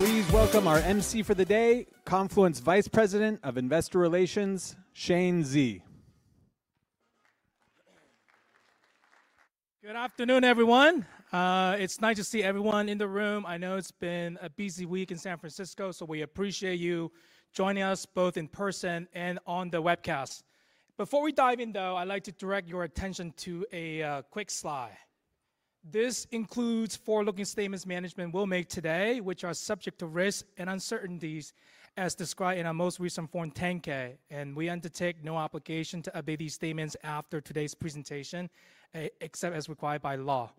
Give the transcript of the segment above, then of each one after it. Please welcome our emcee for the day, Confluent's Vice President of Investor Relations, Shane Xie. Good afternoon, everyone. It's nice to see everyone in the room. I know it's been a busy week in San Francisco, so we appreciate you joining us both in person and on the webcast. Before we dive in, though, I'd like to direct your attention to a quick slide. This includes forward-looking statements management will make today, which are subject to risk and uncertainties as described in our most recent Form 10-K, and we undertake no obligation to update these statements after today's presentation, except as required by law.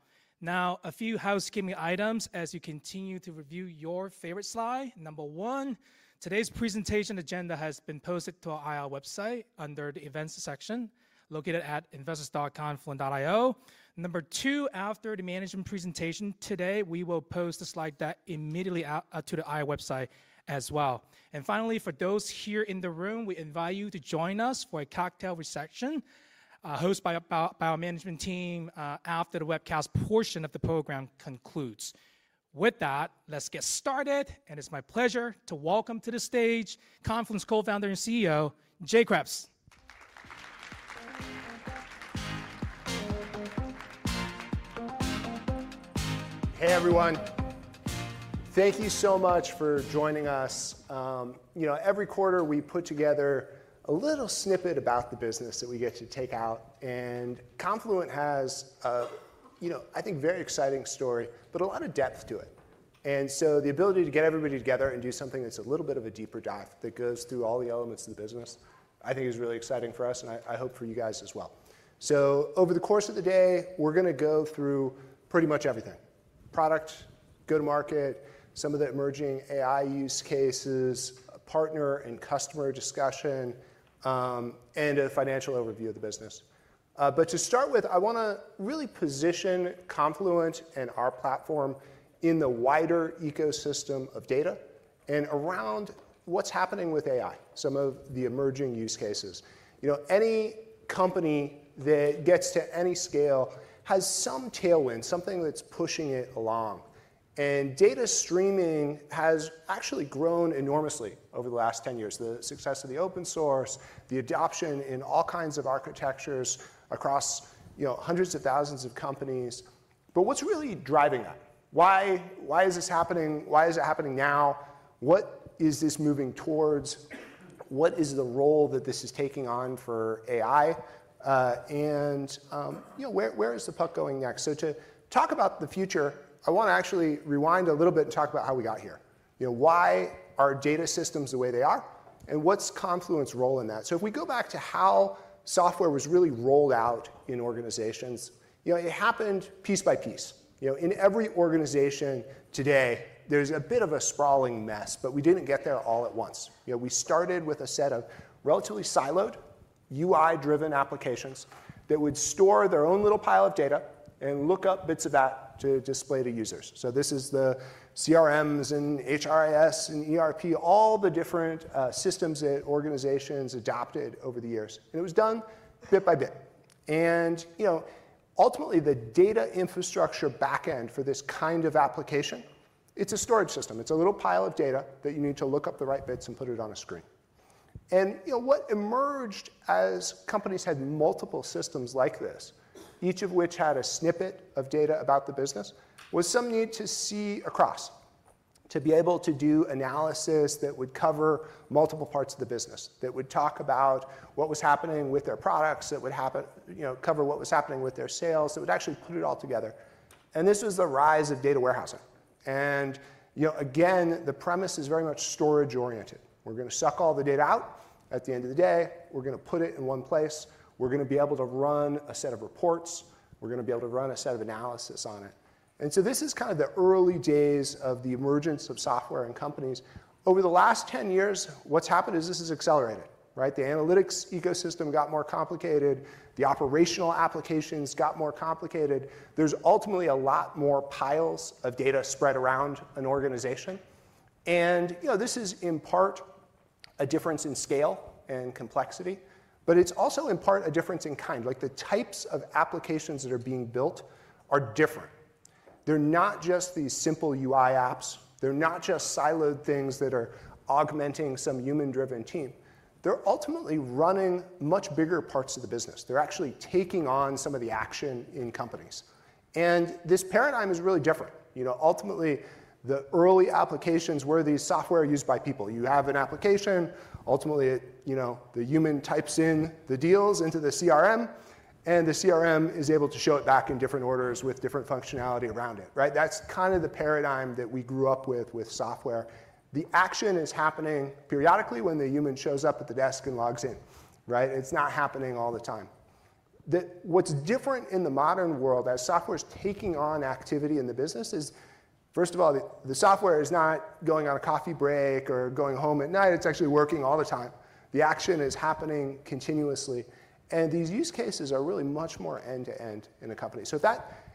Now, a few housekeeping items as you continue to review your favorite slide. Number one, today's presentation agenda has been posted to our IR website under the events section located at investors.confluent.io. Number two, after the management presentation today, we will post the slide deck immediately to the IR website as well. Finally, for those here in the room, we invite you to join us for a cocktail reception hosted by our management team after the webcast portion of the program concludes. With that, let's get started. It's my pleasure to welcome to the stage Confluent's Co-founder and CEO, Jay Kreps. Hey, everyone. Thank you so much for joining us. Every quarter, we put together a little snippet about the business that we get to take out. And Confluent has, I think, a very exciting story, but a lot of depth to it. And so the ability to get everybody together and do something that's a little bit of a deeper dive that goes through all the elements of the business, I think, is really exciting for us. And I hope for you guys as well. So over the course of the day, we're going to go through pretty much everything: product, go-to-market, some of the emerging AI use cases, partner and customer discussion, and a financial overview of the business. But to start with, I want to really position Confluent and our platform in the wider ecosystem of data and around what's happening with AI, some of the emerging use cases. Any company that gets to any scale has some tailwind, something that's pushing it along. And data streaming has actually grown enormously over the last 10 years: the success of the open source, the adoption in all kinds of architectures across hundreds of thousands of companies. But what's really driving that? Why is this happening? Why is it happening now? What is this moving towards? What is the role that this is taking on for AI? And where is the puck going next? So to talk about the future, I want to actually rewind a little bit and talk about how we got here. Why are data systems the way they are? And what's Confluent's role in that? So if we go back to how software was really rolled out in organizations, it happened piece by piece. In every organization today, there's a bit of a sprawling mess, but we didn't get there all at once. We started with a set of relatively siloed UI-driven applications that would store their own little pile of data and look up bits of that to display to users. So this is the CRMs and HRIS and ERP, all the different systems that organizations adopted over the years. And it was done bit by bit. And ultimately, the data infrastructure backend for this kind of application, it's a storage system. It's a little pile of data that you need to look up the right bits and put it on a screen. What emerged as companies had multiple systems like this, each of which had a snippet of data about the business, was some need to see across, to be able to do analysis that would cover multiple parts of the business, that would talk about what was happening with their products, that would cover what was happening with their sales, that would actually put it all together. This was the rise of data warehousing. Again, the premise is very much storage-oriented. We're going to suck all the data out. At the end of the day, we're going to put it in one place. We're going to be able to run a set of reports. We're going to be able to run a set of analysis on it, so this is kind of the early days of the emergence of software in companies. Over the last 10 years, what's happened is this has accelerated. The analytics ecosystem got more complicated. The operational applications got more complicated. There's ultimately a lot more piles of data spread around an organization. And this is in part a difference in scale and complexity, but it's also in part a difference in kind. The types of applications that are being built are different. They're not just these simple UI apps. They're not just siloed things that are augmenting some human-driven team. They're ultimately running much bigger parts of the business. They're actually taking on some of the action in companies. And this paradigm is really different. Ultimately, the early applications were these software used by people. You have an application. Ultimately, the human types in the deals into the CRM, and the CRM is able to show it back in different orders with different functionality around it. That's kind of the paradigm that we grew up with software. The action is happening periodically when the human shows up at the desk and logs in. It's not happening all the time. What's different in the modern world as software is taking on activity in the business is, first of all, the software is not going on a coffee break or going home at night. It's actually working all the time. The action is happening continuously. And these use cases are really much more end-to-end in a company. So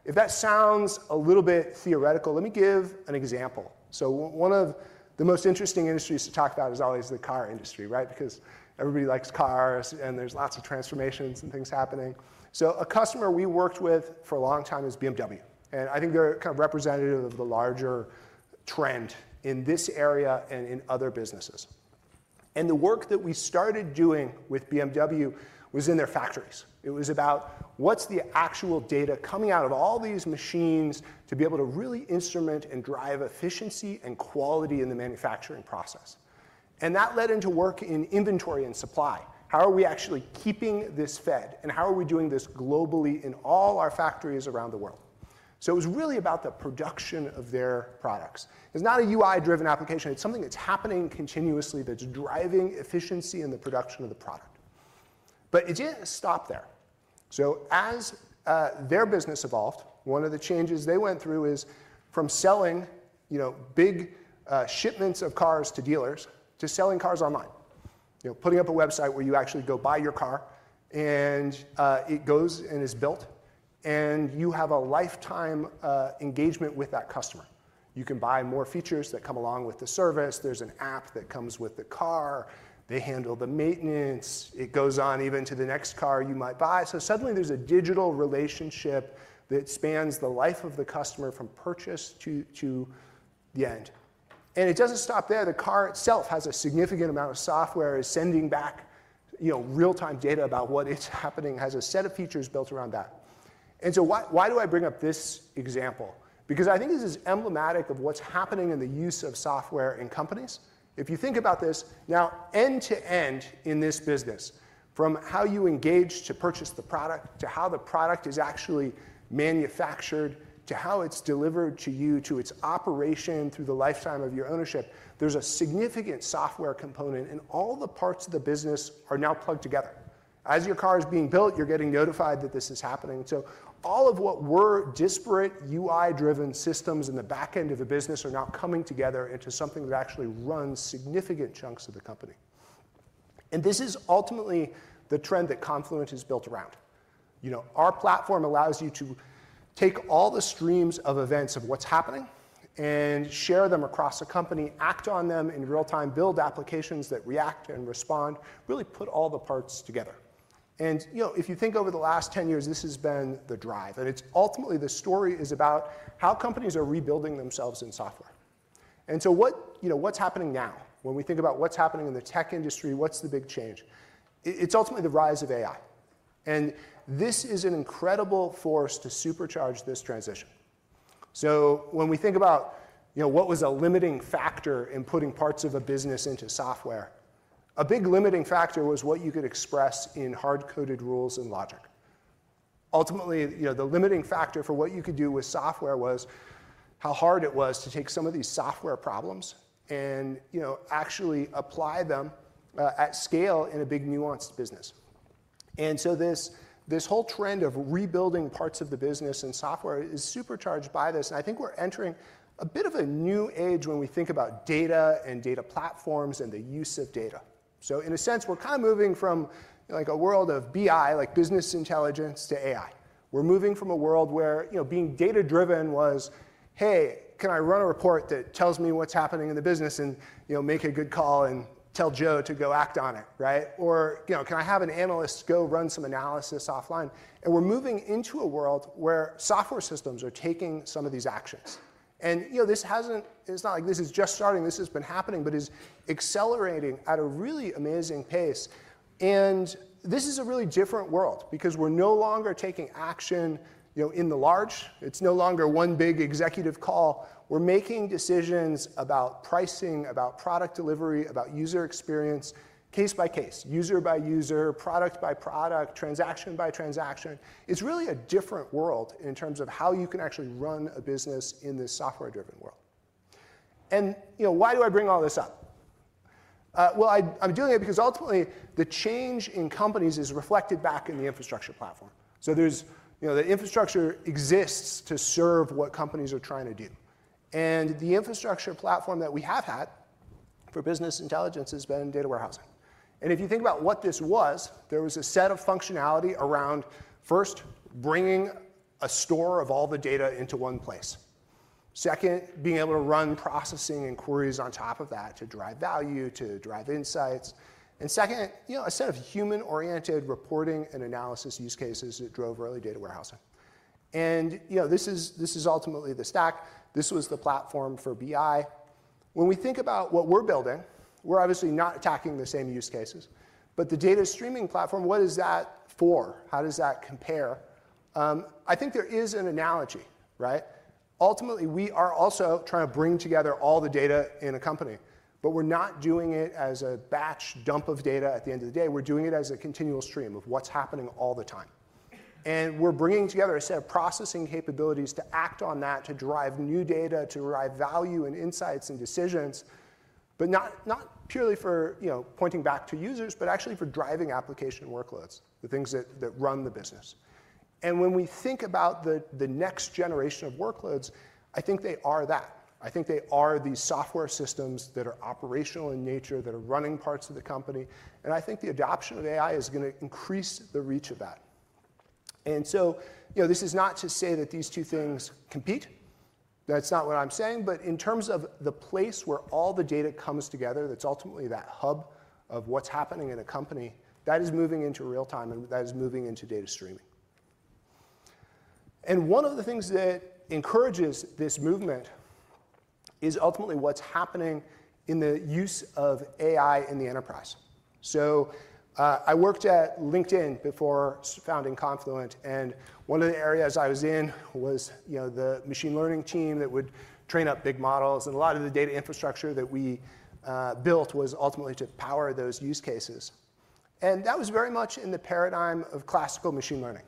if that sounds a little bit theoretical, let me give an example. So one of the most interesting industries to talk about is always the car industry because everybody likes cars, and there's lots of transformations and things happening. So a customer we worked with for a long time is BMW. I think they're kind of representative of the larger trend in this area and in other businesses. The work that we started doing with BMW was in their factories. It was about what's the actual data coming out of all these machines to be able to really instrument and drive efficiency and quality in the manufacturing process. That led into work in inventory and supply. How are we actually keeping this fed? How are we doing this globally in all our factories around the world? It was really about the production of their products. It's not a UI-driven application. It's something that's happening continuously that's driving efficiency in the production of the product. It didn't stop there. So as their business evolved, one of the changes they went through is from selling big shipments of cars to dealers to selling cars online, putting up a website where you actually go buy your car. And it goes and is built. And you have a lifetime engagement with that customer. You can buy more features that come along with the service. There's an app that comes with the car. They handle the maintenance. It goes on even to the next car you might buy. So suddenly, there's a digital relationship that spans the life of the customer from purchase to the end. And it doesn't stop there. The car itself has a significant amount of software sending back real-time data about what is happening, has a set of features built around that. And so why do I bring up this example? Because I think this is emblematic of what's happening in the use of software in companies. If you think about this, now end-to-end in this business, from how you engage to purchase the product to how the product is actually manufactured to how it's delivered to you to its operation through the lifetime of your ownership, there's a significant software component. And all the parts of the business are now plugged together. As your car is being built, you're getting notified that this is happening. So all of what were disparate UI-driven systems in the back end of the business are now coming together into something that actually runs significant chunks of the company. And this is ultimately the trend that Confluent has built around. Our platform allows you to take all the streams of events of what's happening and share them across the company, act on them in real time, build applications that react and respond, really put all the parts together, and if you think over the last 10 years, this has been the drive, and ultimately, the story is about how companies are rebuilding themselves in software, and so what's happening now when we think about what's happening in the tech industry, what's the big change? It's ultimately the rise of AI, and this is an incredible force to supercharge this transition, so when we think about what was a limiting factor in putting parts of a business into software, a big limiting factor was what you could express in hard-coded rules and logic. Ultimately, the limiting factor for what you could do with software was how hard it was to take some of these software problems and actually apply them at scale in a big nuanced business, and so this whole trend of rebuilding parts of the business and software is supercharged by this, and I think we're entering a bit of a new age when we think about data and data platforms and the use of data, so in a sense, we're kind of moving from a world of BI, like business intelligence, to AI. We're moving from a world where being data-driven was, hey, can I run a report that tells me what's happening in the business and make a good call and tell Joe to go act on it? Or can I have an analyst go run some analysis offline? We're moving into a world where software systems are taking some of these actions. This is not like this is just starting. This has been happening, but it's accelerating at a really amazing pace. This is a really different world because we're no longer taking action in the large. It's no longer one big executive call. We're making decisions about pricing, about product delivery, about user experience, case by case, user by user, product by product, transaction by transaction. It's really a different world in terms of how you can actually run a business in this software-driven world. Why do I bring all this up? I'm doing it because ultimately, the change in companies is reflected back in the infrastructure platform. The infrastructure exists to serve what companies are trying to do. The infrastructure platform that we have had for business intelligence has been data warehousing. If you think about what this was, there was a set of functionality around first, bringing a store of all the data into one place. Second, being able to run processing and queries on top of that to drive value, to drive insights. Second, a set of human-oriented reporting and analysis use cases that drove early data warehousing. This is ultimately the stack. This was the platform for BI. When we think about what we're building, we're obviously not attacking the same use cases. The data streaming platform, what is that for? How does that compare? I think there is an analogy. Ultimately, we are also trying to bring together all the data in a company. But we're not doing it as a batch dump of data at the end of the day. We're doing it as a continual stream of what's happening all the time. And we're bringing together a set of processing capabilities to act on that, to drive new data, to drive value and insights and decisions, but not purely for pointing back to users, but actually for driving application workloads, the things that run the business. And when we think about the next generation of workloads, I think they are that. I think they are these software systems that are operational in nature, that are running parts of the company. And I think the adoption of AI is going to increase the reach of that. And so this is not to say that these two things compete. That's not what I'm saying. But in terms of the place where all the data comes together, that's ultimately that hub of what's happening in a company, that is moving into real time, and that is moving into data streaming. And one of the things that encourages this movement is ultimately what's happening in the use of AI in the enterprise. So I worked at LinkedIn before founding Confluent. And one of the areas I was in was the machine learning team that would train up big models. And a lot of the data infrastructure that we built was ultimately to power those use cases. And that was very much in the paradigm of classical machine learning.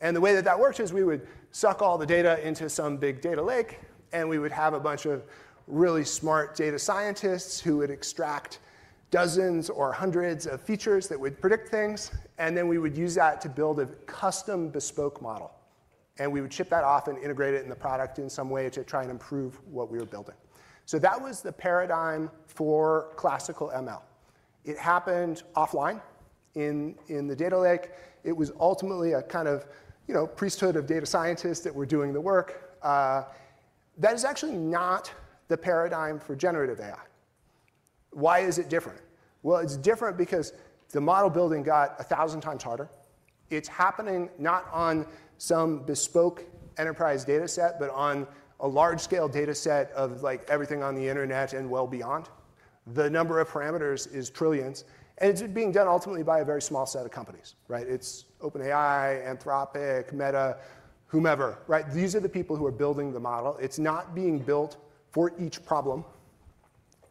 And the way that that worked is we would suck all the data into some big data lake, and we would have a bunch of really smart data scientists who would extract dozens or hundreds of features that would predict things. And then we would use that to build a custom bespoke model. And we would ship that off and integrate it in the product in some way to try and improve what we were building. So that was the paradigm for classical ML. It happened offline in the data lake. It was ultimately a kind of priesthood of data scientists that were doing the work. That is actually not the paradigm for generative AI. Why is it different? Well, it is different because the model building got 1,000 times harder. It's happening not on some bespoke enterprise data set, but on a large-scale data set of everything on the internet and well beyond. The number of parameters is trillions. And it's being done ultimately by a very small set of companies. It's OpenAI, Anthropic, Meta, whoever. These are the people who are building the model. It's not being built for each problem.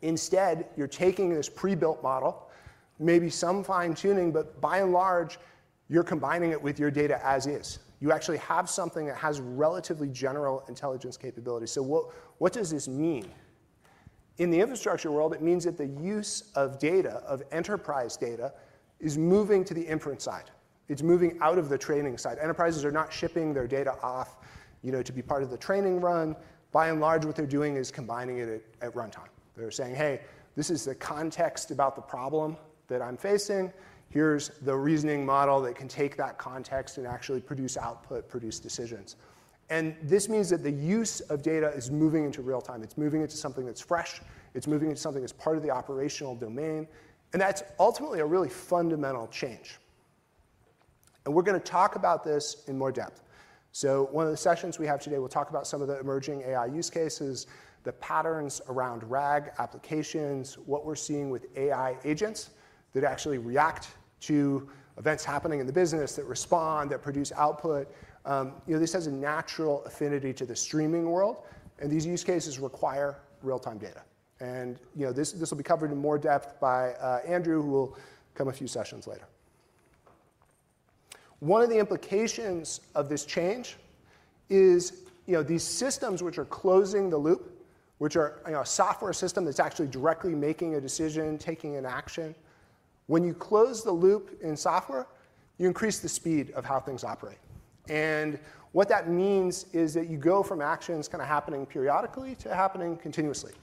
Instead, you're taking this prebuilt model, maybe some fine-tuning, but by and large, you're combining it with your data as is. You actually have something that has relatively general intelligence capability. So what does this mean? In the infrastructure world, it means that the use of data, of enterprise data, is moving to the inference side. It's moving out of the training side. Enterprises are not shipping their data off to be part of the training run. By and large, what they're doing is combining it at runtime. They're saying, hey, this is the context about the problem that I'm facing. Here's the reasoning model that can take that context and actually produce output, produce decisions, and this means that the use of data is moving into real time. It's moving into something that's fresh. It's moving into something that's part of the operational domain, and that's ultimately a really fundamental change, and we're going to talk about this in more depth, so one of the sessions we have today, we'll talk about some of the emerging AI use cases, the patterns around RAG applications, what we're seeing with AI agents that actually react to events happening in the business that respond, that produce output. This has a natural affinity to the streaming world, and these use cases require real-time data, and this will be covered in more depth by Andrew, who will come a few sessions later. One of the implications of this change is these systems which are closing the loop, which are a software system that's actually directly making a decision, taking an action. When you close the loop in software, you increase the speed of how things operate. And what that means is that you go from actions kind of happening periodically to happening continuously.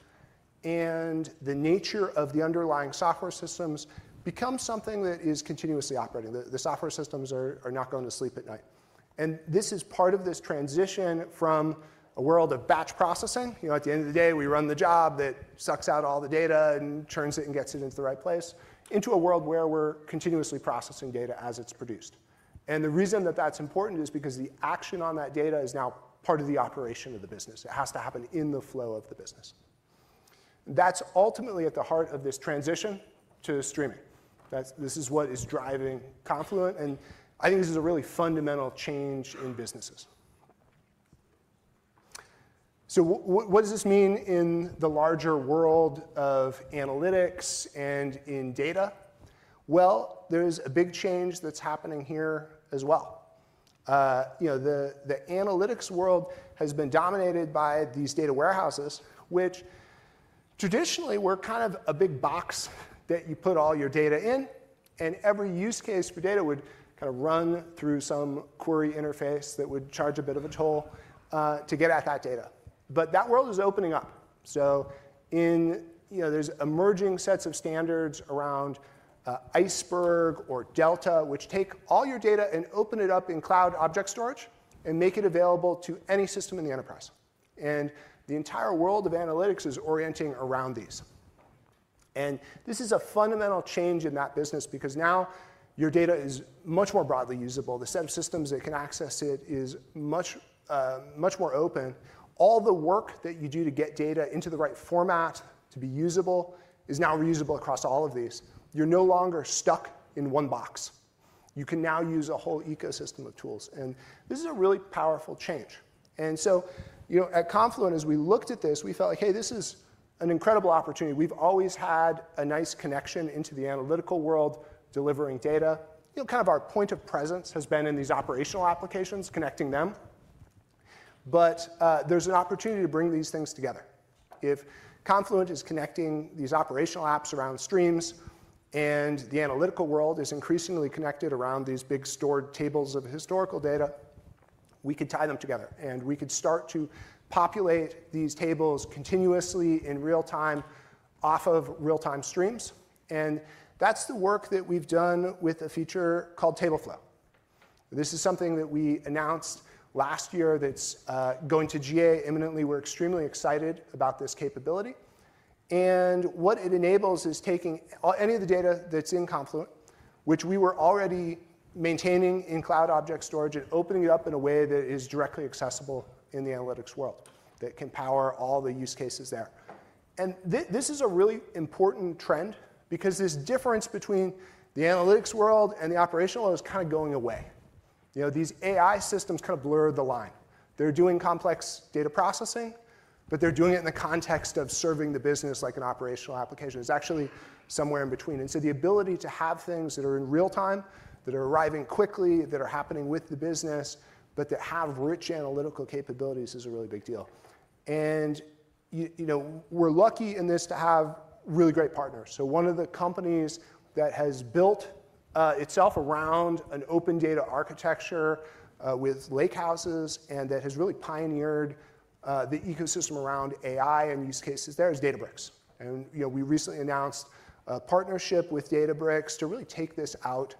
And the nature of the underlying software systems becomes something that is continuously operating. The software systems are not going to sleep at night. And this is part of this transition from a world of batch processing. At the end of the day, we run the job that sucks out all the data and turns it and gets it into the right place into a world where we're continuously processing data as it's produced. And the reason that that's important is because the action on that data is now part of the operation of the business. It has to happen in the flow of the business. That's ultimately at the heart of this transition to streaming. This is what is driving Confluent. And I think this is a really fundamental change in businesses. So what does this mean in the larger world of analytics and in data? Well, there is a big change that's happening here as well. The analytics world has been dominated by these data warehouses, which traditionally were kind of a big box that you put all your data in. And every use case for data would kind of run through some query interface that would charge a bit of a toll to get at that data. But that world is opening up. So there's emerging sets of standards around Iceberg or Delta, which take all your data and open it up in cloud object storage and make it available to any system in the enterprise. And the entire world of analytics is orienting around these. And this is a fundamental change in that business because now your data is much more broadly usable. The set of systems that can access it is much more open. All the work that you do to get data into the right format to be usable is now reusable across all of these. You're no longer stuck in one box. You can now use a whole ecosystem of tools. And this is a really powerful change. And so at Confluent, as we looked at this, we felt like, hey, this is an incredible opportunity. We've always had a nice connection into the analytical world delivering data. Kind of, our point of presence has been in these operational applications, connecting them, but there's an opportunity to bring these things together. If Confluent is connecting these operational apps around streams and the analytical world is increasingly connected around these big stored tables of historical data, we could tie them together, and we could start to populate these tables continuously in real time off of real-time streams, and that's the work that we've done with a feature called Tableflow. This is something that we announced last year that's going to GA imminently. We're extremely excited about this capability, and what it enables is taking any of the data that's in Confluent, which we were already maintaining in cloud object storage and opening it up in a way that is directly accessible in the analytics world that can power all the use cases there. And this is a really important trend because this difference between the analytics world and the operational world is kind of going away. These AI systems kind of blur the line. They're doing complex data processing, but they're doing it in the context of serving the business like an operational application. It's actually somewhere in between. And so the ability to have things that are in real time, that are arriving quickly, that are happening with the business, but that have rich analytical capabilities is a really big deal. And we're lucky in this to have really great partners. So one of the companies that has built itself around an open data architecture with lakehouses and that has really pioneered the ecosystem around AI and use cases there is Databricks. And we recently announced a partnership with Databricks to really take this out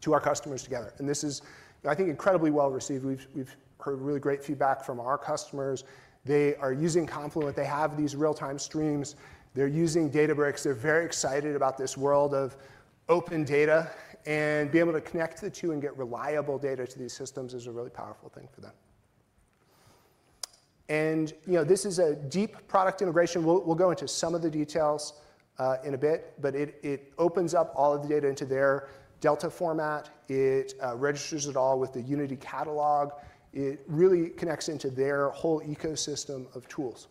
to our customers together. This is, I think, incredibly well received. We've heard really great feedback from our customers. They are using Confluent. They have these real-time streams. They're using Databricks. They're very excited about this world of open data. Being able to connect the two and get reliable data to these systems is a really powerful thing for them. This is a deep product integration. We'll go into some of the details in a bit. It opens up all of the data into their Delta format. It registers it all with the Unity Catalog. It really connects into their whole ecosystem of tools.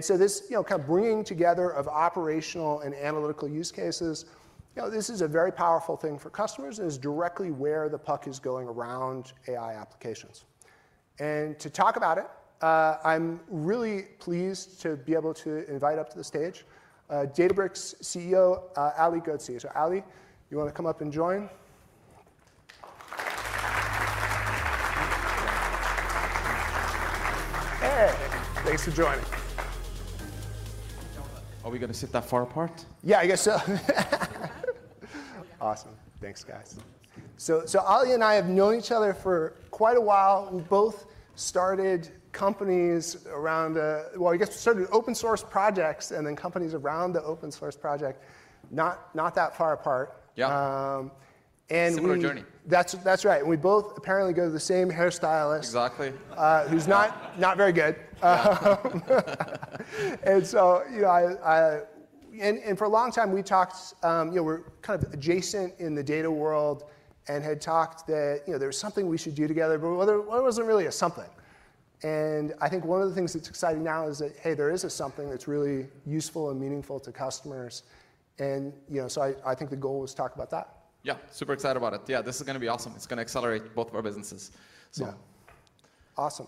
So this kind of bringing together of operational and analytical use cases, this is a very powerful thing for customers. It is directly where the puck is going around AI applications. To talk about it, I'm really pleased to be able to invite up to the stage Databricks CEO Ali Ghodsi. So Ali, you want to come up and join? Hey. Thanks for joining. Are we going to sit that far apart? Yeah, I guess so. Awesome. Thanks, guys. So Ali and I have known each other for quite a while. We both started companies around, well, I guess we started open source projects and then companies around the open source project, not that far apart. Yeah. Similar journey. That's right. And we both apparently go to the same hairstylist. Exactly. Who's not very good. And so for a long time, we talked. We're kind of adjacent in the data world and had talked that there was something we should do together, but it wasn't really a something. I think one of the things that's exciting now is that, hey, there is something that's really useful and meaningful to customers. And so I think the goal was to talk about that. Yeah, super excited about it. Yeah, this is going to be awesome. It's going to accelerate both of our businesses. Awesome.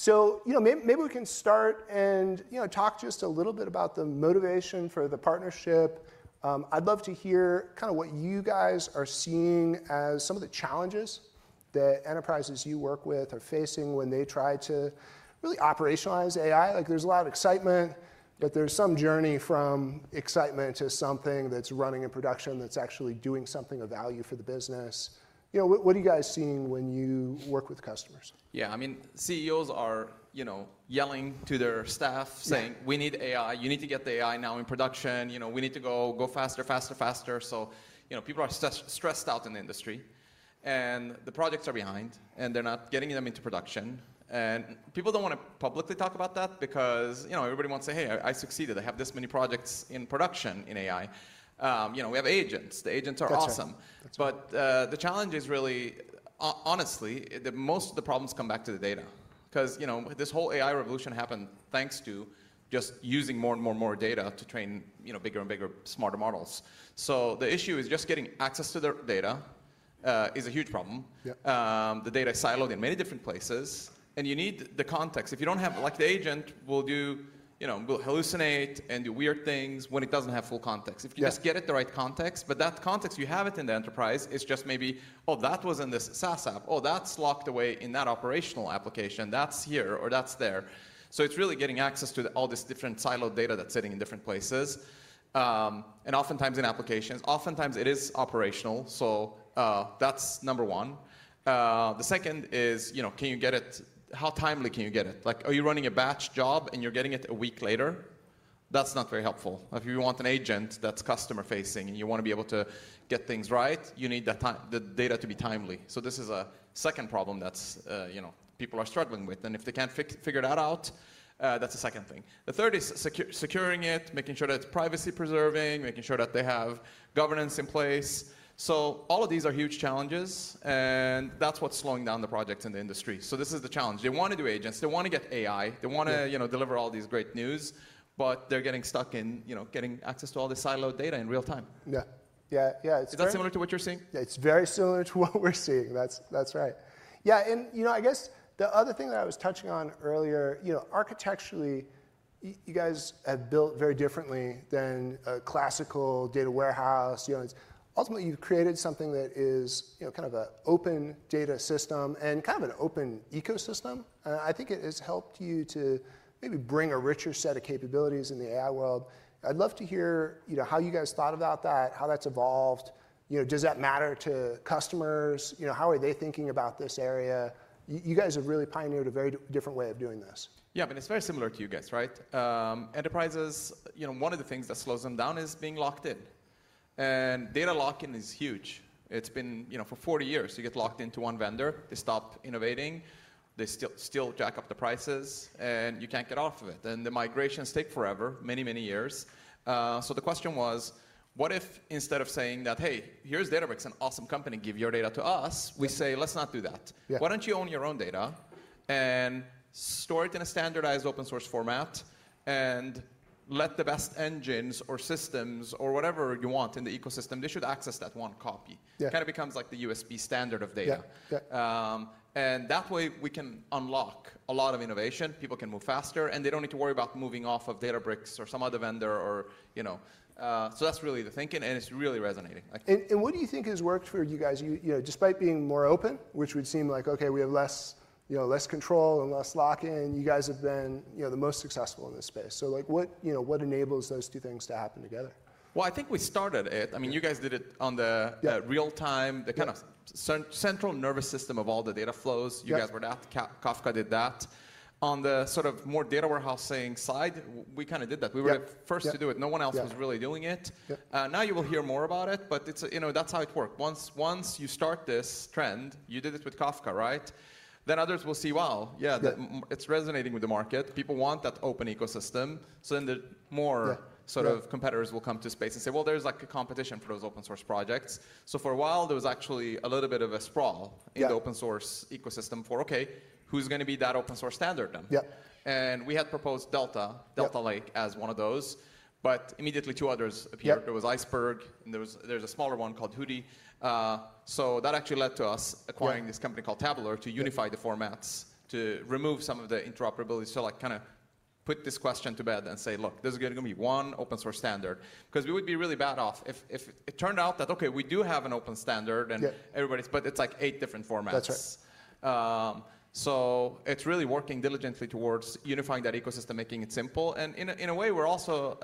So maybe we can start and talk just a little bit about the motivation for the partnership. I'd love to hear kind of what you guys are seeing as some of the challenges that enterprises you work with are facing when they try to really operationalize AI. There's a lot of excitement, but there's some journey from excitement to something that's running in production that's actually doing something of value for the business. What are you guys seeing when you work with customers? Yeah, I mean, CEOs are yelling to their staff, saying, "We need AI. You need to get the AI now in production. We need to go faster, faster, faster." So people are stressed out in the industry. And the projects are behind, and they're not getting them into production. And people don't want to publicly talk about that because everybody wants to say, "Hey, I succeeded. I have this many projects in production in AI." We have agents. The agents are awesome. But the challenge is really, honestly, most of the problems come back to the data. Because this whole AI revolution happened thanks to just using more and more and more data to train bigger and bigger, smarter models. So the issue is just getting access to the data is a huge problem. The data is siloed in many different places. And you need the context. If you don't have it, like the agent will hallucinate and do weird things when it doesn't have full context. If you just get it, the right context, but that context, you have it in the enterprise, it's just maybe, "Oh, that was in this SaaS app. Oh, that's locked away in that operational application. That's here or that's there," so it's really getting access to all this different siloed data that's sitting in different places, and oftentimes in applications, oftentimes it is operational, so that's number one. The second is, can you get it? How timely can you get it? Are you running a batch job and you're getting it a week later? That's not very helpful. If you want an agent that's customer-facing and you want to be able to get things right, you need the data to be timely. So this is a second problem that people are struggling with. And if they can't figure that out, that's a second thing. The third is securing it, making sure that it's privacy-preserving, making sure that they have governance in place. So all of these are huge challenges. And that's what's slowing down the projects in the industry. So this is the challenge. They want to do agents. They want to get AI. They want to deliver all these great news. But they're getting stuck in getting access to all this siloed data in real time. Yeah. Yeah. Is that similar to what you're seeing? It's very similar to what we're seeing. That's right. Yeah. And I guess the other thing that I was touching on earlier, architecturally, you guys have built very differently than a classical data warehouse. Ultimately, you've created something that is kind of an open data system and kind of an open ecosystem. I think it has helped you to maybe bring a richer set of capabilities in the AI world. I'd love to hear how you guys thought about that, how that's evolved. Does that matter to customers? How are they thinking about this area? You guys have really pioneered a very different way of doing this. Yeah, but it's very similar to you guys, right? Enterprises, one of the things that slows them down is being locked in. And data lock-in is huge. It's been for 40 years. You get locked into one vendor. They stop innovating. They still jack up the prices. And you can't get off of it. And the migrations take forever, many, many years. The question was, what if instead of saying that, "Hey, here's Databricks, an awesome company. Give your data to us," we say, "Let's not do that. Why don't you own your own data and store it in a standardized open source format and let the best engines or systems or whatever you want in the ecosystem, they should access that one copy?" It kind of becomes like the USB standard of data. And that way, we can unlock a lot of innovation. People can move faster. And they don't need to worry about moving off of Databricks or some other vendor. That's really the thinking. And it's really resonating. What do you think has worked for you guys? Despite being more open, which would seem like, "Okay, we have less control and less lock-in," you guys have been the most successful in this space. So what enables those two things to happen together? Well, I think we started it. I mean, you guys did it on the real time, the kind of central nervous system of all the data flows. You guys were that. Kafka did that. On the sort of more data warehousing side, we kind of did that. We were the first to do it. No one else was really doing it. Now you will hear more about it, but that's how it worked. Once you start this trend, you did it with Kafka, right? Then others will see, "Wow, yeah, it's resonating with the market. People want that open ecosystem," so then more sort of competitors will come to space and say, "Well, there's a competition for those open source projects," so for a while, there was actually a little bit of a sprawl in the open source ecosystem for, "Okay, who's going to be that open source standard then?" and we had proposed Delta Lake as one of those, but immediately, two others appeared. There was Iceberg, and there's a smaller one called Hudi, so that actually led to us acquiring this company called Tabular to unify the formats to remove some of the interoperability, so kind of put this question to bed and say, "Look, there's going to be one open source standard," because we would be really bad off if it turned out that, "Okay, we do have an open standard," but it's like eight different formats. So it's really working diligently towards unifying that ecosystem, making it simple. And in a way, we're also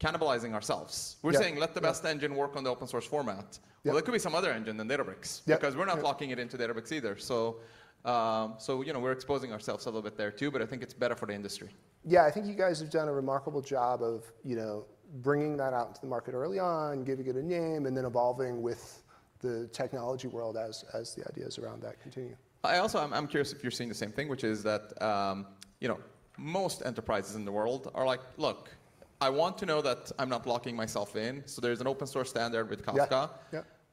cannibalizing ourselves. We're saying, "Let the best engine work on the open source format." Well, there could be some other engine than Databricks because we're not locking it into Databricks either. So we're exposing ourselves a little bit there too, but I think it's better for the industry. Yeah, I think you guys have done a remarkable job of bringing that out into the market early on, giving it a name, and then evolving with the technology world as the ideas around that continue. I'm curious if you're seeing the same thing, which is that most enterprises in the world are like, "Look, I want to know that I'm not locking myself in. So there's an open source standard with Kafka.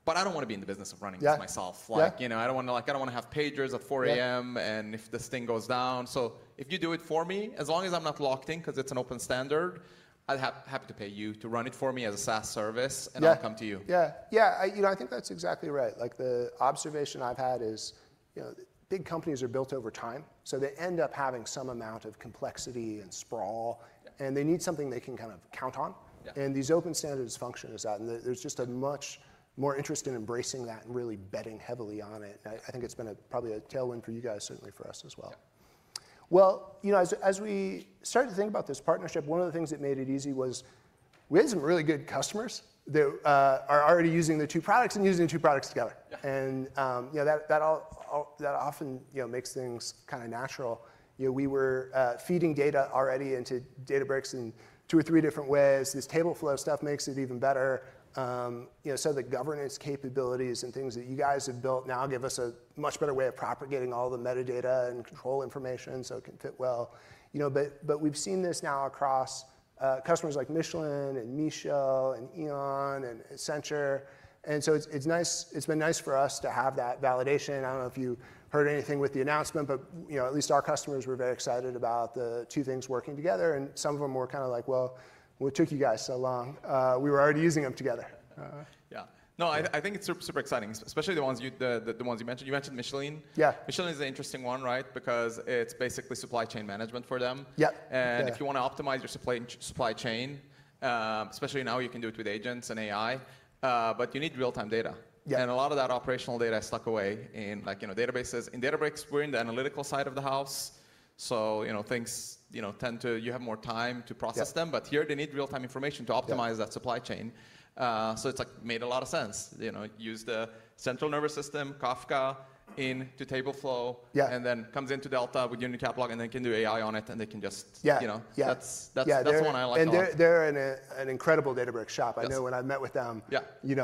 But I don't want to be in the business of running this myself. I don't want to have pagers at 4:00 A.M. and if this thing goes down. So if you do it for me, as long as I'm not locked in because it's an open standard, I'd be happy to pay you to run it for me as a SaaS service. And I'll come to you. Yeah. "Yeah. I think that's exactly right. The observation I've had is big companies are built over time. So they end up having some amount of complexity and sprawl. And they need something they can kind of count on. And these open standards function as that. And there's just a much more interest in embracing that and really betting heavily on it. And I think it's been probably a tailwind for you guys, certainly for us as well. As we started to think about this partnership, one of the things that made it easy was we had some really good customers that are already using the two products and using the two products together. And that often makes things kind of natural. We were feeding data already into Databricks in two or three different ways. This Tableflow stuff makes it even better. So the governance capabilities and things that you guys have built now give us a much better way of propagating all the metadata and control information so it can fit well. But we've seen this now across customers like Michelin, Shell, E.ON, and Accenture. And so it's been nice for us to have that validation. I don't know if you heard anything with the announcement, but at least our customers were very excited about the two things working together. And some of them were kind of like, "Well, what took you guys so long? We were already using them together." Yeah. No, I think it's super exciting, especially the ones you mentioned. You mentioned Michelin. Michelin is an interesting one, right? Because it's basically supply chain management for them. And if you want to optimize your supply chain, especially now, you can do it with agents and AI. But you need real-time data. And a lot of that operational data is stuck away in databases. In Databricks, we're in the analytical side of the house. So things tend to you have more time to process them. But here, they need real-time information to optimize that supply chain. So it's made a lot of sense. Use the central nervous system, Kafka, into Tableflow. And then comes into Delta with Unity Catalog and then can do AI on it. And they can just. That's the one I like the most. And they're an incredible Databricks shop. I know when I met with them, you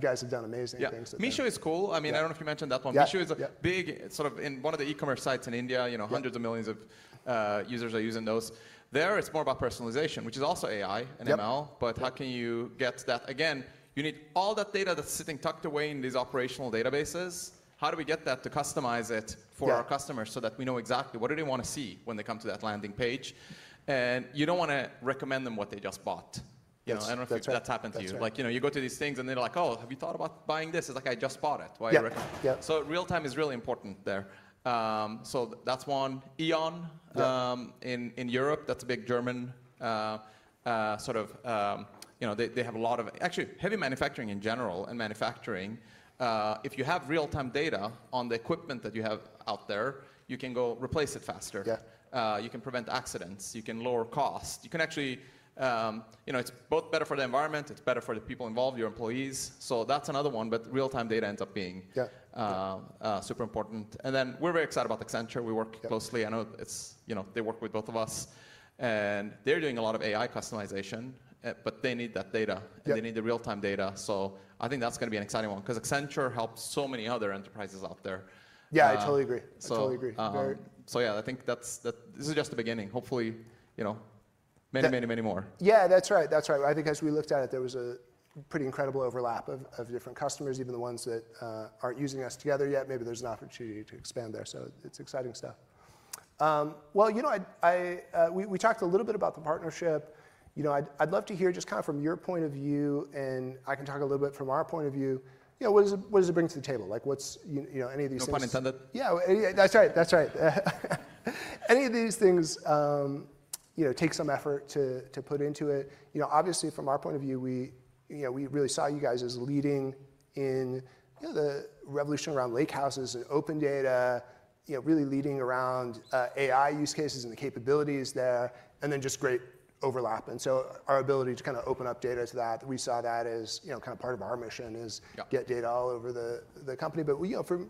guys have done amazing things. Michelin is cool. I mean, I don't know if you mentioned that one. Meesho is a big sort of in one of the e-commerce sites in India. Hundreds of millions of users are using those. There, it's more about personalization, which is also AI and ML. But how can you get that? Again, you need all that data that's sitting tucked away in these operational databases. How do we get that to customize it for our customers so that we know exactly what do they want to see when they come to that landing page? And you don't want to recommend them what they just bought. I don't know if that's happened to you. You go to these things and they're like, "Oh, have you thought about buying this?" It's like, "I just bought it. Why do you recommend it?" So real-time is really important there. So that's one. E.ON in Europe, that's a big German sort of they have a lot of actually heavy manufacturing in general and manufacturing. If you have real-time data on the equipment that you have out there, you can go replace it faster. You can prevent accidents. You can lower costs. You can actually it's both better for the environment. It's better for the people involved, your employees. So that's another one. But real-time data ends up being super important. And then we're very excited about Accenture. We work closely. I know they work with both of us. And they're doing a lot of AI customization. But they need that data. And they need the real-time data. So I think that's going to be an exciting one because Accenture helps so many other enterprises out there. Yeah, I totally agree. I totally agree. So yeah, I think this is just the beginning. Hopefully, many, many, many more. Yeah, that's right. That's right. I think as we looked at it, there was a pretty incredible overlap of different customers, even the ones that aren't using us together yet. Maybe there's an opportunity to expand there. So it's exciting stuff. Well, we talked a little bit about the partnership. I'd love to hear just kind of from your point of view. And I can talk a little bit from our point of view. What does it bring to the table? Any of these things? No pun intended. Yeah. That's right. That's right. Any of these things take some effort to put into it. Obviously, from our point of view, we really saw you guys as leading in the revolution around lakehouses and open data, really leading around AI use cases and the capabilities there. And then just great overlap. And so our ability to kind of open up data to that, we saw that as kind of part of our mission is get data all over the company. But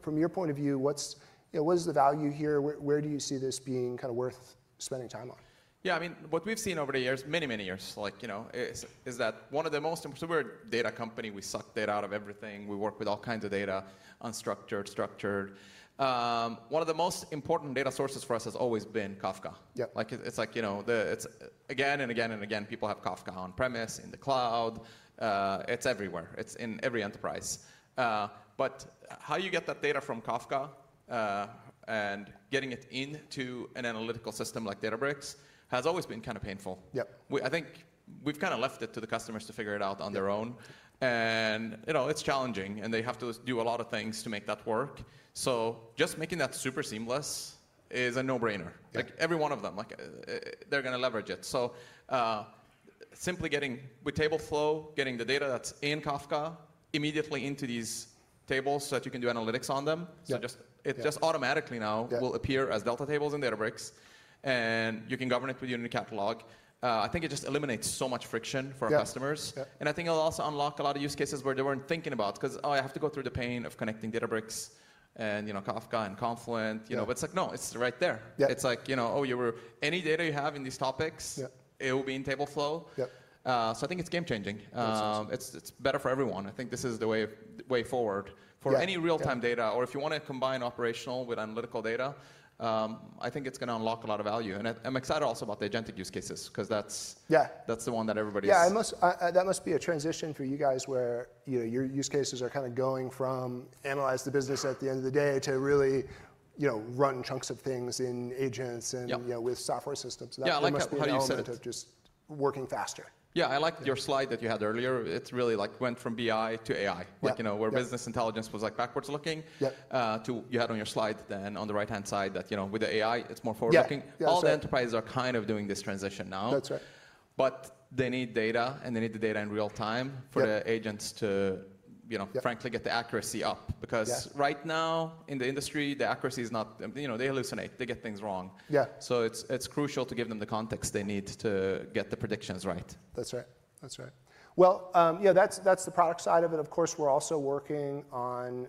from your point of view, what is the value here? Where do you see this being kind of worth spending time on? Yeah. I mean, what we've seen over the years, many, many years, is that one of the most important we're a data company. We suck data out of everything. We work with all kinds of data, unstructured, structured. One of the most important data sources for us has always been Kafka. It's like, again and again and again, people have Kafka on-premises, in the cloud. It's everywhere. It's in every enterprise. But how you get that data from Kafka and getting it into an analytical system like Databricks has always been kind of painful. I think we've kind of left it to the customers to figure it out on their own. And it's challenging. And they have to do a lot of things to make that work. So just making that super seamless is a no-brainer. Every one of them, they're going to leverage it. So simply getting with Tableflow, getting the data that's in Kafka immediately into these tables so that you can do analytics on them. So it just automatically now will appear as Delta tables in Databricks. And you can govern it with Unity Catalog. I think it just eliminates so much friction for our customers. And I think it'll also unlock a lot of use cases where they weren't thinking about because, "Oh, I have to go through the pain of connecting Databricks and Kafka and Confluent." But it's like, "No, it's right there." It's like, "Oh, any data you have in these topics, it will be in Tableflow." So I think it's game-changing. It's better for everyone. I think this is the way forward for any real-time data. Or if you want to combine operational with analytical data, I think it's going to unlock a lot of value. And I'm excited also about the agentic use cases because that's the one that everybody is. Yeah, that must be a transition for you guys where your use cases are kind of going from analyze the business at the end of the day to really run chunks of things in agents and with software systems. Yeah, I like how you said it. Just working faster. Yeah, I like your slide that you had earlier. It really went from BI to AI, where business intelligence was backwards looking to you had on your slide then on the right-hand side that with the AI, it's more forward-looking. All the enterprises are kind of doing this transition now. But they need data. And they need the data in real-time for the agents to, frankly, get the accuracy up. Because right now, in the industry, the accuracy is not. They hallucinate. They get things wrong. So it's crucial to give them the context they need to get the predictions right. That's right. That's right. That's the product side of it. Of course, we're also working on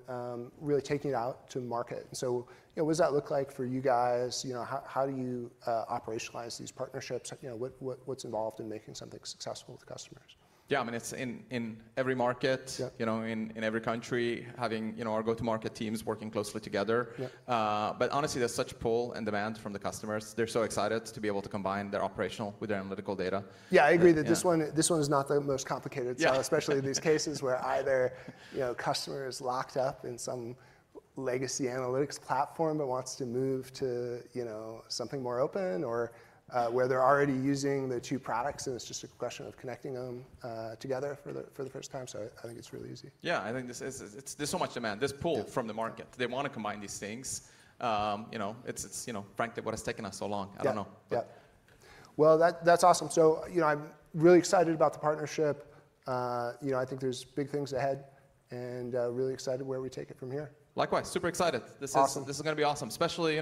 really taking it out to market. So what does that look like for you guys? How do you operationalize these partnerships? What's involved in making something successful with customers? Yeah, I mean, it's in every market, in every country, having our go-to-market teams working closely together. But honestly, there's such pull and demand from the customers. They're so excited to be able to combine their operational with their analytical data. Yeah, I agree that this one is not the most complicated, especially these cases where either customer is locked up in some legacy analytics platform but wants to move to something more open or where they're already using the two products. And it's just a question of connecting them together for the first time. So I think it's really easy. Yeah, I think there's so much demand. There's pull from the market. They want to combine these things. It's, frankly, what has taken us so long. I don't know. Yeah. Well, that's awesome. So I'm really excited about the partnership. I think there's big things ahead and really excited where we take it from here. Likewise. Super excited. This is going to be awesome, especially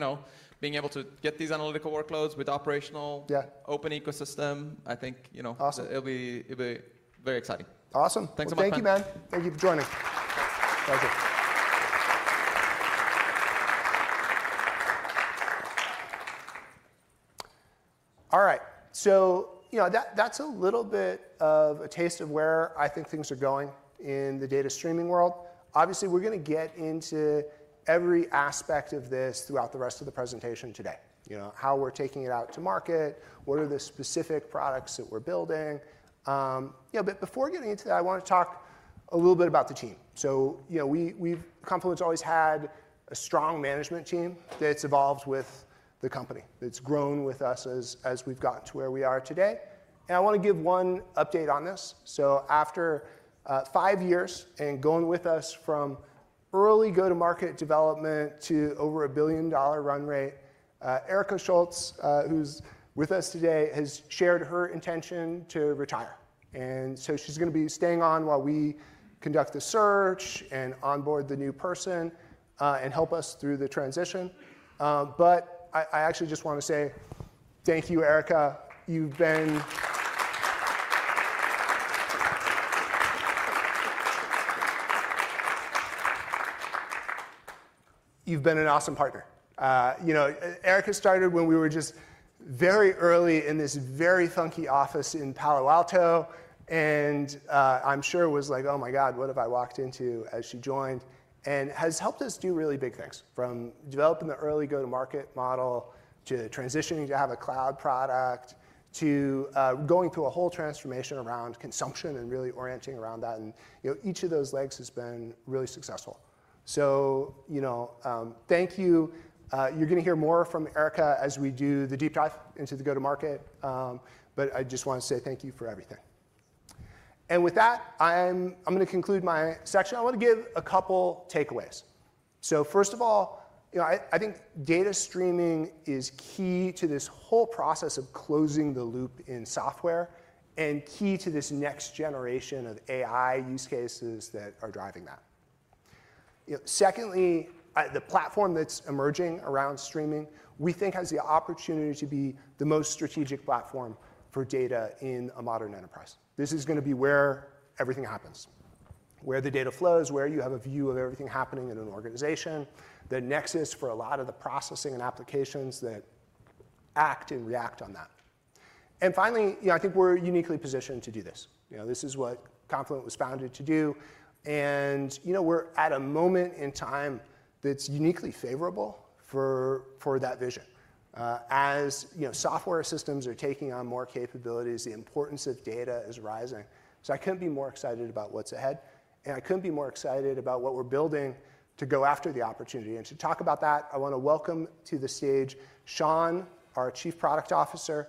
being able to get these analytical workloads with operational, open ecosystem. I think it'll be very exciting. Awesome. Thanks a bunch. Thank you, man. Thank you for joining. Pleasure. All right. So that's a little bit of a taste of where I think things are going in the data streaming world. Obviously, we're going to get into every aspect of this throughout the rest of the presentation today, how we're taking it out to market, what are the specific products that we're building. But before getting into that, I want to talk a little bit about the team. So we at Confluent always had a strong management team that's evolved with the company. It's grown with us as we've gotten to where we are today. I want to give one update on this. So after five years and going with us from early go-to-market development to over a $1 billion run rate, Erica Schultz, who's with us today, has shared her intention to retire. So she's going to be staying on while we conduct the search and onboard the new person and help us through the transition. But I actually just want to say, thank you, Erica. You've been an awesome partner. Erica started when we were just very early in this very funky office in Palo Alto. I'm sure it was like, "Oh my God, what have I walked into?" as she joined and has helped us do really big things from developing the early go-to-market model to transitioning to have a cloud product to going through a whole transformation around consumption and really orienting around that. And each of those legs has been really successful. So thank you. You're going to hear more from Erica as we do the deep dive into the go-to-market. But I just want to say thank you for everything. And with that, I'm going to conclude my section. I want to give a couple of takeaways. So first of all, I think data streaming is key to this whole process of closing the loop in software and key to this next generation of AI use cases that are driving that. Secondly, the platform that's emerging around streaming, we think has the opportunity to be the most strategic platform for data in a modern enterprise. This is going to be where everything happens, where the data flows, where you have a view of everything happening in an organization, the nexus for a lot of the processing and applications that act and react on that. And finally, I think we're uniquely positioned to do this. This is what Confluent was founded to do. And we're at a moment in time that's uniquely favorable for that vision. As software systems are taking on more capabilities, the importance of data is rising. So I couldn't be more excited about what's ahead. And I couldn't be more excited about what we're building to go after the opportunity. And to talk about that, I want to welcome to the stage Shaun, our Chief Product Officer,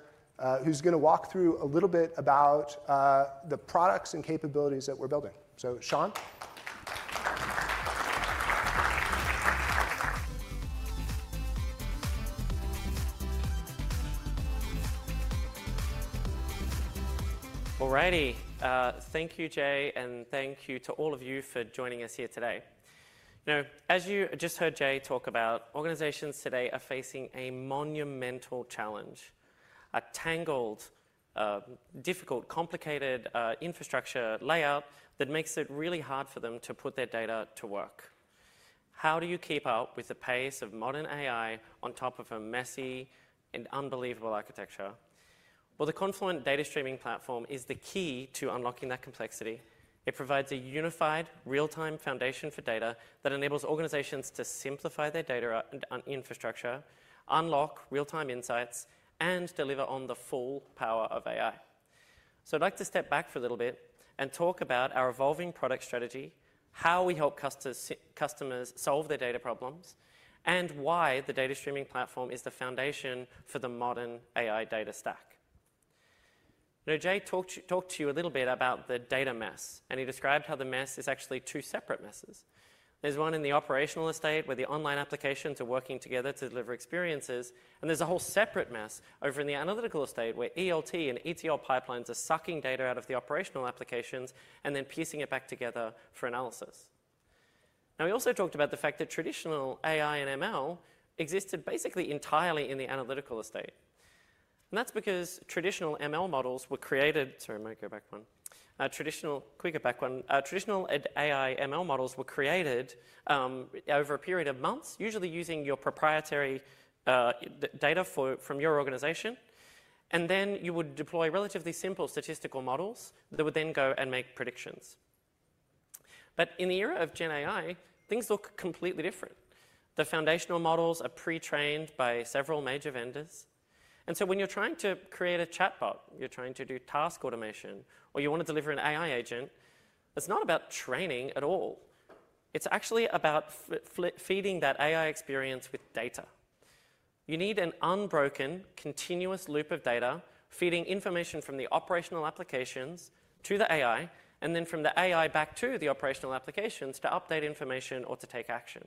who's going to walk through a little bit about the products and capabilities that we're building. So Shaun. Alrighty. Thank you, Jay. Thank you to all of you for joining us here today. As you just heard Jay talk about, organizations today are facing a monumental challenge, a tangled, difficult, complicated infrastructure layout that makes it really hard for them to put their data to work. How do you keep up with the pace of modern AI on top of a messy and unbelievable architecture? The Confluent data streaming platform is the key to unlocking that complexity. It provides a unified, real-time foundation for data that enables organizations to simplify their data infrastructure, unlock real-time insights, and deliver on the full power of AI. I'd like to step back for a little bit and talk about our evolving product strategy, how we help customers solve their data problems, and why the data streaming platform is the foundation for the modern AI data stack. Jay talked to you a little bit about the data mess. And he described how the mess is actually two separate messes. There's one in the operational estate where the online applications are working together to deliver experiences. And there's a whole separate mess over in the analytical estate where ELT and ETL pipelines are sucking data out of the operational applications and then piecing it back together for analysis. Now, we also talked about the fact that traditional AI and ML existed basically entirely in the analytical estate. And that's because traditional AI ML models were created over a period of months, usually using your proprietary data from your organization. And then you would deploy relatively simple statistical models that would then go and make predictions. But in the era of GenAI, things look completely different. The foundation models are pre-trained by several major vendors. And so when you're trying to create a chatbot, you're trying to do task automation, or you want to deliver an AI agent, it's not about training at all. It's actually about feeding that AI experience with data. You need an unbroken, continuous loop of data feeding information from the operational applications to the AI and then from the AI back to the operational applications to update information or to take action.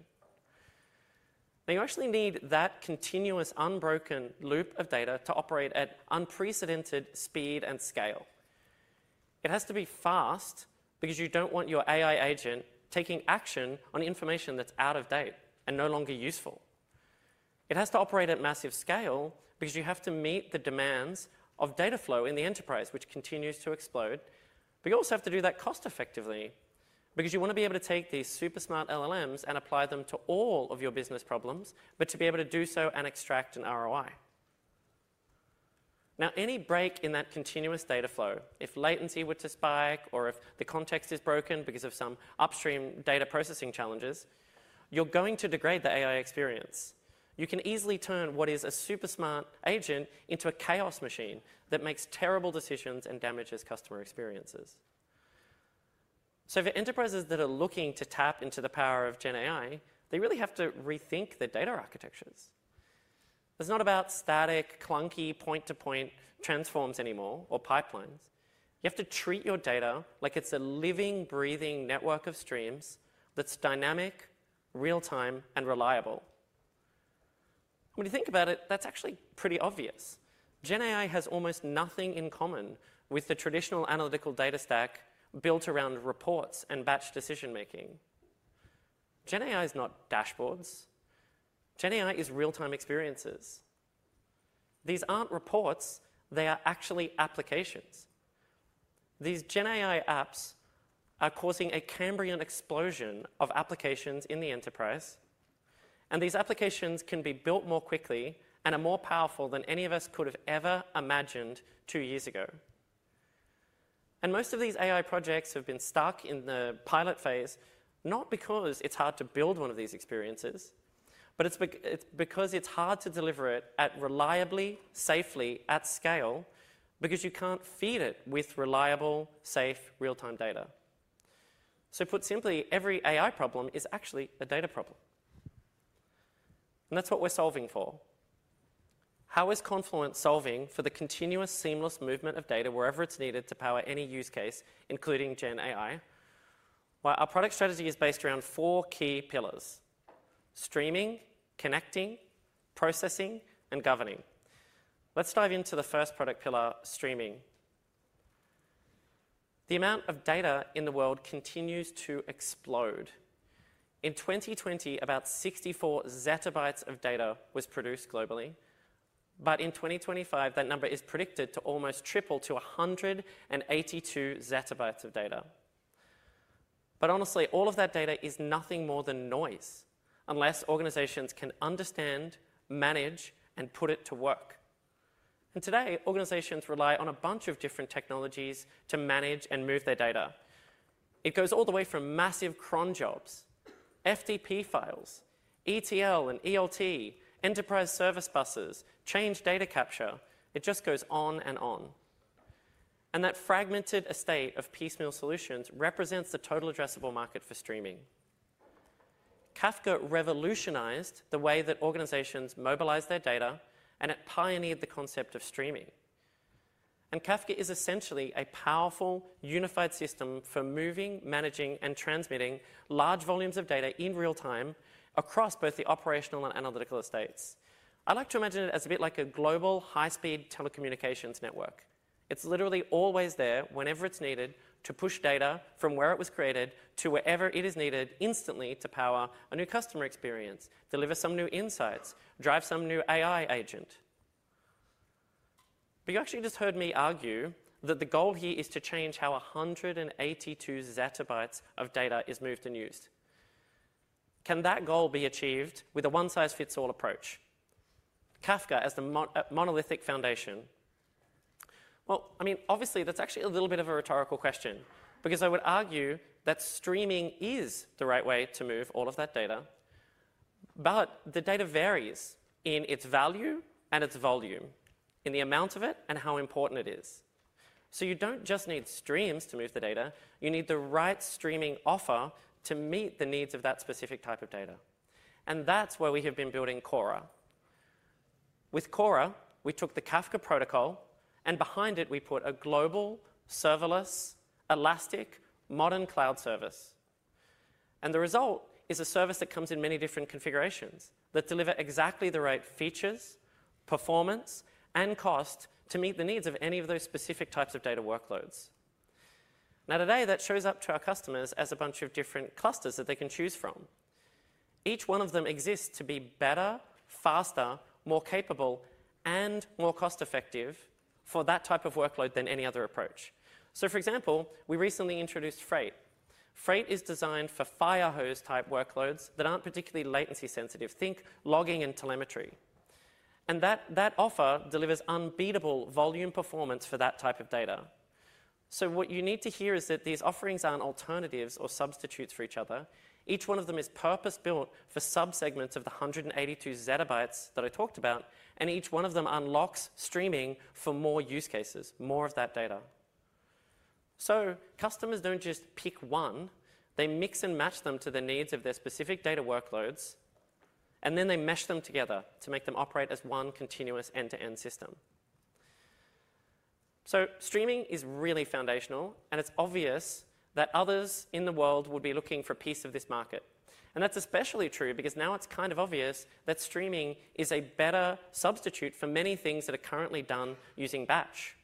Now, you actually need that continuous unbroken loop of data to operate at unprecedented speed and scale. It has to be fast because you don't want your AI agent taking action on information that's out of date and no longer useful. It has to operate at massive scale because you have to meet the demands of data flow in the enterprise, which continues to explode. But you also have to do that cost-effectively because you want to be able to take these super smart LLMs and apply them to all of your business problems, but to be able to do so and extract an ROI. Now, any break in that continuous data flow, if latency were to spike or if the context is broken because of some upstream data processing challenges, you're going to degrade the AI experience. You can easily turn what is a super smart agent into a chaos machine that makes terrible decisions and damages customer experiences. So for enterprises that are looking to tap into the power of GenAI, they really have to rethink their data architectures. It's not about static, clunky point-to-point transforms anymore or pipelines. You have to treat your data like it's a living, breathing network of streams that's dynamic, real-time, and reliable. When you think about it, that's actually pretty obvious. GenAI has almost nothing in common with the traditional analytical data stack built around reports and batch decision-making. GenAI is not dashboards. GenAI is real-time experiences. These aren't reports. They are actually applications. These GenAI apps are causing a Cambrian explosion of applications in the enterprise. And these applications can be built more quickly and are more powerful than any of us could have ever imagined two years ago. And most of these AI projects have been stuck in the pilot phase, not because it's hard to build one of these experiences, but it's because it's hard to deliver it reliably, safely, at scale, because you can't feed it with reliable, safe, real-time data. So put simply, every AI problem is actually a data problem. And that's what we're solving for. How is Confluent solving for the continuous, seamless movement of data wherever it's needed to power any use case, including GenAI? Well, our product strategy is based around four key pillars: streaming, connecting, processing, and governing. Let's dive into the first product pillar, streaming. The amount of data in the world continues to explode. In 2020, about 64 ZB of data was produced globally. But in 2025, that number is predicted to almost triple to 182 ZB of data. But honestly, all of that data is nothing more than noise unless organizations can understand, manage, and put it to work. And today, organizations rely on a bunch of different technologies to manage and move their data. It goes all the way from massive cron jobs, FTP files, ETL and ELT, enterprise service buses, change data capture. It just goes on and on. And that fragmented estate of piecemeal solutions represents the total addressable market for streaming. Kafka revolutionized the way that organizations mobilize their data, and it pioneered the concept of streaming. And Kafka is essentially a powerful, unified system for moving, managing, and transmitting large volumes of data in real time across both the operational and analytical estates. I like to imagine it as a bit like a global, high-speed telecommunications network. It's literally always there whenever it's needed to push data from where it was created to wherever it is needed instantly to power a new customer experience, deliver some new insights, drive some new AI agent. But you actually just heard me argue that the goal here is to change how 182 ZB of data is moved and used. Can that goal be achieved with a one-size-fits-all approach? Kafka as the monolithic foundation. Well, I mean, obviously, that's actually a little bit of a rhetorical question because I would argue that streaming is the right way to move all of that data. But the data varies in its value and its volume, in the amount of it and how important it is. So you don't just need streams to move the data. You need the right streaming offer to meet the needs of that specific type of data. And that's where we have been building Kora. With Kora, we took the Kafka protocol, and behind it, we put a global, serverless, elastic, modern cloud service. And the result is a service that comes in many different configurations that deliver exactly the right features, performance, and cost to meet the needs of any of those specific types of data workloads. Now, today, that shows up to our customers as a bunch of different clusters that they can choose from. Each one of them exists to be better, faster, more capable, and more cost-effective for that type of workload than any other approach. So, for example, we recently introduced Freight. Freight is designed for firehose-type workloads that aren't particularly latency-sensitive. Think logging and telemetry. And that offer delivers unbeatable volume performance for that type of data. So what you need to hear is that these offerings aren't alternatives or substitutes for each other. Each one of them is purpose-built for subsegments of the 182 ZB that I talked about. And each one of them unlocks streaming for more use cases, more of that data. So customers don't just pick one. They mix and match them to the needs of their specific data workloads, and then they mesh them together to make them operate as one continuous end-to-end system. So streaming is really foundational, and it's obvious that others in the world would be looking for a piece of this market. And that's especially true because now it's kind of obvious that streaming is a better substitute for many things that are currently done using batch.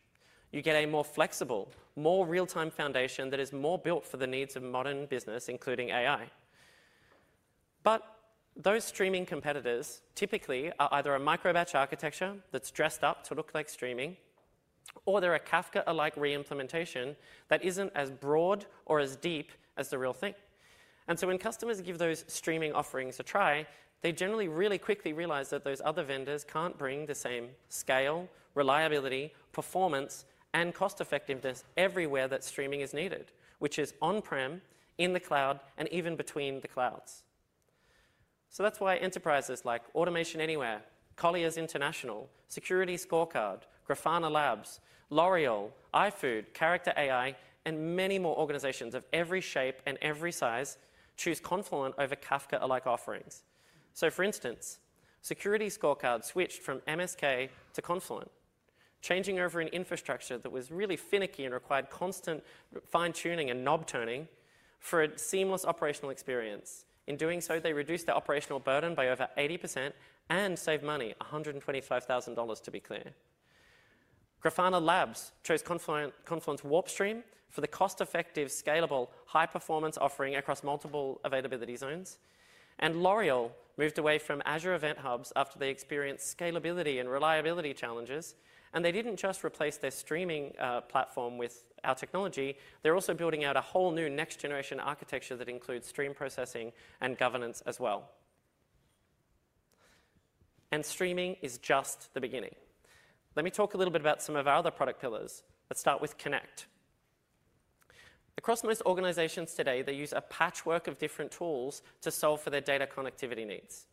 You get a more flexible, more real-time foundation that is more built for the needs of modern business, including AI. But those streaming competitors typically are either a micro-batch architecture that's dressed up to look like streaming, or they're a Kafka-alike reimplementation that isn't as broad or as deep as the real thing. And so when customers give those streaming offerings a try, they generally really quickly realize that those other vendors can't bring the same scale, reliability, performance, and cost-effectiveness everywhere that streaming is needed, which is on-prem, in the cloud, and even between the clouds. So that's why enterprises like Automation Anywhere, Colliers International, SecurityScorecard, Grafana Labs, L'Oréal, iFood, Character.AI, and many more organizations of every shape and every size choose Confluent over Kafka-alike offerings. So, for instance, SecurityScorecard switched from MSK to Confluent, changing over an infrastructure that was really finicky and required constant fine-tuning and knob turning for a seamless operational experience. In doing so, they reduced their operational burden by over 80% and saved money, $125,000, to be clear. Grafana Labs chose Confluent's WarpStream for the cost-effective, scalable, high-performance offering across multiple availability zones. L'Oréal moved away from Azure Event Hubs after they experienced scalability and reliability challenges. They didn't just replace their streaming platform with our technology. They're also building out a whole new next-generation architecture that includes stream processing and governance as well. Streaming is just the beginning. Let me talk a little bit about some of our other product pillars. Let's start with Connect. Across most organizations today, they use a patchwork of different tools to solve for their data connectivity needs.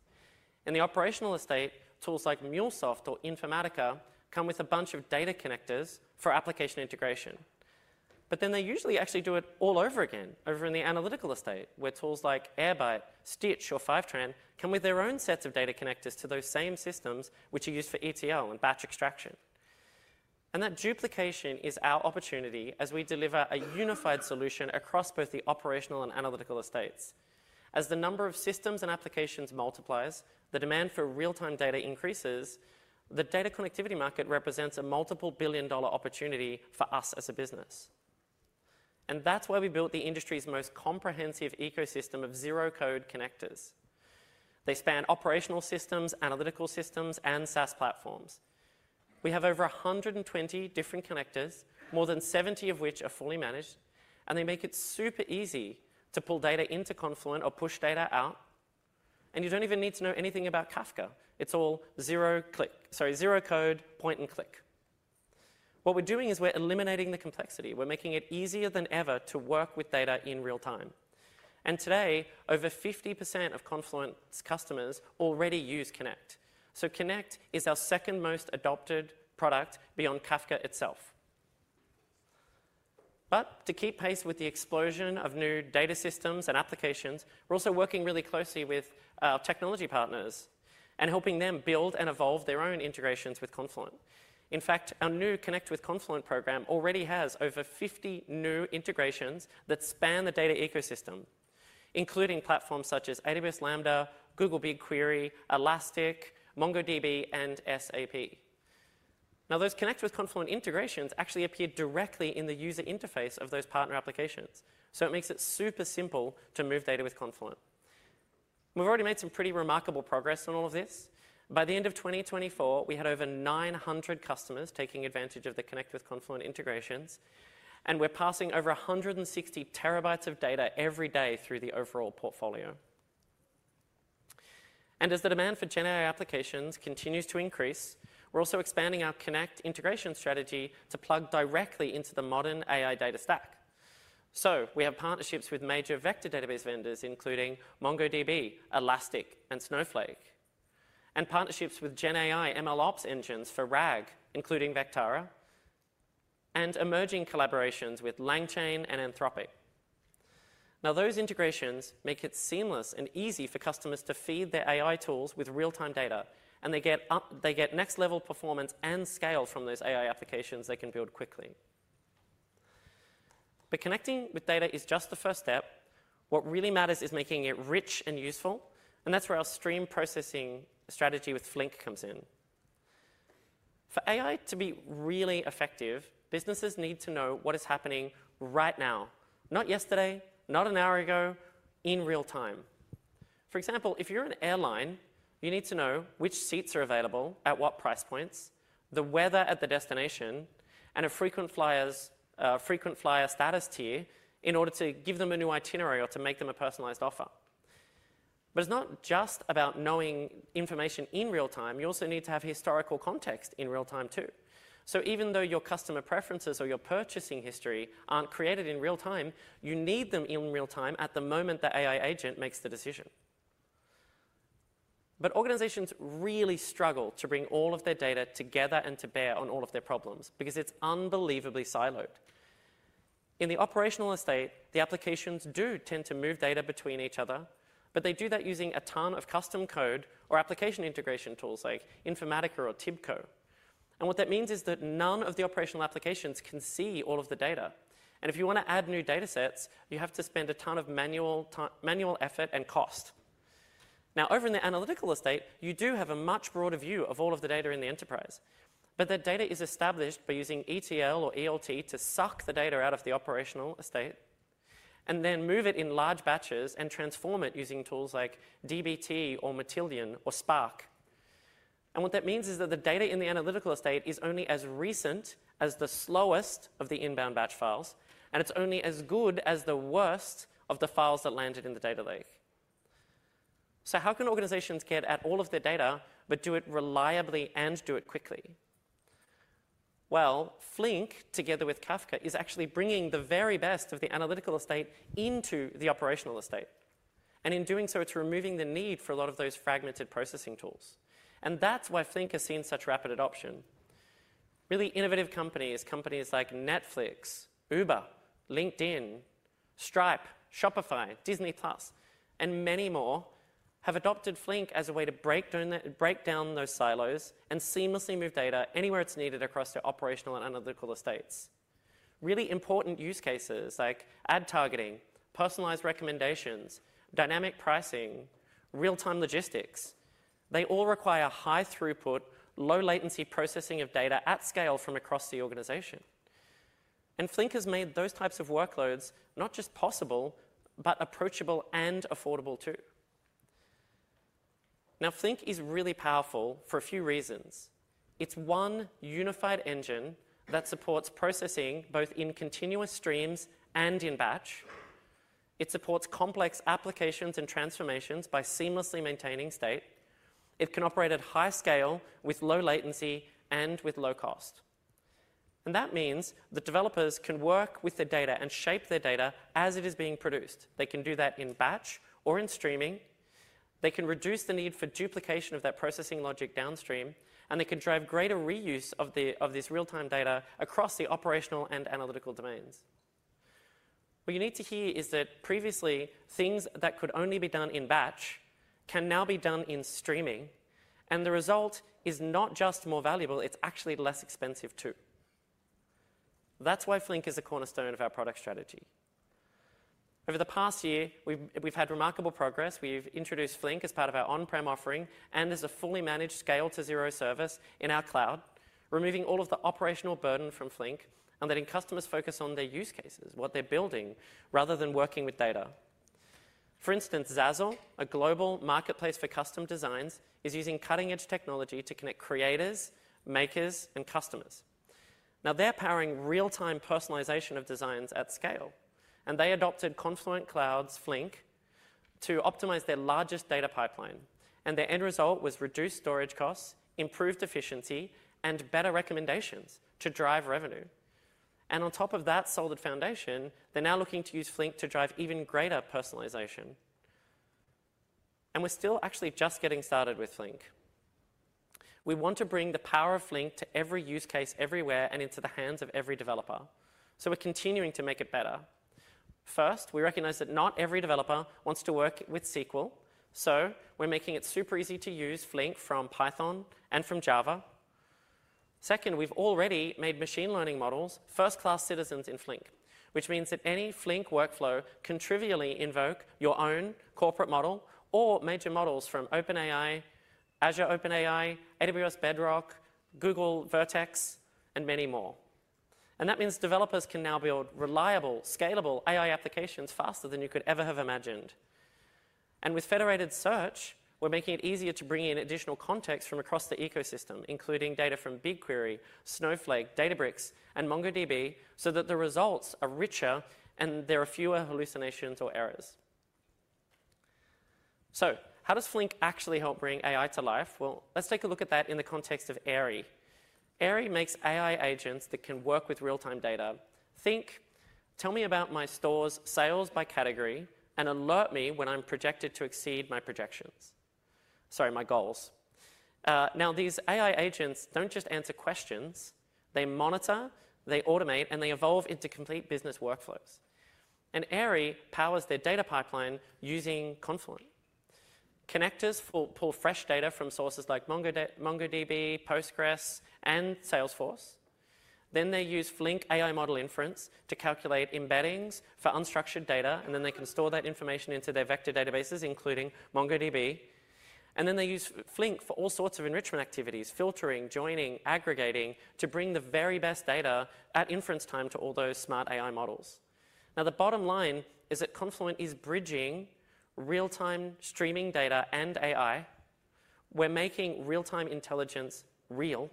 In the operational estate, tools like MuleSoft or Informatica come with a bunch of data connectors for application integration. But then they usually actually do it all over again, over in the analytical estate, where tools like Airbyte, Stitch, or Fivetran come with their own sets of data connectors to those same systems, which are used for ETL and batch extraction. And that duplication is our opportunity as we deliver a unified solution across both the operational and analytical estates. As the number of systems and applications multiplies, the demand for real-time data increases, the data connectivity market represents a multiple billion-dollar opportunity for us as a business. And that's why we built the industry's most comprehensive ecosystem of zero-code connectors. They span operational systems, analytical systems, and SaaS platforms. We have over 120 different connectors, more than 70 of which are fully managed, and they make it super easy to pull data into Confluent or push data out. And you don't even need to know anything about Kafka. It's all zero click, sorry, zero code, point and click. What we're doing is we're eliminating the complexity. We're making it easier than ever to work with data in real time. And today, over 50% of Confluent's customers already use Connect. So Connect is our second most adopted product beyond Kafka itself. But to keep pace with the explosion of new data systems and applications, we're also working really closely with our technology partners and helping them build and evolve their own integrations with Confluent. In fact, our new Connect with Confluent program already has over 50 new integrations that span the data ecosystem, including platforms such as AWS Lambda, Google BigQuery, Elastic, MongoDB, and SAP. Now, those Connect with Confluent integrations actually appear directly in the user interface of those partner applications. So it makes it super simple to move data with Confluent. We've already made some pretty remarkable progress on all of this. By the end of 2024, we had over 900 customers taking advantage of the Connect with Confluent integrations, and we're passing over 160 TB of data every day through the overall portfolio. And as the demand for GenAI applications continues to increase, we're also expanding our Connect integration strategy to plug directly into the modern AI data stack. So we have partnerships with major vector database vendors, including MongoDB, Elastic, and Snowflake, and partnerships with GenAI MLOps engines for RAG, including Vectara, and emerging collaborations with LangChain and Anthropic. Now, those integrations make it seamless and easy for customers to feed their AI tools with real-time data, and they get next-level performance and scale from those AI applications they can build quickly. But connecting with data is just the first step. What really matters is making it rich and useful, and that's where our stream processing strategy with Flink comes in. For AI to be really effective, businesses need to know what is happening right now, not yesterday, not an hour ago, in real time. For example, if you're an airline, you need to know which seats are available at what price points, the weather at the destination, and a frequent flyer status tier in order to give them a new itinerary or to make them a personalized offer. But it's not just about knowing information in real time. You also need to have historical context in real time too. So even though your customer preferences or your purchasing history aren't created in real time, you need them in real time at the moment the AI agent makes the decision. But organizations really struggle to bring all of their data together and to bear on all of their problems because it's unbelievably siloed. In the operational estate, the applications do tend to move data between each other, but they do that using a ton of custom code or application integration tools like Informatica or TIBCO. And what that means is that none of the operational applications can see all of the data. And if you want to add new data sets, you have to spend a ton of manual effort and cost. Now, over in the analytical estate, you do have a much broader view of all of the data in the enterprise. But that data is established by using ETL or ELT to suck the data out of the operational estate and then move it in large batches and transform it using tools like dbt or Matillion or Spark. And what that means is that the data in the analytical estate is only as recent as the slowest of the inbound batch files, and it's only as good as the worst of the files that landed in the data lake. How can organizations get at all of their data but do it reliably and do it quickly? Flink, together with Kafka, is actually bringing the very best of the analytical estate into the operational estate. In doing so, it's removing the need for a lot of those fragmented processing tools. That's why Flink has seen such rapid adoption. Really innovative companies, companies like Netflix, Uber, LinkedIn, Stripe, Shopify, Disney+, and many more have adopted Flink as a way to break down those silos and seamlessly move data anywhere it's needed across their operational and analytical estates. Really important use cases like ad targeting, personalized recommendations, dynamic pricing, real-time logistics, they all require high throughput, low-latency processing of data at scale from across the organization. Flink has made those types of workloads not just possible, but approachable and affordable too. Now, Flink is really powerful for a few reasons. It's one unified engine that supports processing both in continuous streams and in batch. It supports complex applications and transformations by seamlessly maintaining state. It can operate at high scale with low latency and with low cost, and that means the developers can work with their data and shape their data as it is being produced. They can do that in batch or in streaming. They can reduce the need for duplication of that processing logic downstream, and they can drive greater reuse of this real-time data across the operational and analytical domains. What you need to hear is that previously, things that could only be done in batch can now be done in streaming, and the result is not just more valuable, it's actually less expensive too. That's why Flink is a cornerstone of our product strategy. Over the past year, we've had remarkable progress. We've introduced Flink as part of our on-prem offering and as a fully managed scale-to-zero service in our cloud, removing all of the operational burden from Flink and letting customers focus on their use cases, what they're building, rather than working with data. For instance, Zazzle, a global marketplace for custom designs, is using cutting-edge technology to connect creators, makers, and customers. Now, they're powering real-time personalization of designs at scale, and they adopted Confluent Cloud's Flink to optimize their largest data pipeline. And their end result was reduced storage costs, improved efficiency, and better recommendations to drive revenue. And on top of that solid foundation, they're now looking to use Flink to drive even greater personalization. And we're still actually just getting started with Flink. We want to bring the power of Flink to every use case everywhere and into the hands of every developer. So we're continuing to make it better. First, we recognize that not every developer wants to work with SQL. So we're making it super easy to use Flink from Python and from Java. Second, we've already made machine learning models first-class citizens in Flink, which means that any Flink workflow can trivially invoke your own corporate model or major models from OpenAI, Azure OpenAI, AWS Bedrock, Google Vertex, and many more. And that means developers can now build reliable, scalable AI applications faster than you could ever have imagined. And with federated search, we're making it easier to bring in additional context from across the ecosystem, including data from BigQuery, Snowflake, Databricks, and MongoDB, so that the results are richer and there are fewer hallucinations or errors. So how does Flink actually help bring AI to life? Well, let's take a look at that in the context of Airy. Airy makes AI agents that can work with real-time data. Think, "Tell me about my store's sales by category and alert me when I'm projected to exceed my projections." Sorry, my goals. Now, these AI agents don't just answer questions. They monitor, they automate, and they evolve into complete business workflows. And Airy powers their data pipeline using Confluent. connectors pull fresh data from sources like MongoDB, Postgres, and Salesforce. Then they use Flink AI model inference to calculate embeddings for unstructured data, and then they can store that information into their vector databases, including MongoDB. And then they use Flink for all sorts of enrichment activities, filtering, joining, aggregating to bring the very best data at inference time to all those smart AI models. Now, the bottom line is that Confluent is bridging real-time streaming data and AI. We're making real-time intelligence real,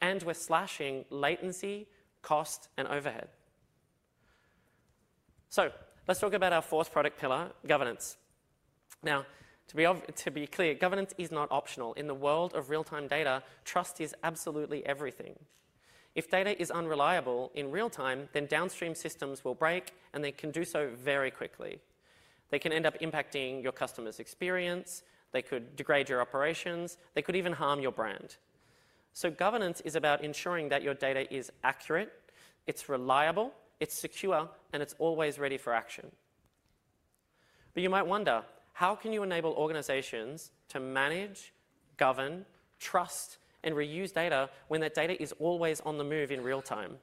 and we're slashing latency, cost, and overhead. So let's talk about our fourth product pillar, governance. Now, to be clear, governance is not optional. In the world of real-time data, trust is absolutely everything. If data is unreliable in real time, then downstream systems will break, and they can do so very quickly. They can end up impacting your customer's experience. They could degrade your operations. They could even harm your brand. So governance is about ensuring that your data is accurate, it's reliable, it's secure, and it's always ready for action. But you might wonder, how can you enable organizations to manage, govern, trust, and reuse data when that data is always on the move in real time?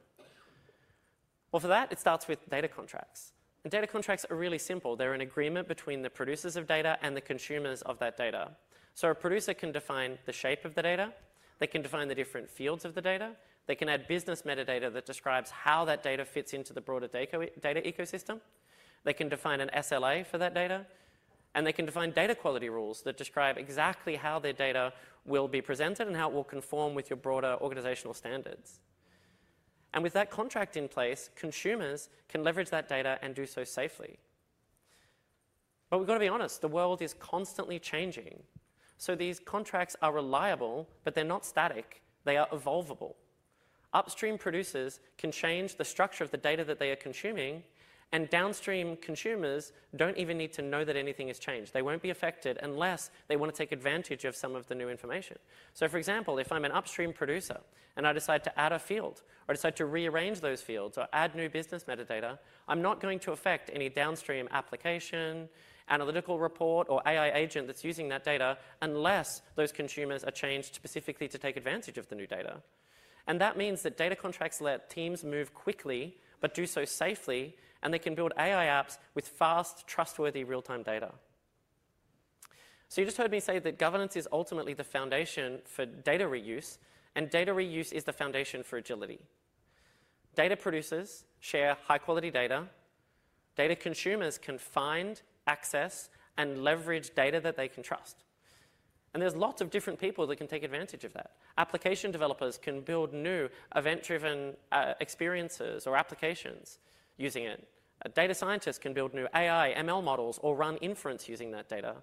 Well, for that, it starts with data contracts. Data contracts are really simple. They're an agreement between the producers of data and the consumers of that data. A producer can define the shape of the data. They can define the different fields of the data. They can add business metadata that describes how that data fits into the broader data ecosystem. They can define an SLA for that data, and they can define data quality rules that describe exactly how their data will be presented and how it will conform with your broader organizational standards. With that contract in place, consumers can leverage that data and do so safely. We've got to be honest, the world is constantly changing. These contracts are reliable, but they're not static. They are evolvable. Upstream producers can change the structure of the data that they are consuming, and downstream consumers don't even need to know that anything has changed. They won't be affected unless they want to take advantage of some of the new information, so for example, if I'm an upstream producer and I decide to add a field or decide to rearrange those fields or add new business metadata, I'm not going to affect any downstream application, analytical report, or AI agent that's using that data unless those consumers are changed specifically to take advantage of the new data, and that means that data contracts let teams move quickly but do so safely, and they can build AI apps with fast, trustworthy real-time data, so you just heard me say that governance is ultimately the foundation for data reuse, and data reuse is the foundation for agility. Data producers share high-quality data. Data consumers can find, access, and leverage data that they can trust, and there's lots of different people that can take advantage of that. Application developers can build new event-driven experiences or applications using it. A data scientist can build new AI ML models or run inference using that data.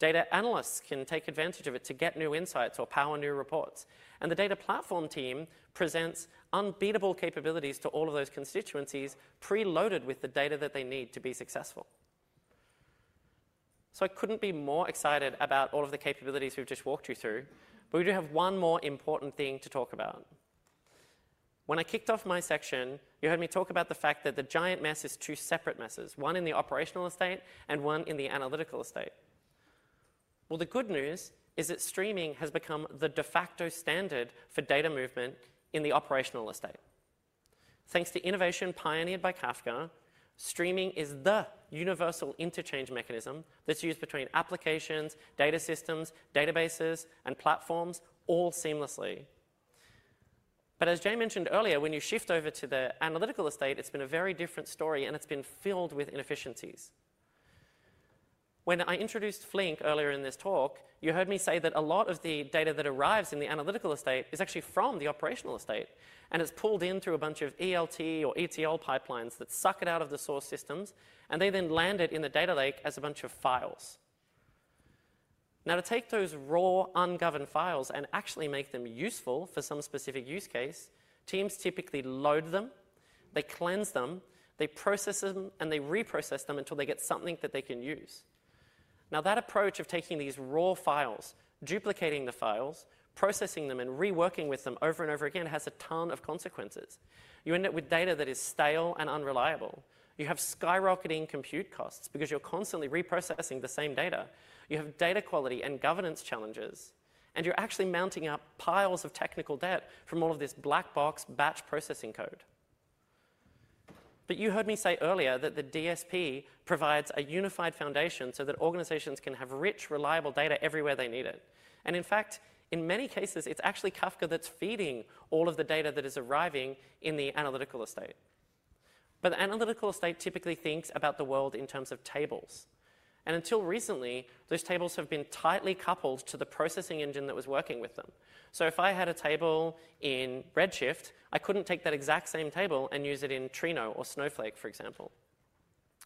Data analysts can take advantage of it to get new insights or power new reports, and the data platform team presents unbeatable capabilities to all of those constituencies preloaded with the data that they need to be successful, so I couldn't be more excited about all of the capabilities we've just walked you through, but we do have one more important thing to talk about. When I kicked off my section, you heard me talk about the fact that the giant mess is two separate messes, one in the operational estate and one in the analytical estate. The good news is that streaming has become the de facto standard for data movement in the operational estate. Thanks to innovation pioneered by Kafka, streaming is the universal interchange mechanism that's used between applications, data systems, databases, and platforms all seamlessly. But as Jay mentioned earlier, when you shift over to the analytical estate, it's been a very different story, and it's been filled with inefficiencies. When I introduced Flink earlier in this talk, you heard me say that a lot of the data that arrives in the analytical estate is actually from the operational estate, and it's pulled in through a bunch of ELT or ETL pipelines that suck it out of the source systems, and they then land it in the data lake as a bunch of files. Now, to take those raw, ungoverned files and actually make them useful for some specific use case, teams typically load them. They cleanse them. They process them, and they reprocess them until they get something that they can use. Now, that approach of taking these raw files, duplicating the files, processing them, and reworking with them over and over again has a ton of consequences. You end up with data that is stale and unreliable. You have skyrocketing compute costs because you're constantly reprocessing the same data. You have data quality and governance challenges, and you're actually mounting up piles of technical debt from all of this black box batch processing code. But you heard me say earlier that the DSP provides a unified foundation so that organizations can have rich, reliable data everywhere they need it. In fact, in many cases, it's actually Kafka that's feeding all of the data that is arriving in the analytical estate. The analytical estate typically thinks about the world in terms of tables. Until recently, those tables have been tightly coupled to the processing engine that was working with them. If I had a table in Redshift, I couldn't take that exact same table and use it in Trino or Snowflake, for example.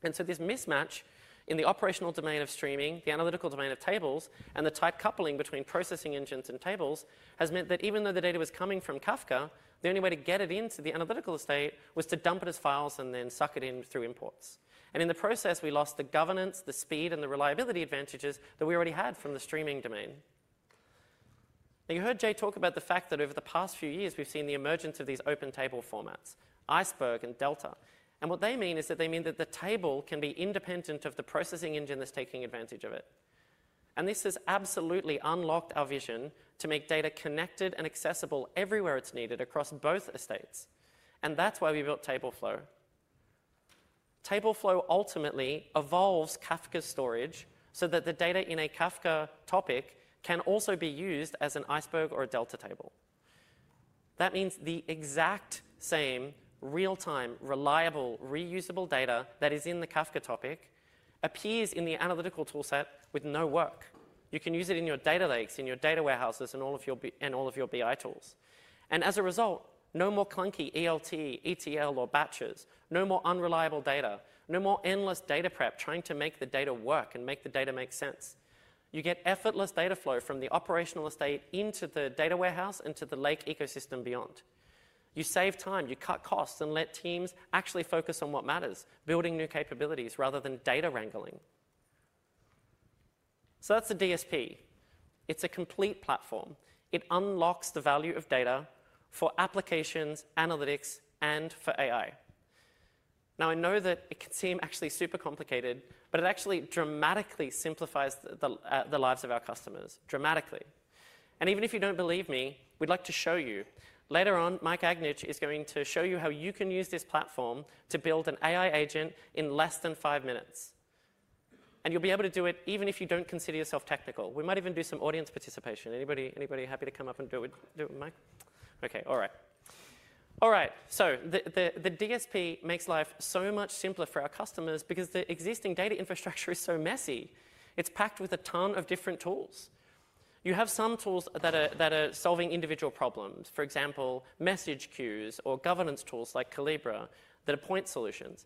This mismatch in the operational domain of streaming, the analytical domain of tables, and the tight coupling between processing engines and tables has meant that even though the data was coming from Kafka, the only way to get it into the analytical estate was to dump it as files and then suck it in through imports. And in the process, we lost the governance, the speed, and the reliability advantages that we already had from the streaming domain. Now, you heard Jay talk about the fact that over the past few years, we've seen the emergence of these open table formats, Iceberg and Delta. And what they mean is that the table can be independent of the processing engine that's taking advantage of it. And this has absolutely unlocked our vision to make data connected and accessible everywhere it's needed across both estates. And that's why we built Tableflow. Tableflow ultimately evolves Kafka storage so that the data in a Kafka topic can also be used as an Iceberg or a Delta table. That means the exact same real-time, reliable, reusable data that is in the Kafka topic appears in the analytical toolset with no work. You can use it in your data lakes, in your data warehouses, and all of your BI tools. And as a result, no more clunky ELT, ETL, or batches, no more unreliable data, no more endless data prep trying to make the data work and make the data make sense. You get effortless data flow from the operational estate into the data warehouse, into the lake ecosystem beyond. You save time. You cut costs and let teams actually focus on what matters, building new capabilities rather than data wrangling. So that's the DSP. It's a complete platform. It unlocks the value of data for applications, analytics, and for AI. Now, I know that it can seem actually super complicated, but it actually dramatically simplifies the lives of our customers, dramatically. And even if you don't believe me, we'd like to show you. Later on, Mike Agnich is going to show you how you can use this platform to build an AI agent in less than five minutes. And you'll be able to do it even if you don't consider yourself technical. We might even do some audience participation. Anybody happy to come up and do it, Mike? Okay. All right. All right. So the DSP makes life so much simpler for our customers because the existing data infrastructure is so messy. It's packed with a ton of different tools. You have some tools that are solving individual problems, for example, message queues or governance tools like Collibra, point solutions.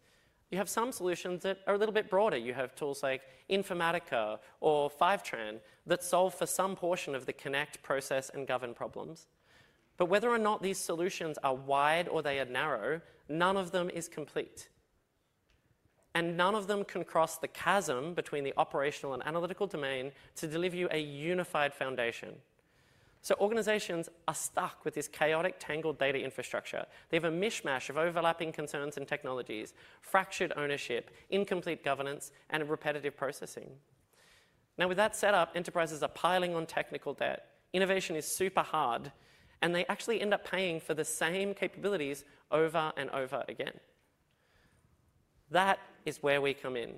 You have some solutions that are a little bit broader. You have tools like Informatica or Fivetran that solve for some portion of the connect, process, and govern problems. But whether or not these solutions are wide or they are narrow, none of them is complete. And none of them can cross the chasm between the operational and analytical domain to deliver you a unified foundation. So organizations are stuck with this chaotic, tangled data infrastructure. They have a mishmash of overlapping concerns and technologies, fractured ownership, incomplete governance, and repetitive processing. Now, with that setup, enterprises are piling on technical debt. Innovation is super hard, and they actually end up paying for the same capabilities over and over again. That is where we come in.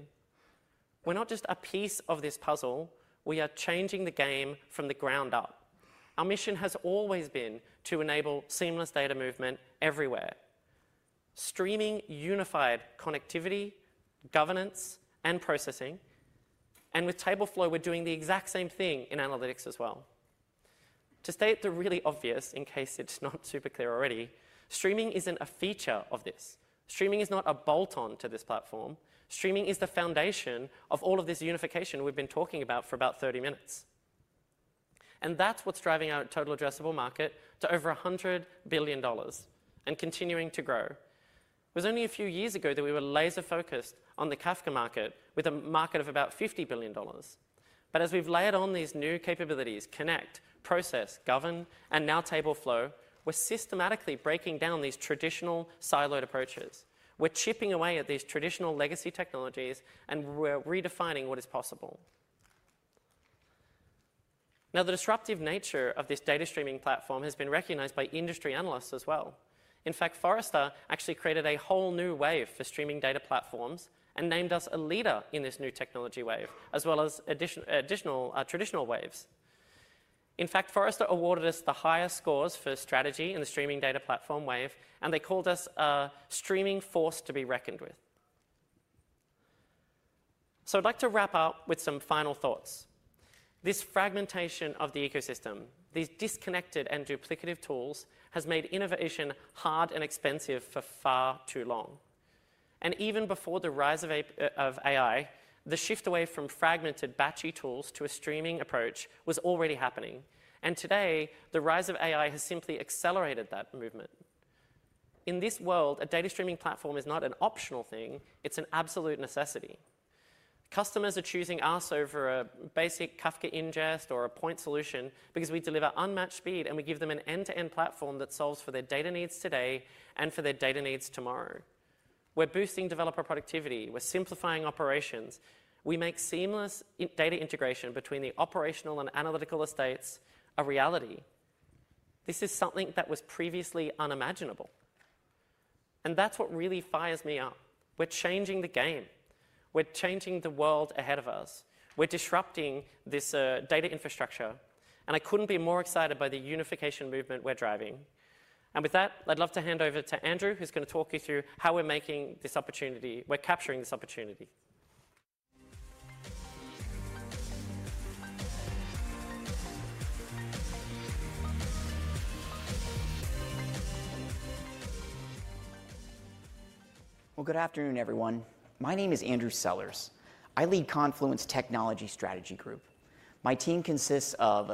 We're not just a piece of this puzzle. We are changing the game from the ground up. Our mission has always been to enable seamless data movement everywhere, streaming unified connectivity, governance, and processing. And with Tableflow, we're doing the exact same thing in analytics as well. To state the really obvious in case it's not super clear already, streaming isn't a feature of this. Streaming is not a bolt-on to this platform. Streaming is the foundation of all of this unification we've been talking about for about 30 minutes, and that's what's driving our total addressable market to over $100 billion and continuing to grow. It was only a few years ago that we were laser-focused on the Kafka market with a market of about $50 billion, but as we've layered on these new capabilities, connect, process, govern, and now Tableflow, we're systematically breaking down these traditional siloed approaches. We're chipping away at these traditional legacy technologies, and we're redefining what is possible. Now, the disruptive nature of this data streaming platform has been recognized by industry analysts as well. In fact, Forrester actually created a whole new wave for streaming data platforms and named us a leader in this new technology wave, as well as additional traditional waves. In fact, Forrester awarded us the highest scores for strategy in the Streaming Data Platform Wave, and they called us a streaming force to be reckoned with. So I'd like to wrap up with some final thoughts. This fragmentation of the ecosystem, these disconnected and duplicative tools, has made innovation hard and expensive for far too long. And even before the rise of AI, the shift away from fragmented, batchy tools to a streaming approach was already happening. And today, the rise of AI has simply accelerated that movement. In this world, a data streaming platform is not an optional thing. It's an absolute necessity. Customers are choosing us over a basic Kafka ingest or a point solution because we deliver unmatched speed, and we give them an end-to-end platform that solves for their data needs today and for their data needs tomorrow. We're boosting developer productivity. We're simplifying operations. We make seamless data integration between the operational and analytical estates a reality. This is something that was previously unimaginable. And that's what really fires me up. We're changing the game. We're changing the world ahead of us. We're disrupting this data infrastructure. And I couldn't be more excited by the unification movement we're driving. And with that, I'd love to hand over to Andrew, who's going to talk you through how we're making this opportunity. We're capturing this opportunity. Well, good afternoon, everyone. My name is Andrew Sellers. I lead Confluent Technology Strategy Group. My team consists of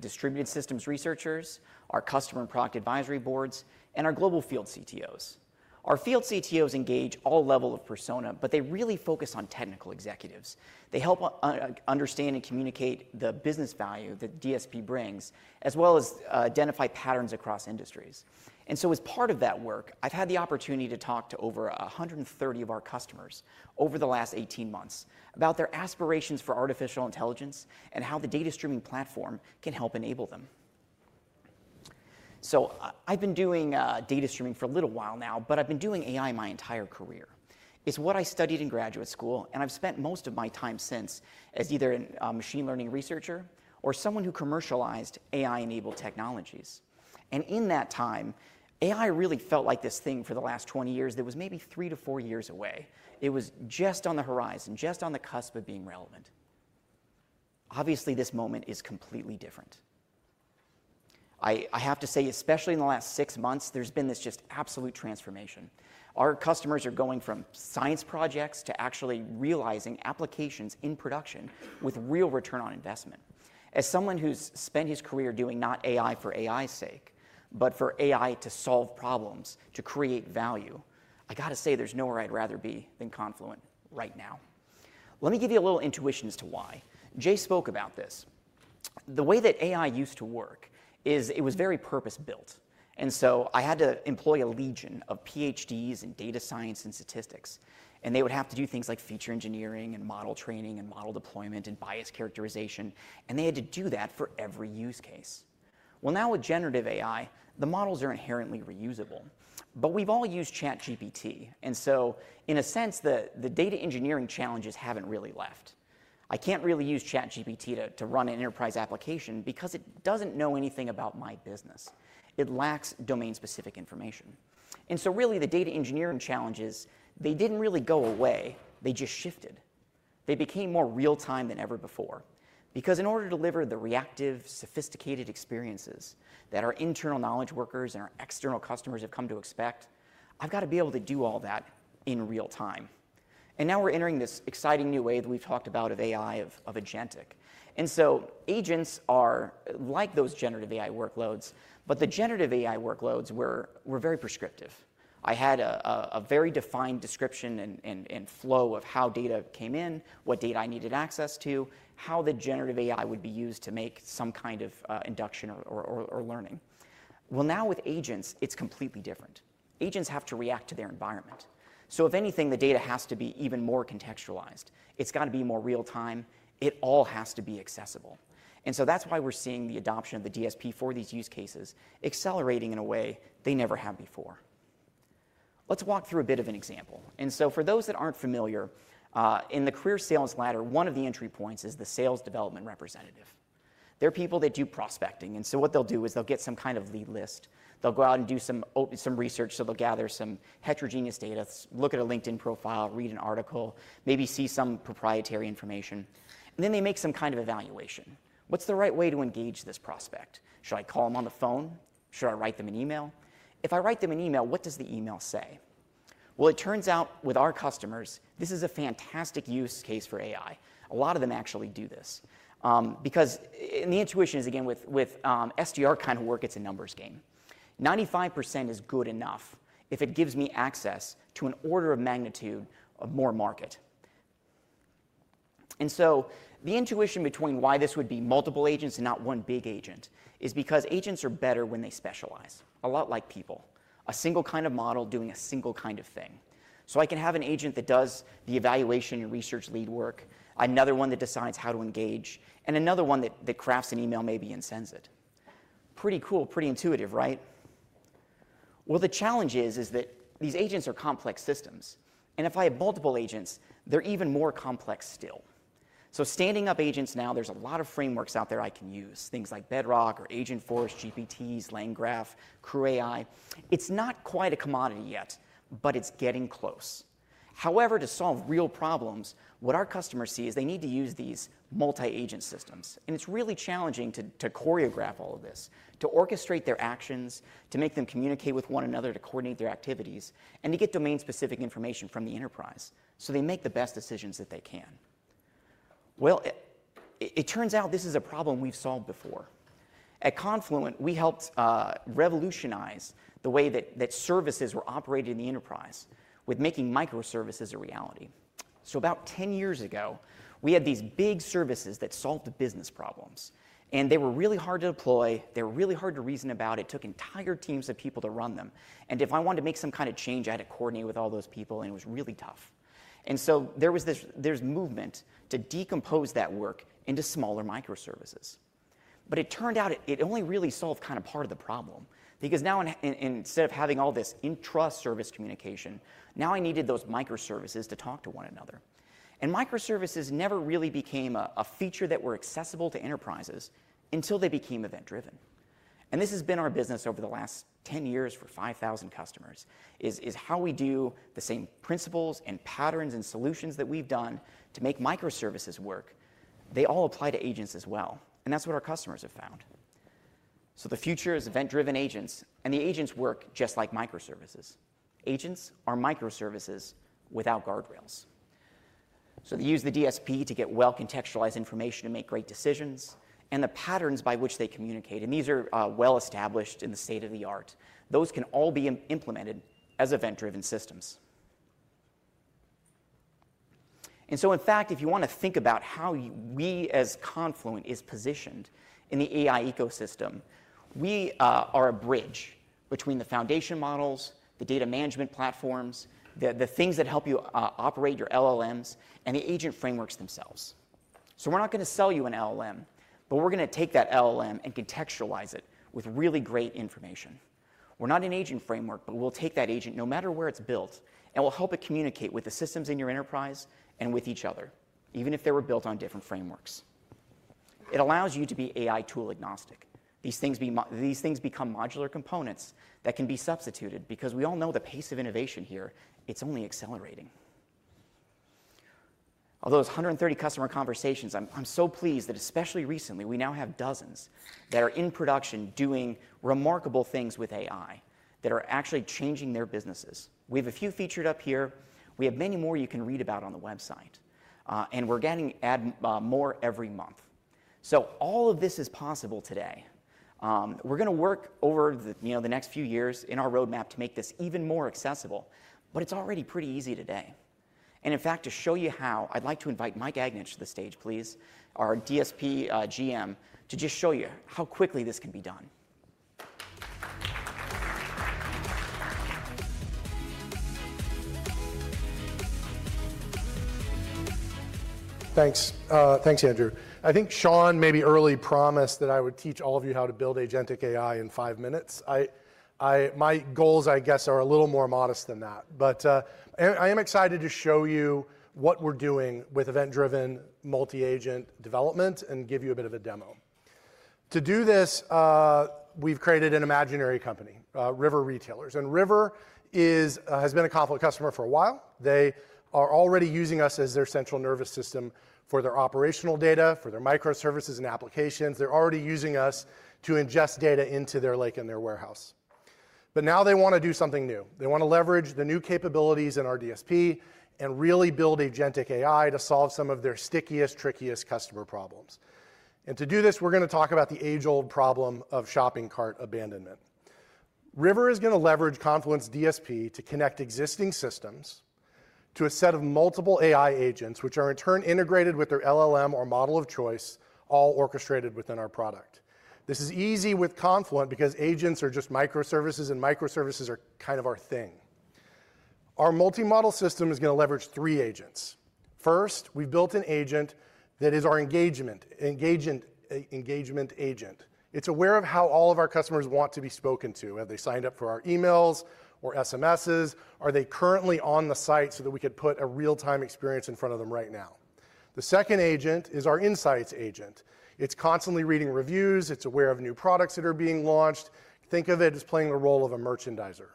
distributed systems researchers, our customer and product advisory boards, and our global field CTOs. Our field CTOs engage all levels of personas, but they really focus on technical executives. They help understand and communicate the business value that DSP brings, as well as identify patterns across industries, and so as part of that work, I've had the opportunity to talk to over 130 of our customers over the last 18 months about their aspirations for artificial intelligence and how the data streaming platform can help enable them, so I've been doing data streaming for a little while now, but I've been doing AI my entire career. It's what I studied in graduate school, and I've spent most of my time since as either a machine learning researcher or someone who commercialized AI-enabled technologies. In that time, AI really felt like this thing for the last 20 years that was maybe three to four years away. It was just on the horizon, just on the cusp of being relevant. Obviously, this moment is completely different. I have to say, especially in the last six months, there's been this just absolute transformation. Our customers are going from science projects to actually realizing applications in production with real return on investment. As someone who's spent his career doing not AI for AI's sake, but for AI to solve problems, to create value, I got to say there's nowhere I'd rather be than Confluent right now. Let me give you a little intuition as to why. Jay spoke about this. The way that AI used to work is it was very purpose-built. And so I had to employ a legion of PhDs in data science and statistics. And they would have to do things like feature engineering and model training and model deployment and bias characterization. And they had to do that for every use case. Well, now with generative AI, the models are inherently reusable. But we've all used ChatGPT. And so, in a sense, the data engineering challenges haven't really left. I can't really use ChatGPT to run an enterprise application because it doesn't know anything about my business. It lacks domain-specific information. And so really, the data engineering challenges, they didn't really go away. They just shifted. They became more real-time than ever before because in order to deliver the reactive, sophisticated experiences that our internal knowledge workers and our external customers have come to expect, I've got to be able to do all that in real time. And now we're entering this exciting new wave that we've talked about of AI, of agentic. And so agents are like those generative AI workloads, but the generative AI workloads, we're very prescriptive. I had a very defined description and flow of how data came in, what data I needed access to, how the generative AI would be used to make some kind of induction or learning. Well, now with agents, it's completely different. Agents have to react to their environment. So if anything, the data has to be even more contextualized. It's got to be more real-time. It all has to be accessible. And so that's why we're seeing the adoption of the DSP for these use cases accelerating in a way they never had before. Let's walk through a bit of an example. For those that aren't familiar, in the career sales ladder, one of the entry points is the sales development representative. They're people that do prospecting. What they'll do is they'll get some kind of lead list. They'll go out and do some research. They'll gather some heterogeneous data, look at a LinkedIn profile, read an article, maybe see some proprietary information. Then they make some kind of evaluation. What's the right way to engage this prospect? Should I call them on the phone? Should I write them an email? If I write them an email, what does the email say? It turns out with our customers, this is a fantastic use case for AI. A lot of them actually do this because the intuition is, again, with SDR kind of work, it's a numbers game. 95% is good enough if it gives me access to an order of magnitude of more market, and so the intuition between why this would be multiple agents and not one big agent is because agents are better when they specialize, a lot like people, a single kind of model doing a single kind of thing, so I can have an agent that does the evaluation and research lead work, another one that decides how to engage, and another one that crafts an email maybe and sends it. Pretty cool, pretty intuitive, right? Well, the challenge is that these agents are complex systems, and if I have multiple agents, they're even more complex still, so standing up agents now, there's a lot of frameworks out there I can use, things like Bedrock or Agentforce, GPTs, LangGraph, CrewAI. It's not quite a commodity yet, but it's getting close. However, to solve real problems, what our customers see is they need to use these multi-agent systems. And it's really challenging to choreograph all of this, to orchestrate their actions, to make them communicate with one another, to coordinate their activities, and to get domain-specific information from the enterprise so they make the best decisions that they can. Well, it turns out this is a problem we've solved before. At Confluent, we helped revolutionize the way that services were operated in the enterprise with making microservices a reality. So about 10 years ago, we had these big services that solved the business problems. And they were really hard to deploy. They were really hard to reason about. It took entire teams of people to run them. And if I wanted to make some kind of change, I had to coordinate with all those people, and it was really tough. And so there was this movement to decompose that work into smaller microservices. But it turned out it only really solved kind of part of the problem because now, instead of having all this intra-service communication, now I needed those microservices to talk to one another. And microservices never really became a feature that were accessible to enterprises until they became event-driven. And this has been our business over the last 10 years for 5,000 customers, is how we do the same principles and patterns and solutions that we've done to make microservices work. They all apply to agents as well. And that's what our customers have found. So the future is event-driven agents, and the agents work just like microservices. Agents are microservices without guardrails. So they use the DSP to get well-contextualized information to make great decisions and the patterns by which they communicate. And these are well-established in the state of the art. Those can all be implemented as event-driven systems. And so, in fact, if you want to think about how we as Confluent are positioned in the AI ecosystem, we are a bridge between the foundation models, the data management platforms, the things that help you operate your LLMs, and the agent frameworks themselves. So we're not going to sell you an LLM, but we're going to take that LLM and contextualize it with really great information. We're not an agent framework, but we'll take that agent no matter where it's built, and we'll help it communicate with the systems in your enterprise and with each other, even if they were built on different frameworks. It allows you to be AI tool agnostic. These things become modular components that can be substituted because we all know the pace of innovation here, it's only accelerating. Of those 130 customer conversations, I'm so pleased that especially recently, we now have dozens that are in production doing remarkable things with AI that are actually changing their businesses. We have a few featured up here. We have many more you can read about on the website. And we're getting more every month. So all of this is possible today. We're going to work over the next few years in our roadmap to make this even more accessible, but it's already pretty easy today. And in fact, to show you how, I'd like to invite Mike Agnich to the stage, please, our DSP GM, to just show you how quickly this can be done. Thanks. Thanks, Andrew. I think Shaun maybe early promised that I would teach all of you how to build agentic AI in five minutes. My goals, I guess, are a little more modest than that. But I am excited to show you what we're doing with event-driven multi-agent development and give you a bit of a demo. To do this, we've created an imaginary company, River Retailers, and River has been a Confluent customer for a while. They are already using us as their central nervous system for their operational data, for their microservices and applications. They're already using us to ingest data into their lake and their warehouse, but now they want to do something new. They want to leverage the new capabilities in our DSP and really build agentic AI to solve some of their stickiest, trickiest customer problems. To do this, we're going to talk about the age-old problem of shopping cart abandonment. River is going to leverage Confluent's DSP to connect existing systems to a set of multiple AI agents, which are in turn integrated with their LLM or model of choice, all orchestrated within our product. This is easy with Confluent because agents are just microservices, and microservices are kind of our thing. Our multi-model system is going to leverage three agents. First, we've built an agent that is our engagement agent. It's aware of how all of our customers want to be spoken to. Have they signed up for our emails or SMSs? Are they currently on the site so that we could put a real-time experience in front of them right now? The second agent is our insights agent. It's constantly reading reviews. It's aware of new products that are being launched. Think of it as playing the role of a merchandiser.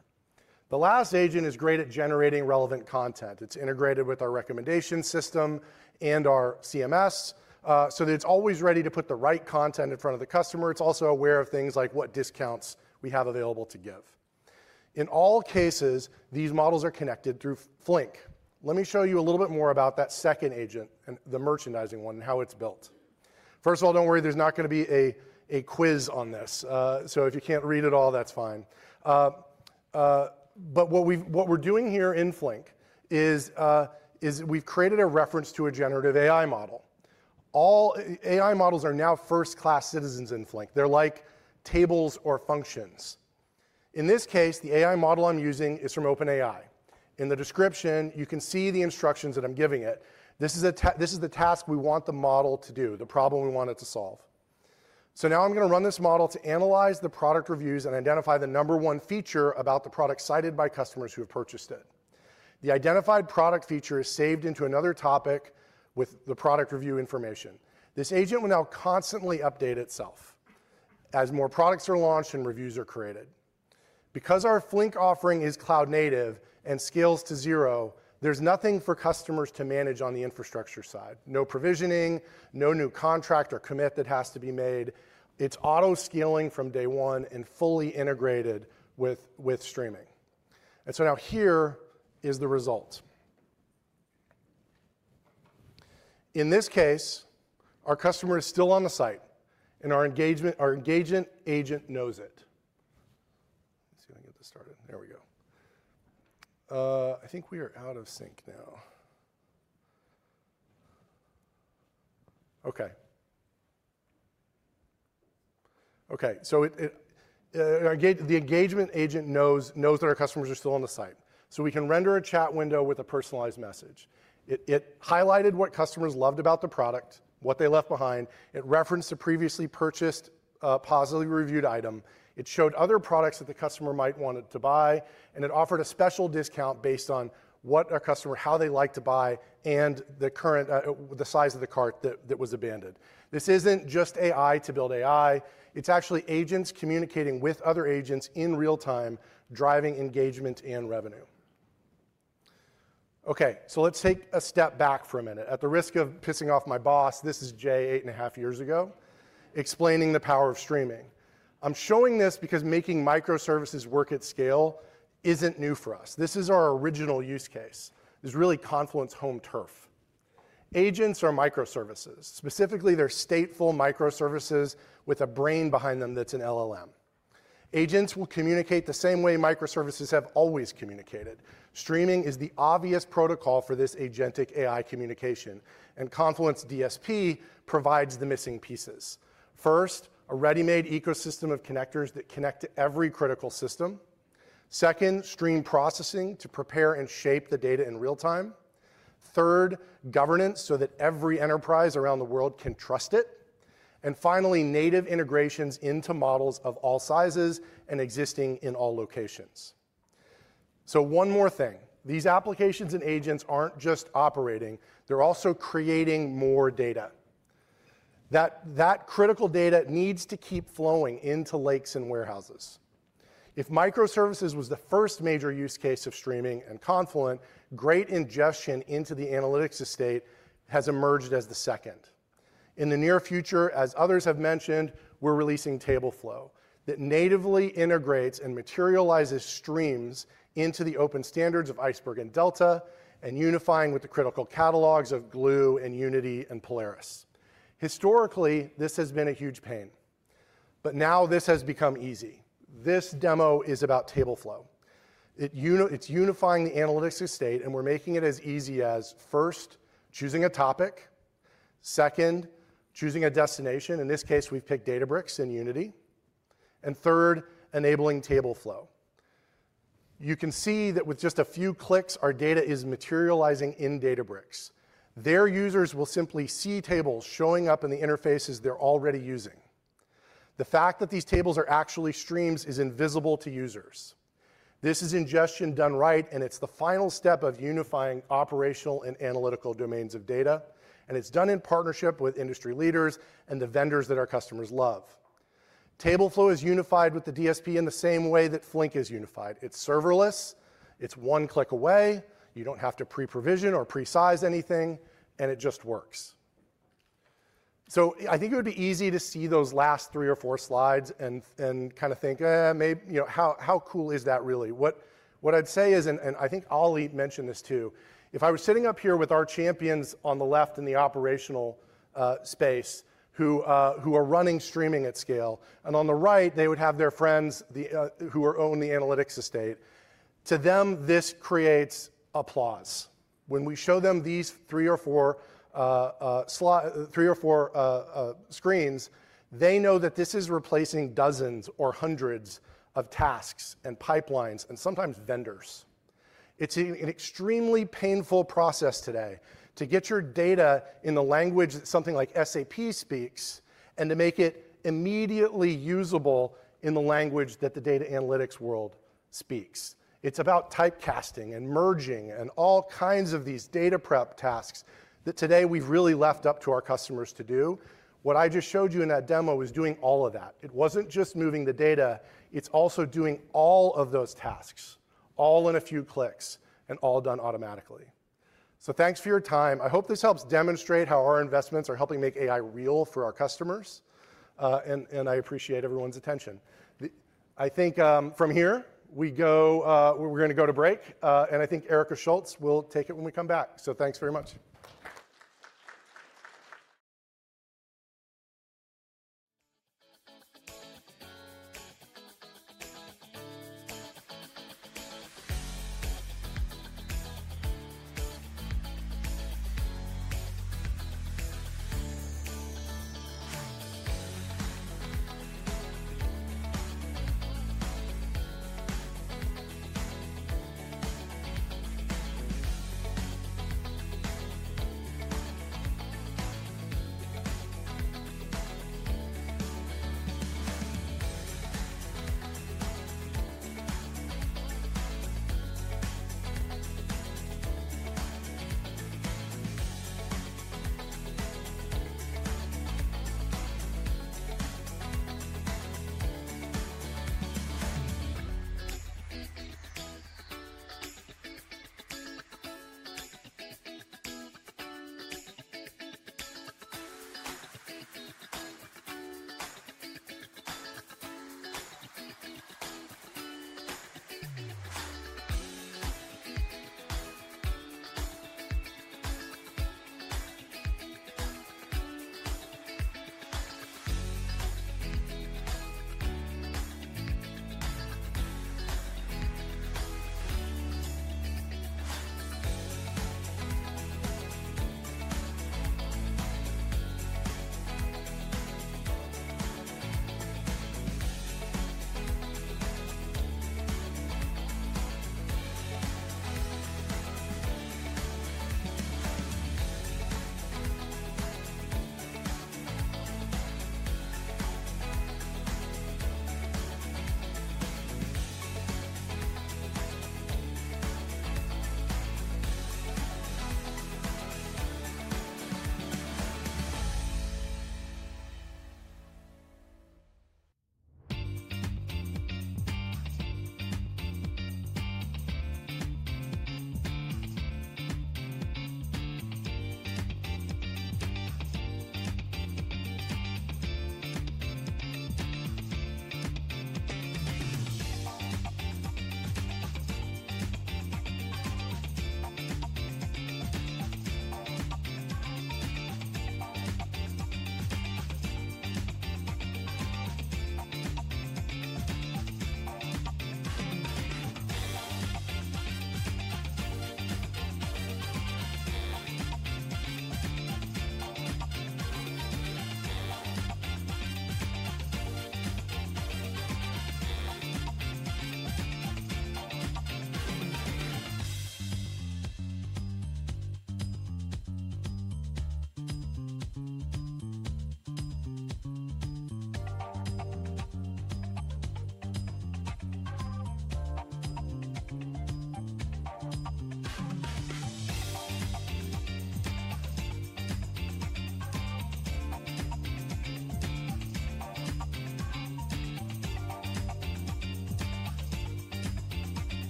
The last agent is great at generating relevant content. It's integrated with our recommendation system and our CMS so that it's always ready to put the right content in front of the customer. It's also aware of things like what discounts we have available to give. In all cases, these models are connected through Flink. Let me show you a little bit more about that second agent, the merchandising one, and how it's built. First of all, don't worry. There's not going to be a quiz on this. So if you can't read it all, that's fine. But what we're doing here in Flink is we've created a reference to a generative AI model. All AI models are now first-class citizens in Flink. They're like tables or functions. In this case, the AI model I'm using is from OpenAI. In the description, you can see the instructions that I'm giving it. This is the task we want the model to do, the problem we want it to solve. So now I'm going to run this model to analyze the product reviews and identify the number one feature about the product cited by customers who have purchased it. The identified product feature is saved into another topic with the product review information. This agent will now constantly update itself as more products are launched and reviews are created. Because our Flink offering is cloud-native and scales to zero, there's nothing for customers to manage on the infrastructure side. No provisioning, no new contract or commit that has to be made. It's auto-scaling from day one and fully integrated with streaming. And so now here is the result. In this case, our customer is still on the site, and our engagement agent knows it. Let's see if I can get this started. There we go. I think we are out of sync now. Okay. Okay. So the engagement agent knows that our customers are still on the site. So we can render a chat window with a personalized message. It highlighted what customers loved about the product, what they left behind. It referenced a previously purchased, positively reviewed item. It showed other products that the customer might want to buy. And it offered a special discount based on how they like to buy and the size of the cart that was abandoned. This isn't just AI to build AI. It's actually agents communicating with other agents in real time, driving engagement and revenue. Okay. So let's take a step back for a minute. At the risk of pissing off my boss, this is Jay eight and a half years ago explaining the power of streaming. I'm showing this because making microservices work at scale isn't new for us. This is our original use case. This is really Confluent's home turf. Agents are microservices. Specifically, they're stateful microservices with a brain behind them that's an LLM. Agents will communicate the same way microservices have always communicated. Streaming is the obvious protocol for this agentic AI communication, and Confluent's DSP provides the missing pieces. First, a ready-made ecosystem of connectors that connect to every critical system. Second, stream processing to prepare and shape the data in real time. Third, governance so that every enterprise around the world can trust it, and finally, native integrations into models of all sizes and existing in all locations. So one more thing: These applications and agents aren't just operating. They're also creating more data. That critical data needs to keep flowing into lakes and warehouses. If microservices was the first major use case of streaming and Confluent, great ingestion into the analytics estate has emerged as the second. In the near future, as others have mentioned, we're releasing Tableflow that natively integrates and materializes streams into the open standards of Iceberg and Delta and unifying with the critical catalogs of Glue and Unity and Polaris. Historically, this has been a huge pain. But now this has become easy. This demo is about Tableflow. It's unifying the analytics estate, and we're making it as easy as, first, choosing a topic. Second, choosing a destination. In this case, we've picked Databricks and Unity. And third, enabling Tableflow. You can see that with just a few clicks, our data is materializing in Databricks. Their users will simply see tables showing up in the interfaces they're already using. The fact that these tables are actually streams is invisible to users. This is ingestion done right, and it's the final step of unifying operational and analytical domains of data, and it's done in partnership with industry leaders and the vendors that our customers love. Tableflow is unified with the DSP in the same way that Flink is unified. It's serverless. It's one click away. You don't have to pre-provision or pre-size anything, and it just works. So I think it would be easy to see those last three or four slides and kind of think, "How cool is that really?" What I'd say is, and I think Ali mentioned this too, if I was sitting up here with our champions on the left in the operational space who are running streaming at scale, and on the right, they would have their friends who own the analytics estate. To them, this creates applause. When we show them these three or four screens, they know that this is replacing dozens or hundreds of tasks and pipelines and sometimes vendors. It's an extremely painful process today to get your data in the language that something like SAP speaks and to make it immediately usable in the language that the data analytics world speaks. It's about typecasting and merging and all kinds of these data prep tasks that today we've really left up to our customers to do. What I just showed you in that demo is doing all of that. It wasn't just moving the data. It's also doing all of those tasks, all in a few clicks and all done automatically. So thanks for your time. I hope this helps demonstrate how our investments are helping make AI real for our customers, and I appreciate everyone's attention. I think from here, we're going to go to break, and I think Erica Schultz will take it when we come back. So thanks very much.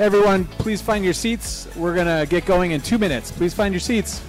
Hey, everyone. Please find your seats. We're going to get going in two minutes. Please find your seats.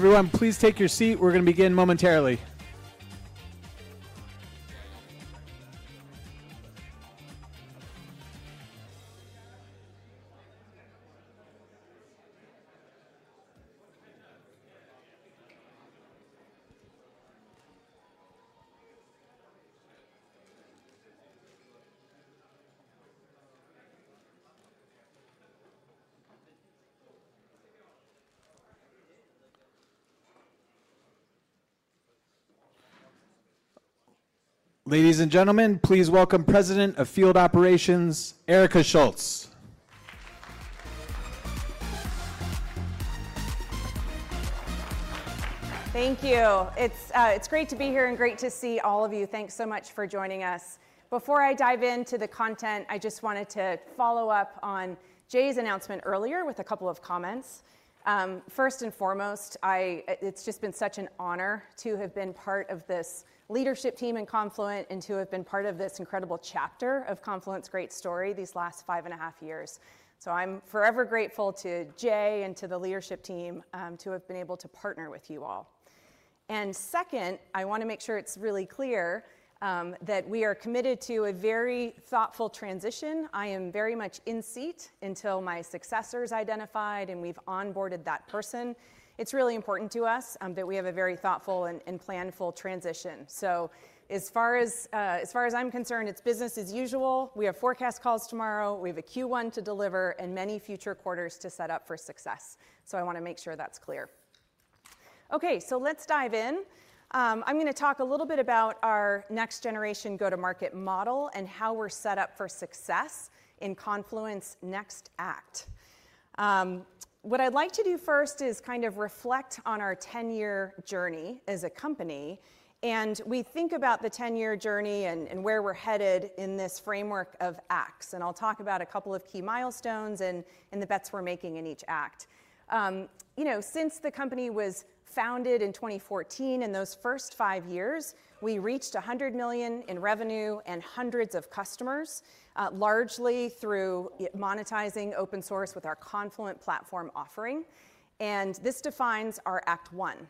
Everyone, please take your seat. We're going to begin momentarily. Ladies and gentlemen, please welcome President of Field Operations, Erica Schultz. Thank you. It's great to be here and great to see all of you. Thanks so much for joining us. Before I dive into the content, I just wanted to follow up on Jay's announcement earlier with a couple of comments. First and foremost, it's just been such an honor to have been part of this leadership team in Confluent and to have been part of this incredible chapter of Confluent's great story these last five and a half years. So I'm forever grateful to Jay and to the leadership team to have been able to partner with you all. And second, I want to make sure it's really clear that we are committed to a very thoughtful transition. I am very much in seat until my successor is identified, and we've onboarded that person. It's really important to us that we have a very thoughtful and planful transition. So as far as I'm concerned, it's business as usual. We have forecast calls tomorrow. We have a Q1 to deliver and many future quarters to set up for success. So I want to make sure that's clear. Okay, so let's dive in. I'm going to talk a little bit about our next generation go-to-market model and how we're set up for success in Confluent Next Act. What I'd like to do first is kind of reflect on our 10-year journey as a company. And we think about the 10-year journey and where we're headed in this framework of acts. And I'll talk about a couple of key milestones and the bets we're making in each act. Since the company was founded in 2014, in those first five years, we reached $100 million in revenue and hundreds of customers, largely through monetizing open source with our Confluent Platform offering. This defines our Act One.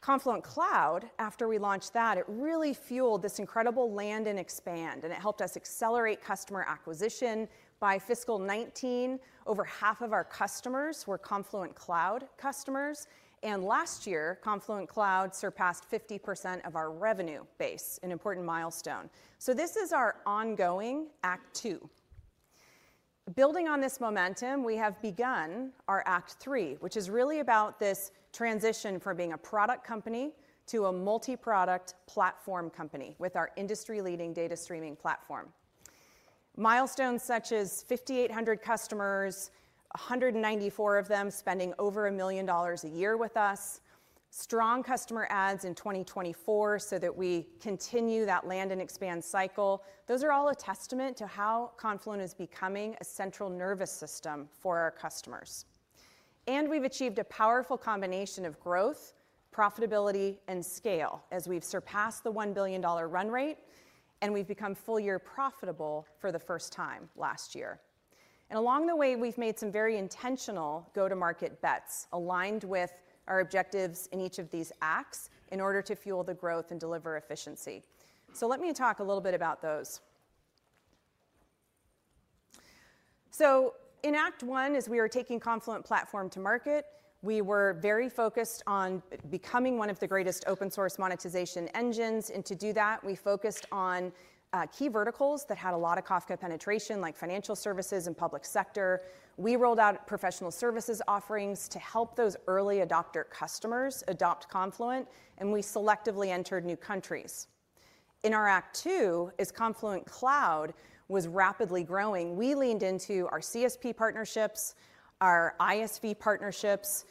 Confluent Cloud, after we launched that, it really fueled this incredible land and expand. It helped us accelerate customer acquisition. By fiscal 2019, over half of our customers were Confluent Cloud customers. Last year, Confluent Cloud surpassed 50% of our revenue base, an important milestone. This is our ongoing Act Two. Building on this momentum, we have begun our Act Three, which is really about this transition from being a product company to a multi-product platform company with our industry-leading data streaming platform. Milestones such as 5,800 customers, 194 of them spending over $1 million a year with us, strong customer adds in 2024 so that we continue that land and expand cycle. Those are all a testament to how Confluent is becoming a central nervous system for our customers. We've achieved a powerful combination of growth, profitability, and scale as we've surpassed the $1 billion run rate, and we've become full year profitable for the first time last year. Along the way, we've made some very intentional go-to-market bets aligned with our objectives in each of these acts in order to fuel the growth and deliver efficiency. Let me talk a little bit about those. In Act One, as we were taking Confluent Platform to market, we were very focused on becoming one of the greatest open source monetization engines. To do that, we focused on key verticals that had a lot of Kafka penetration, like Financial Services and public sector. We rolled out Professional Services offerings to help those early adopter customers adopt Confluent, and we selectively entered new countries. In our Act Two, as Confluent Cloud was rapidly growing, we leaned into our CSP partnerships, our ISV partnerships,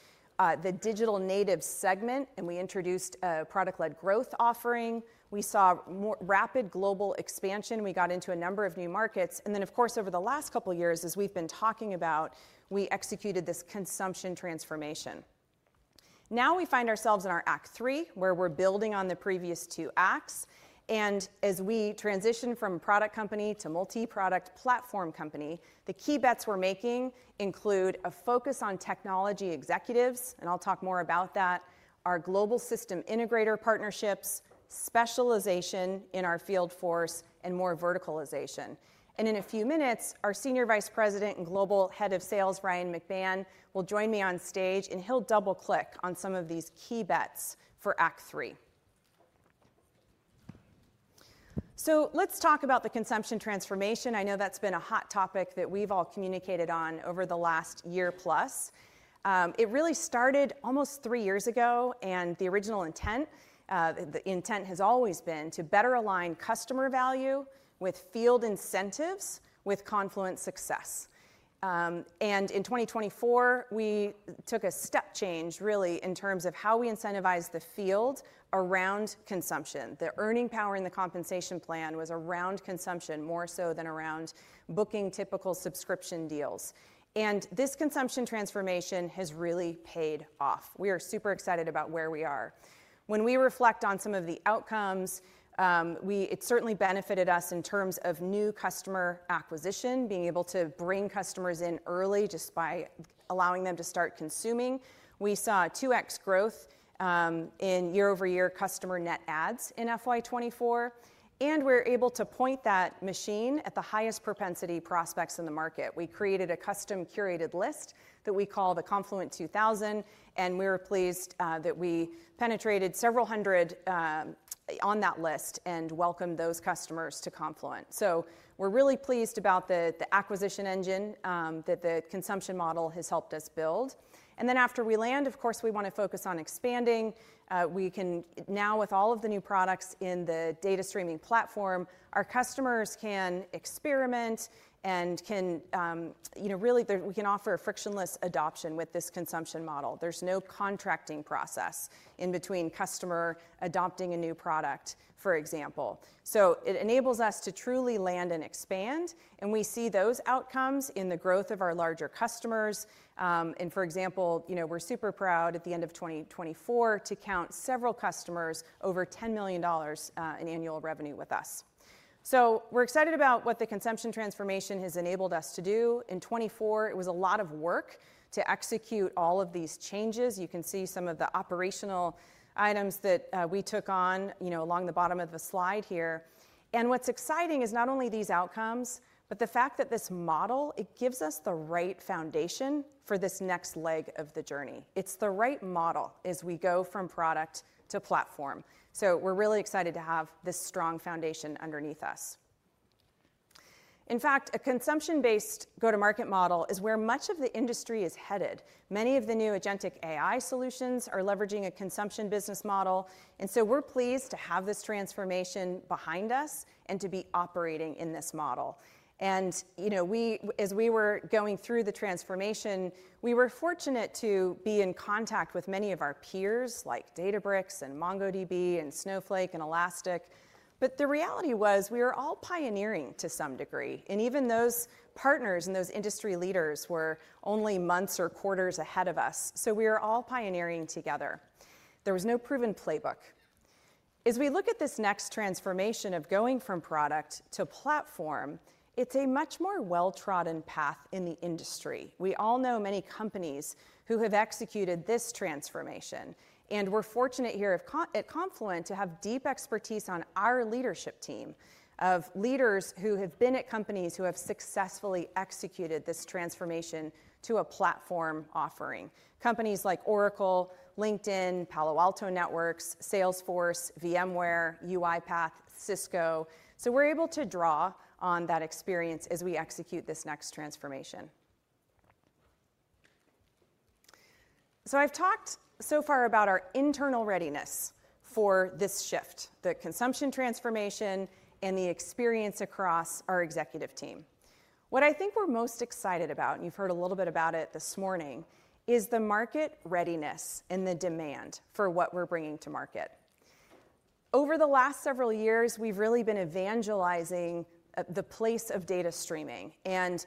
the Digital Natives segment, and we introduced a product-led growth offering. We saw rapid global expansion. We got into a number of new markets, and then, of course, over the last couple of years, as we've been talking about, we executed this consumption transformation. Now we find ourselves in our Act Three, where we're building on the previous two acts, and as we transition from product company to multi-product platform company, the key bets we're making include a focus on technology executives, and I'll talk more about that, our global system integrator partnerships, specialization in our field force, and more verticalization. In a few minutes, our Senior Vice President and Global Head of Sales, Ryan Mac Ban, will join me on stage, and he'll double-click on some of these key bets for Act Three. Let's talk about the consumption transformation. I know that's been a hot topic that we've all communicated on over the last year plus. It really started almost three years ago, and the original intent has always been to better align customer value with field incentives with Confluent success. In 2024, we took a step change, really, in terms of how we incentivize the field around consumption. The earning power in the compensation plan was around consumption more so than around booking typical subscription deals. This consumption transformation has really paid off. We are super excited about where we are. When we reflect on some of the outcomes, it certainly benefited us in terms of new customer acquisition, being able to bring customers in early just by allowing them to start consuming. We saw 2x growth in year-over-year customer net adds in FY24. And we're able to point that machine at the highest propensity prospects in the market. We created a custom-curated list that we call the Confluent 2000, and we were pleased that we penetrated several hundred on that list and welcomed those customers to Confluent. So we're really pleased about the acquisition engine that the consumption model has helped us build. And then after we land, of course, we want to focus on expanding. Now, with all of the new products in the data streaming platform, our customers can experiment and can really offer a frictionless adoption with this consumption model. There's no contracting process in between customer adopting a new product, for example. So it enables us to truly land and expand. And we see those outcomes in the growth of our larger customers. And for example, we're super proud at the end of 2024 to count several customers over $10 million in annual revenue with us. So we're excited about what the consumption transformation has enabled us to do. In 2024, it was a lot of work to execute all of these changes. You can see some of the operational items that we took on along the bottom of the slide here. And what's exciting is not only these outcomes, but the fact that this model gives us the right foundation for this next leg of the journey. It's the right model as we go from product to platform. So we're really excited to have this strong foundation underneath us. In fact, a consumption-based go-to-market model is where much of the industry is headed. Many of the new agentic AI solutions are leveraging a consumption business model. And so we're pleased to have this transformation behind us and to be operating in this model. And as we were going through the transformation, we were fortunate to be in contact with many of our peers like Databricks and MongoDB and Snowflake and Elastic. But the reality was we were all pioneering to some degree. And even those partners and those industry leaders were only months or quarters ahead of us. So we were all pioneering together. There was no proven playbook. As we look at this next transformation of going from product to platform, it's a much more well-trodden path in the industry. We all know many companies who have executed this transformation, and we're fortunate here at Confluent to have deep expertise on our leadership team of leaders who have been at companies who have successfully executed this transformation to a platform offering: companies like Oracle, LinkedIn, Palo Alto Networks, Salesforce, VMware, UiPath, Cisco, so we're able to draw on that experience as we execute this next transformation. I've talked so far about our internal readiness for this shift, the consumption transformation, and the experience across our executive team. What I think we're most excited about, and you've heard a little bit about it this morning, is the market readiness and the demand for what we're bringing to market. Over the last several years, we've really been evangelizing the place of data streaming and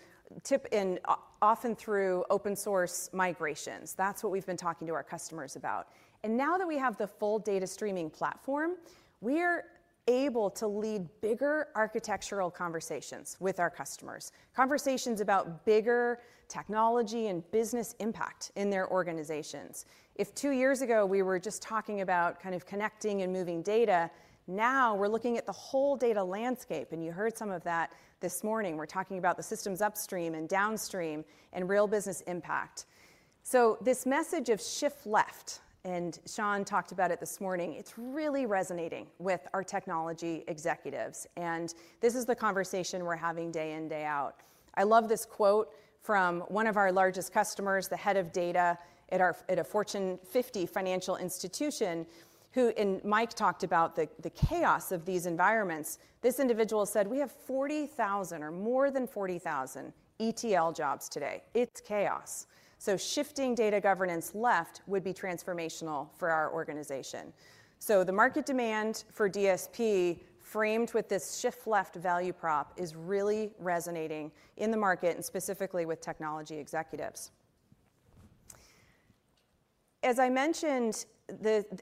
often through open source migrations. That's what we've been talking to our customers about. And now that we have the full data streaming platform, we are able to lead bigger architectural conversations with our customers, conversations about bigger technology and business impact in their organizations. If two years ago we were just talking about kind of connecting and moving data, now we're looking at the whole data landscape. And you heard some of that this morning. We're talking about the systems upstream and downstream and real business impact. So this message of shift left, and Shaun talked about it this morning, it's really resonating with our technology executives. And this is the conversation we're having day in, day out. I love this quote from one of our largest customers, the head of data at a Fortune 50 financial institution, whom Mike talked about the chaos of these environments. This individual said, "We have 40,000 or more than 40,000 ETL jobs today. It's chaos," so shifting data governance left would be transformational for our organization, so the market demand for DSP framed with this shift left value prop is really resonating in the market and specifically with technology executives. As I mentioned,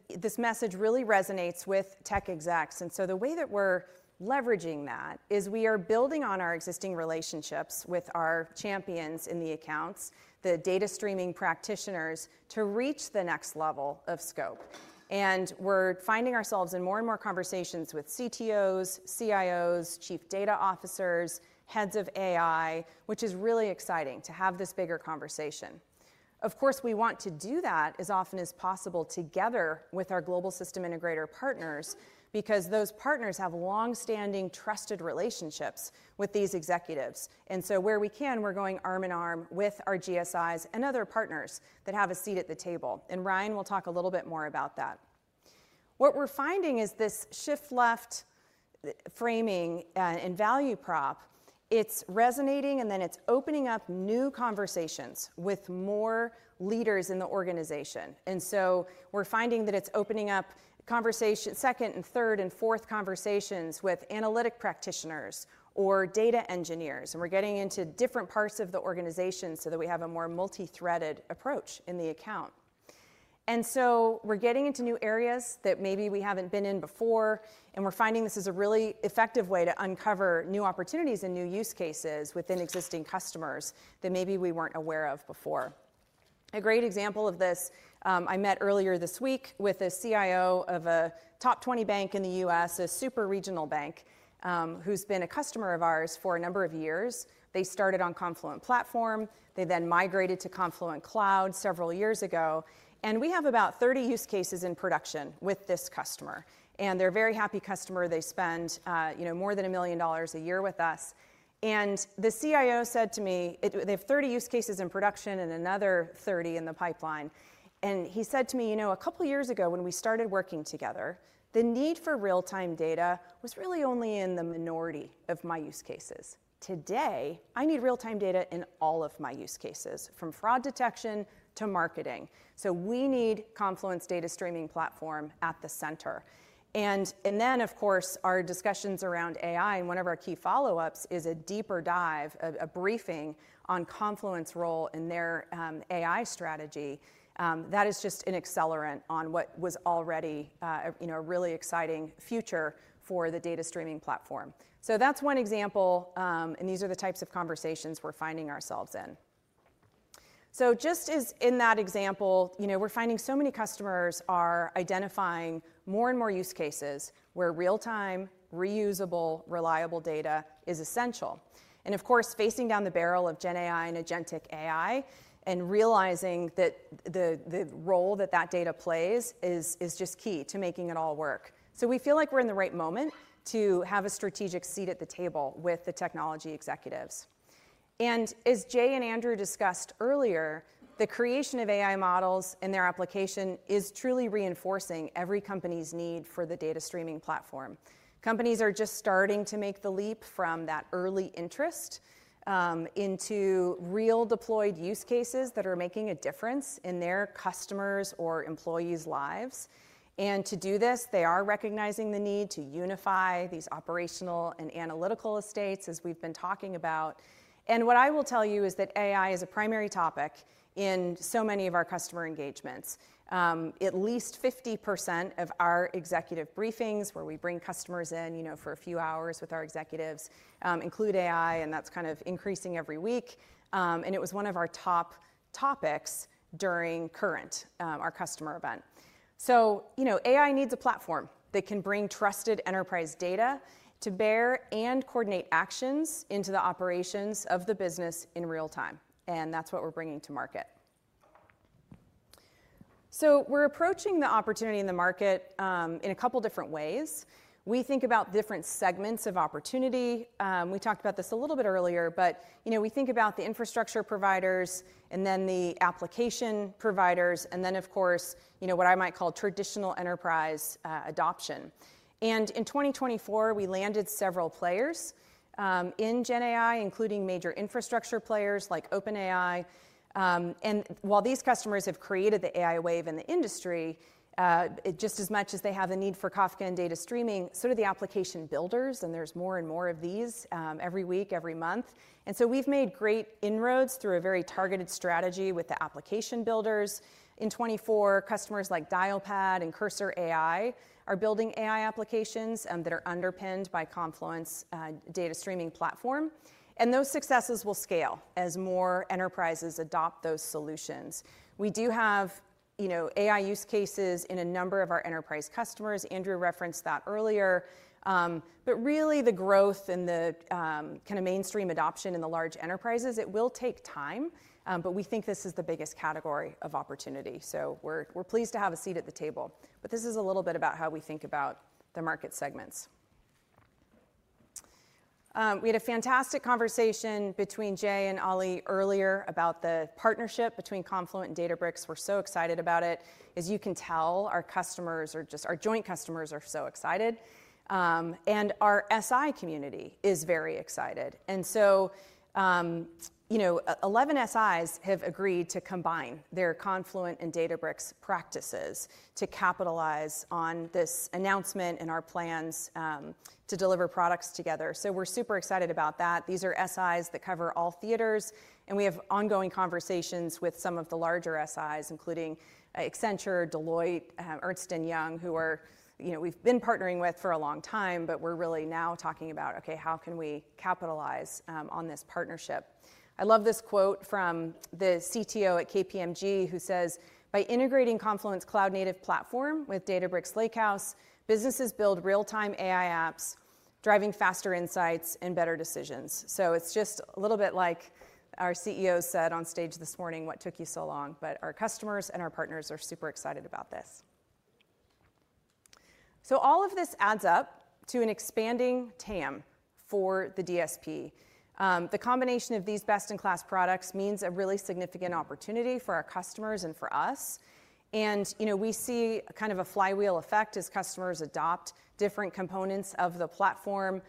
this message really resonates with tech execs, and so the way that we're leveraging that is we are building on our existing relationships with our champions in the accounts, the data streaming practitioners, to reach the next level of scope, and we're finding ourselves in more and more conversations with CTOs, CIOs, chief data officers, heads of AI, which is really exciting to have this bigger conversation. Of course, we want to do that as often as possible together with our global system integrator partners because those partners have long-standing trusted relationships with these executives. And so where we can, we're going arm in arm with our GSIs and other partners that have a seat at the table. And Ryan will talk a little bit more about that. What we're finding is this shift left framing and value prop. It's resonating, and then it's opening up new conversations with more leaders in the organization. And so we're finding that it's opening up second and third and fourth conversations with analytic practitioners or data engineers. And we're getting into different parts of the organization so that we have a more multi-threaded approach in the account. And so we're getting into new areas that maybe we haven't been in before. And we're finding this is a really effective way to uncover new opportunities and new use cases within existing customers that maybe we weren't aware of before. A great example of this, I met earlier this week with a CIO of a top 20 bank in the U.S., a super regional bank who's been a customer of ours for a number of years. They started on Confluent Platform. They then migrated to Confluent Cloud several years ago. And we have about 30 use cases in production with this customer. And they're a very happy customer. They spend more than $1 million a year with us. And the CIO said to me, "They have 30 use cases in production and another 30 in the pipeline." And he said to me, "A couple of years ago when we started working together, the need for real-time data was really only in the minority of my use cases. Today, I need real-time data in all of my use cases from fraud detection to marketing," so we need Confluent data streaming platform at the center. And then, of course, our discussions around AI and one of our key follow-ups is a deeper dive, a briefing on Confluent's role in their AI strategy. That is just an accelerant on what was already a really exciting future for the data streaming platform. That's one example, and these are the types of conversations we're finding ourselves in. Just as in that example, we're finding so many customers are identifying more and more use cases where real-time, reusable, reliable data is essential. And of course, facing down the barrel of GenAI and agentic AI and realizing that the role that that data plays is just key to making it all work. So we feel like we're in the right moment to have a strategic seat at the table with the technology executives. And as Jay and Andrew discussed earlier, the creation of AI models and their application is truly reinforcing every company's need for the data streaming platform. Companies are just starting to make the leap from that early interest into real deployed use cases that are making a difference in their customers' or employees' lives. And to do this, they are recognizing the need to unify these operational and analytical estates as we've been talking about. And what I will tell you is that AI is a primary topic in so many of our customer engagements. At least 50% of our executive briefings where we bring customers in for a few hours with our executives include AI, and that's kind of increasing every week. It was one of our top topics during our Current customer event. AI needs a platform that can bring trusted enterprise data to bear and coordinate actions into the operations of the business in real time. That's what we're bringing to market. We're approaching the opportunity in the market in a couple of different ways. We think about different segments of opportunity. We talked about this a little bit earlier, but we think about the infrastructure providers and then the application providers, and then, of course, what I might call traditional enterprise adoption. In 2024, we landed several players in GenAI, including major infrastructure players like OpenAI. And while these customers have created the AI wave in the industry, just as much as they have a need for Kafka and data streaming, so do the application builders, and there's more and more of these every week, every month. And so we've made great inroads through a very targeted strategy with the application builders. In 2024, customers like Dialpad and Cursor are building AI applications that are underpinned by Confluent data streaming platform. And those successes will scale as more enterprises adopt those solutions. We do have AI use cases in a number of our enterprise customers. Andrew referenced that earlier. But really, the growth and the kind of mainstream adoption in the large enterprises, it will take time, but we think this is the biggest category of opportunity. So we're pleased to have a seat at the table. But this is a little bit about how we think about the market segments. We had a fantastic conversation between Jay and Ali earlier about the partnership between Confluent and Databricks. We're so excited about it. As you can tell, our customers are just our joint customers are so excited. And our SI community is very excited. And so 11 SIs have agreed to combine their Confluent and Databricks practices to capitalize on this announcement and our plans to deliver products together. So we're super excited about that. These are SIs that cover all theaters. And we have ongoing conversations with some of the larger SIs, including Accenture, Deloitte, Ernst & Young, who we've been partnering with for a long time, but we're really now talking about, okay, how can we capitalize on this partnership? I love this quote from the CTO at KPMG who says, "By integrating Confluent Cloud Native Platform with Databricks Lakehouse, businesses build real-time AI apps, driving faster insights and better decisions, so it's just a little bit like our CEO said on stage this morning, 'What took you so long?' But our customers and our partners are super excited about this, so all of this adds up to an expanding TAM for the DSP. The combination of these best-in-class products means a really significant opportunity for our customers and for us, and we see kind of a flywheel effect as customers adopt different components of the platform.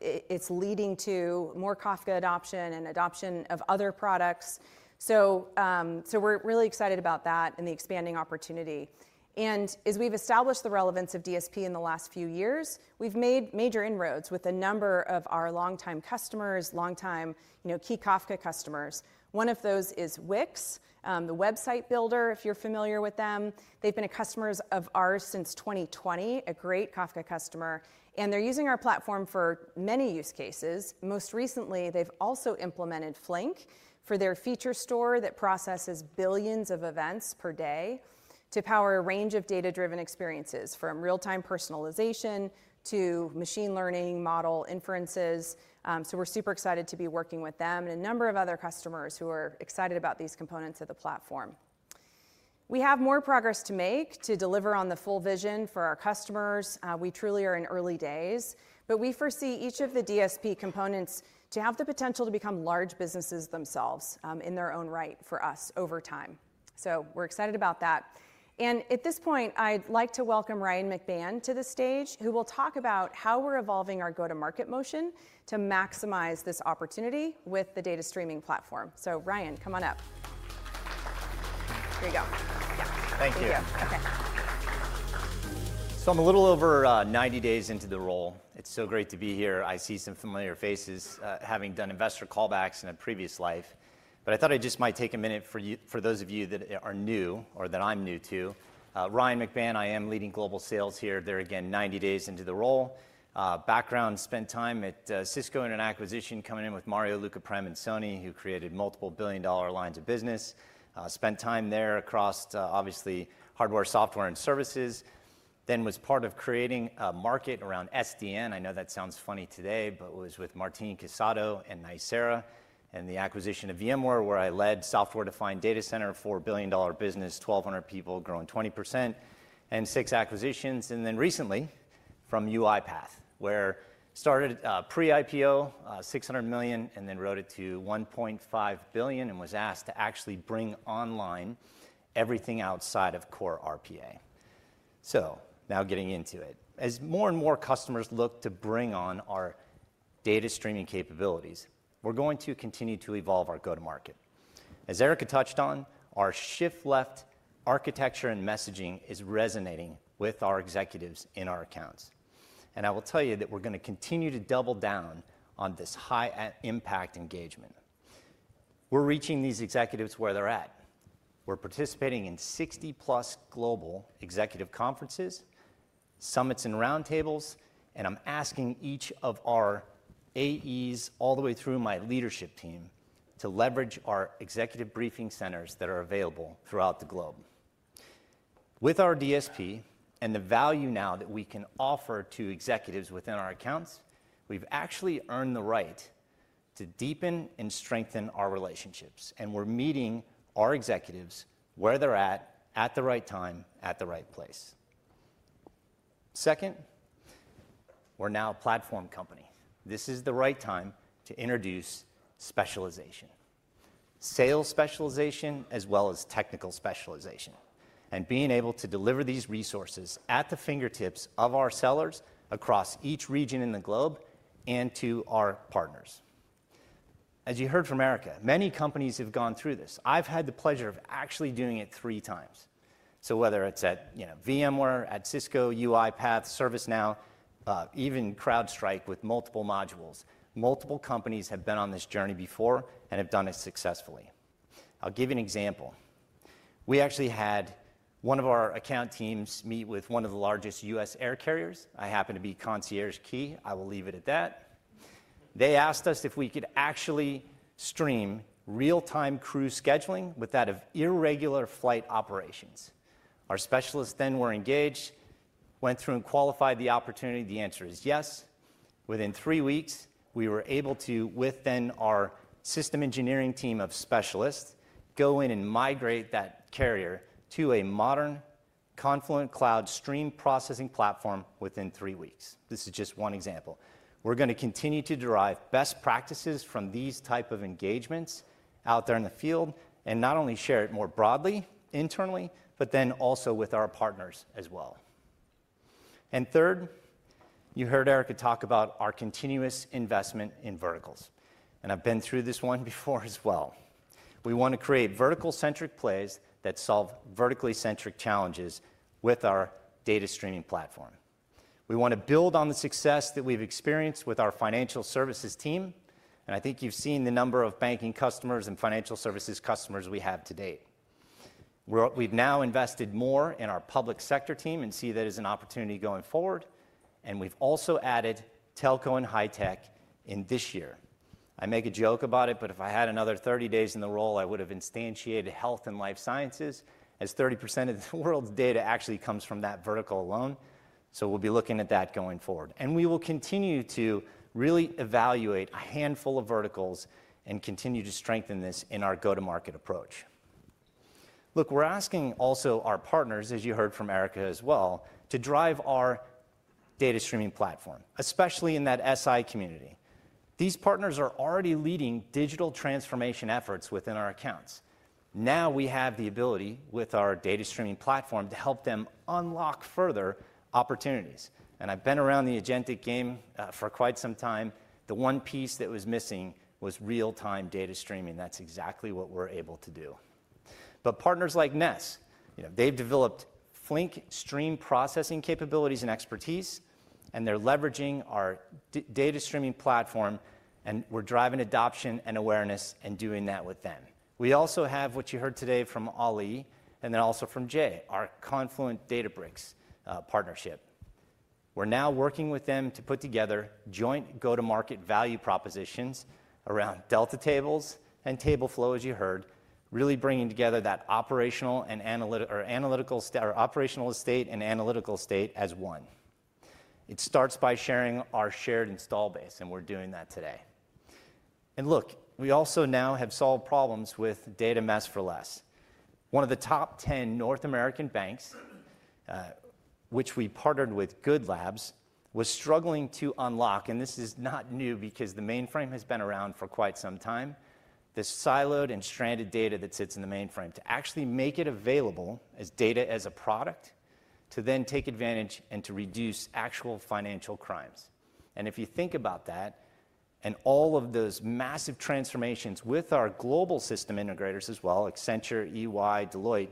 It's leading to more Kafka adoption and adoption of other products, so we're really excited about that and the expanding opportunity. And as we've established the relevance of DSP in the last few years, we've made major inroads with a number of our long-time customers, long-time key Kafka customers. One of those is Wix, the website builder, if you're familiar with them. They've been a customer of ours since 2020, a great Kafka customer. And they're using our platform for many use cases. Most recently, they've also implemented Flink for their feature store that processes billions of events per day to power a range of data-driven experiences from real-time personalization to machine learning model inferences. So we're super excited to be working with them and a number of other customers who are excited about these components of the platform. We have more progress to make to deliver on the full vision for our customers. We truly are in early days, but we foresee each of the DSP components to have the potential to become large businesses themselves in their own right for us over time. So we're excited about that, and at this point, I'd like to welcome Ryan Mac Ban to the stage, who will talk about how we're evolving our go-to-market motion to maximize this opportunity with the data streaming platform. So, Ryan, come on up. Here you go. Yeah. Thank you. Okay. So I'm a little over 90 days into the role. It's so great to be here. I see some familiar faces having done investor callbacks in a previous life. But I thought I just might take a minute for those of you that are new or that I'm new to. Ryan Mac Ban, I am leading global sales here. There, I'm again 90 days into the role. Background, spent time at Cisco in an acquisition, coming in with Mario, Luca, Prem and Soni, who created multiple billion-dollar lines of business. Spent time there across obviously hardware, software, and services. Then was part of creating a market around SDN. I know that sounds funny today, but was with Martin Casado and Nicira and the acquisition of VMware, where I led software-defined data center, $4 billion business, 1,200 people, growing 20% and six acquisitions. Then recently from UiPath, where started pre-IPO, $600 million, and then grew to $1.5 billion and was asked to actually bring online everything outside of core RPA. Now getting into it. As more and more customers look to bring on our data streaming capabilities, we're going to continue to evolve our go-to-market. As Erica touched on, our shift left architecture and messaging is resonating with our executives in our accounts. I will tell you that we're going to continue to double down on this high-impact engagement. We're reaching these executives where they're at. We're participating in 60-plus global executive conferences, summits, and roundtables. I'm asking each of our AEs all the way through my leadership team to leverage our executive briefing centers that are available throughout the globe. With our DSP and the value now that we can offer to executives within our accounts, we've actually earned the right to deepen and strengthen our relationships. We're meeting our executives where they're at, at the right time, at the right place. Second, we're now a platform company. This is the right time to introduce specialization, sales specialization, as well as technical specialization, and being able to deliver these resources at the fingertips of our sellers across each region in the globe and to our partners. As you heard from Erica, many companies have gone through this. I've had the pleasure of actually doing it three times. So whether it's at VMware, at Cisco, UiPath, ServiceNow, even CrowdStrike with multiple modules, multiple companies have been on this journey before and have done it successfully. I'll give you an example. We actually had one of our account teams meet with one of the largest U.S. air carriers. I happen to be ConciergeKey. I will leave it at that. They asked us if we could actually stream real-time crew scheduling with that of irregular flight operations. Our specialists then were engaged, went through and qualified the opportunity. The answer is yes. Within three weeks, we were able to, with then our system engineering team of specialists, go in and migrate that carrier to a modern Confluent Cloud Stream Processing Platform within three weeks. This is just one example. We're going to continue to derive best practices from these types of engagements out there in the field and not only share it more broadly internally, but then also with our partners as well. And third, you heard Erica talk about our continuous investment in verticals. And I've been through this one before as well. We want to create vertical-centric plays that solve vertically-centric challenges with our data streaming platform. We want to build on the success that we've experienced with our Financial Services team. And I think you've seen the number of banking customers and Financial Services customers we have to date. We've now invested more in our public sector team and see that as an opportunity going forward. And we've also added telco and high-tech in this year. I make a joke about it, but if I had another 30 days in the role, I would have instantiated health and life sciences as 30% of the world's data actually comes from that vertical alone. So we'll be looking at that going forward. And we will continue to really evaluate a handful of verticals and continue to strengthen this in our go-to-market approach. Look, we're asking also our partners, as you heard from Erica as well, to drive our data streaming platform, especially in that SI community. These partners are already leading digital transformation efforts within our accounts. Now we have the ability with our data streaming platform to help them unlock further opportunities. And I've been around the agentic game for quite some time. The one piece that was missing was real-time data streaming. That's exactly what we're able to do. But partners like Ness have developed Flink stream processing capabilities and expertise, and they're leveraging our data streaming platform, and we're driving adoption and awareness and doing that with them. We also have what you heard today from Ali and then also from Jay, our Confluent Databricks partnership. We're now working with them to put together joint go-to-market value propositions around Delta Tables and Tableflow, as you heard, really bringing together that operational and analytical state and analytical state as one. It starts by sharing our shared install base, and we're doing that today. And look, we also now have solved problems with data mesh for less. One of the top 10 North American banks, which we partnered with GoodLabs, was struggling to unlock, and this is not new because the mainframe has been around for quite some time, the siloed and stranded data that sits in the mainframe to actually make it available as data as a product to then take advantage and to reduce actual financial crimes. If you think about that and all of those massive transformations with our global system integrators as well, Accenture, EY, Deloitte,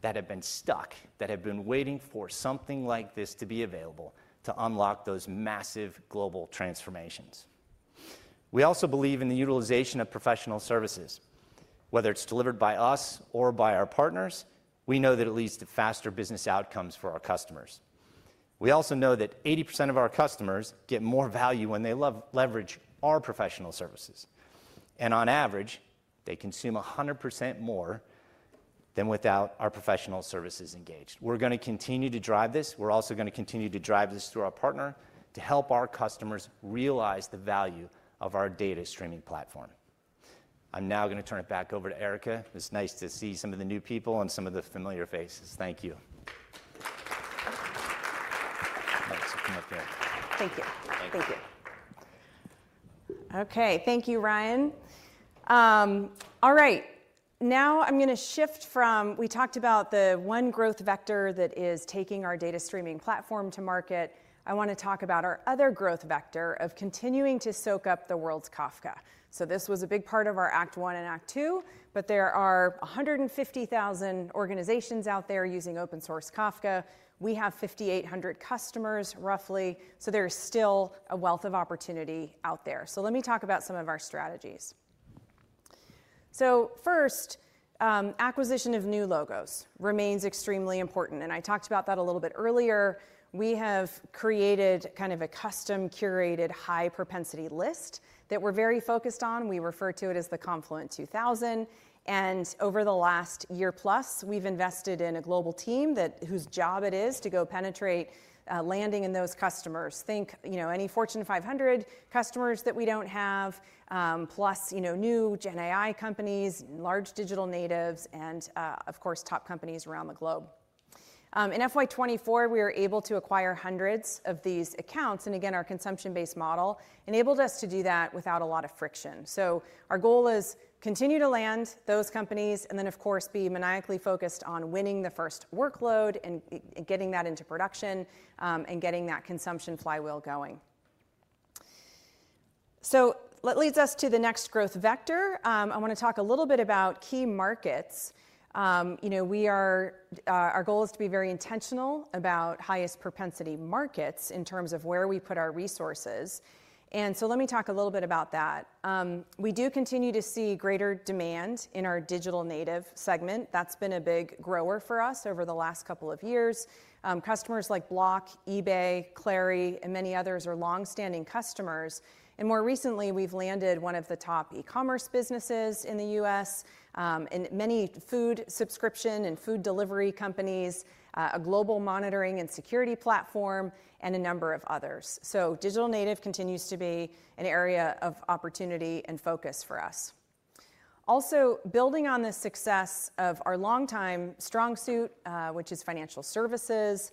that have been stuck, that have been waiting for something like this to be available to unlock those massive global transformations. We also believe in the utilization of Professional Services. Whether it's delivered by us or by our partners, we know that it leads to faster business outcomes for our customers. We also know that 80% of our customers get more value when they leverage our Professional Services, and on average, they consume 100% more than without our Professional Services engaged. We're going to continue to drive this. We're also going to continue to drive this through our partner to help our customers realize the value of our data streaming platform. I'm now going to turn it back over to Erica. It's nice to see some of the new people and some of the familiar faces. Thank you. Thank you. Thank you. Okay. Thank you, Ryan. All right. Now I'm going to shift from we talked about the one growth vector that is taking our data streaming platform to market. I want to talk about our other growth vector of continuing to soak up the world's Kafka. This was a big part of our Act One and Act Two, but there are 150,000 organizations out there using open-source Kafka. We have 5,800 customers roughly. There is still a wealth of opportunity out there. Let me talk about some of our strategies. First, acquisition of new logos remains extremely important. I talked about that a little bit earlier. We have created kind of a custom curated high-propensity list that we're very focused on. We refer to it as the Confluent 2000. Over the last year plus, we've invested in a global team whose job it is to go penetrate and land in those customers. Think any Fortune 500 customers that we don't have, plus new GenAI companies, large Digital Natives, and of course, top companies around the globe. In FY 2024, we were able to acquire hundreds of these accounts. Again, our consumption-based model enabled us to do that without a lot of friction. Our goal is to continue to land those companies and then, of course, be maniacally focused on winning the first workload and getting that into production and getting that consumption flywheel going. That leads us to the next growth vector. I want to talk a little bit about key markets. Our goal is to be very intentional about highest propensity markets in terms of where we put our resources. Let me talk a little bit about that. We do continue to see greater demand in our Digital Natives segment. That's been a big grower for us over the last couple of years. Customers like Block, eBay, Clari, and many others are long-standing customers. More recently, we've landed one of the top e-commerce businesses in the U.S. and many food subscription and food delivery companies, a global monitoring and security platform, and a number of others. So Digital Native continues to be an area of opportunity and focus for us. Also, building on the success of our longtime strong suit, which is Financial Services,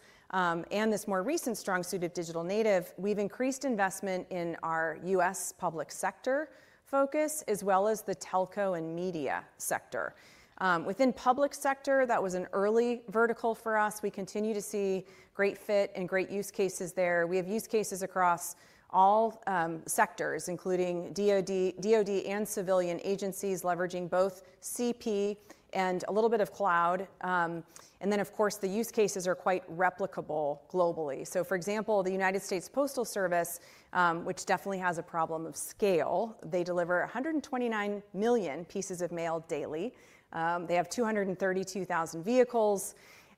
and this more recent strong suit of Digital Native, we've increased investment in our U.S. public sector focus as well as the telco and media sector. Within public sector, that was an early vertical for us. We continue to see great fit and great use cases there. We have use cases across all sectors, including DOD and civilian agencies leveraging both CP and a little bit of cloud. Then, of course, the use cases are quite replicable globally. For example, the United States Postal Service, which definitely has a problem of scale, they deliver 129 million pieces of mail daily. They have 232,000 vehicles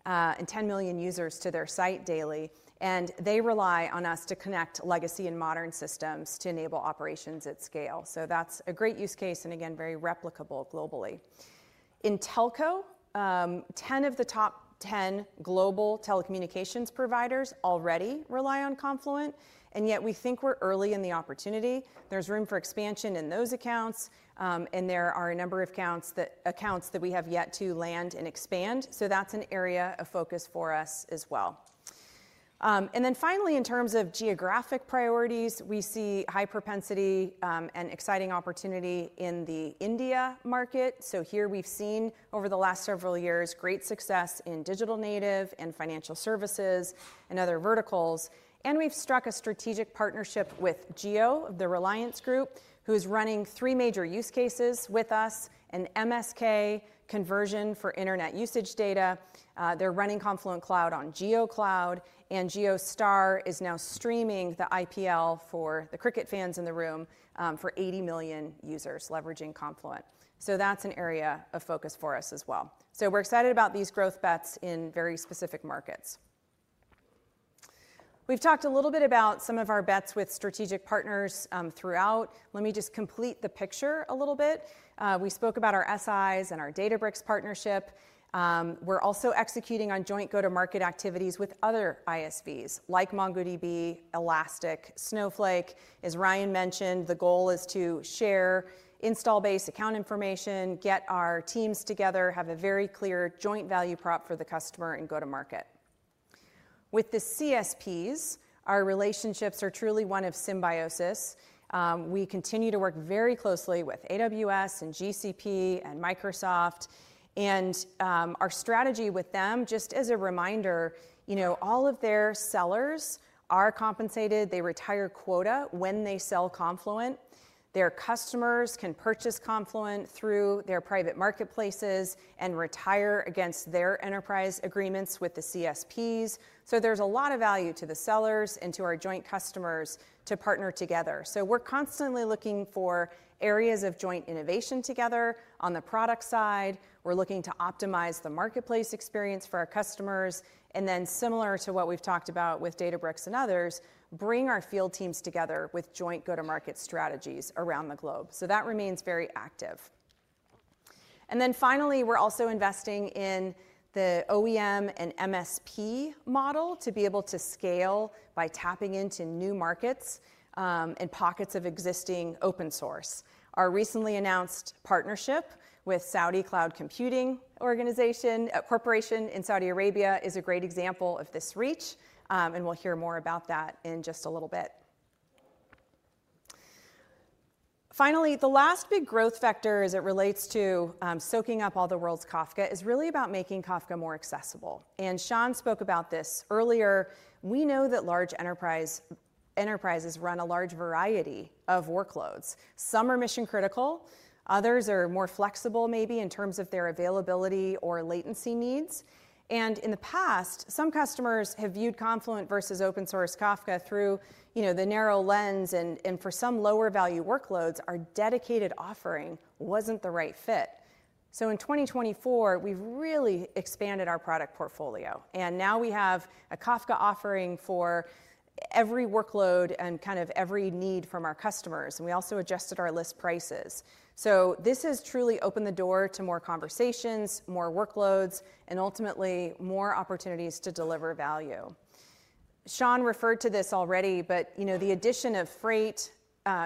and 10 million users to their site daily. And they rely on us to connect legacy and modern systems to enable operations at scale. So that's a great use case and, again, very replicable globally. In telco, 10 of the top 10 global telecommunications providers already rely on Confluent. And yet, we think we're early in the opportunity. There's room for expansion in those accounts. And there are a number of accounts that we have yet to land and expand. So that's an area of focus for us as well. And then finally, in terms of geographic priorities, we see high propensity and exciting opportunity in the India market. So here, we've seen over the last several years great success in Digital Native and Financial Services and other verticals. We've struck a strategic partnership with Jio, the Reliance Group, who is running three major use cases with us: an MSK conversion for internet usage data. They're running Confluent Cloud on JioCloud. JioStar is now streaming the IPL for the cricket fans in the room for 80 million users leveraging Confluent. That's an area of focus for us as well. We're excited about these growth bets in very specific markets. We've talked a little bit about some of our bets with strategic partners throughout. Let me just complete the picture a little bit. We spoke about our SIs and our Databricks partnership. We're also executing on joint go-to-market activities with other ISVs like MongoDB, Elastic, Snowflake. As Ryan mentioned, the goal is to share install-based account information, get our teams together, have a very clear joint value prop for the customer, and go to market. With the CSPs, our relationships are truly one of symbiosis. We continue to work very closely with AWS and GCP and Microsoft, and our strategy with them, just as a reminder, all of their sellers are compensated. They retire quota when they sell Confluent. Their customers can purchase Confluent through their private marketplaces and retire against their enterprise agreements with the CSPs, so there's a lot of value to the sellers and to our joint customers to partner together, so we're constantly looking for areas of joint innovation together. On the product side, we're looking to optimize the marketplace experience for our customers. And then, similar to what we've talked about with Databricks and others, bring our field teams together with joint go-to-market strategies around the globe. So that remains very active. And then finally, we're also investing in the OEM and MSP model to be able to scale by tapping into new markets and pockets of existing open source. Our recently announced partnership with Saudi Cloud Computing Company in Saudi Arabia is a great example of this reach. And we'll hear more about that in just a little bit. Finally, the last big growth factor as it relates to soaking up all the world's Kafka is really about making Kafka more accessible. And Shaun spoke about this earlier. We know that large enterprises run a large vAiryty of workloads. Some are mission-critical. Others are more flexible, maybe in terms of their availability or latency needs. And in the past, some customers have viewed Confluent versus open-source Kafka through the narrow lens. And for some lower-value workloads, our dedicated offering wasn't the right fit. So in 2024, we've really expanded our product portfolio. And now we have a Kafka offering for every workload and kind of every need from our customers. And we also adjusted our list prices. So this has truly opened the door to more conversations, more workloads, and ultimately more opportunities to deliver value. Shaun referred to this already, but the addition of Freight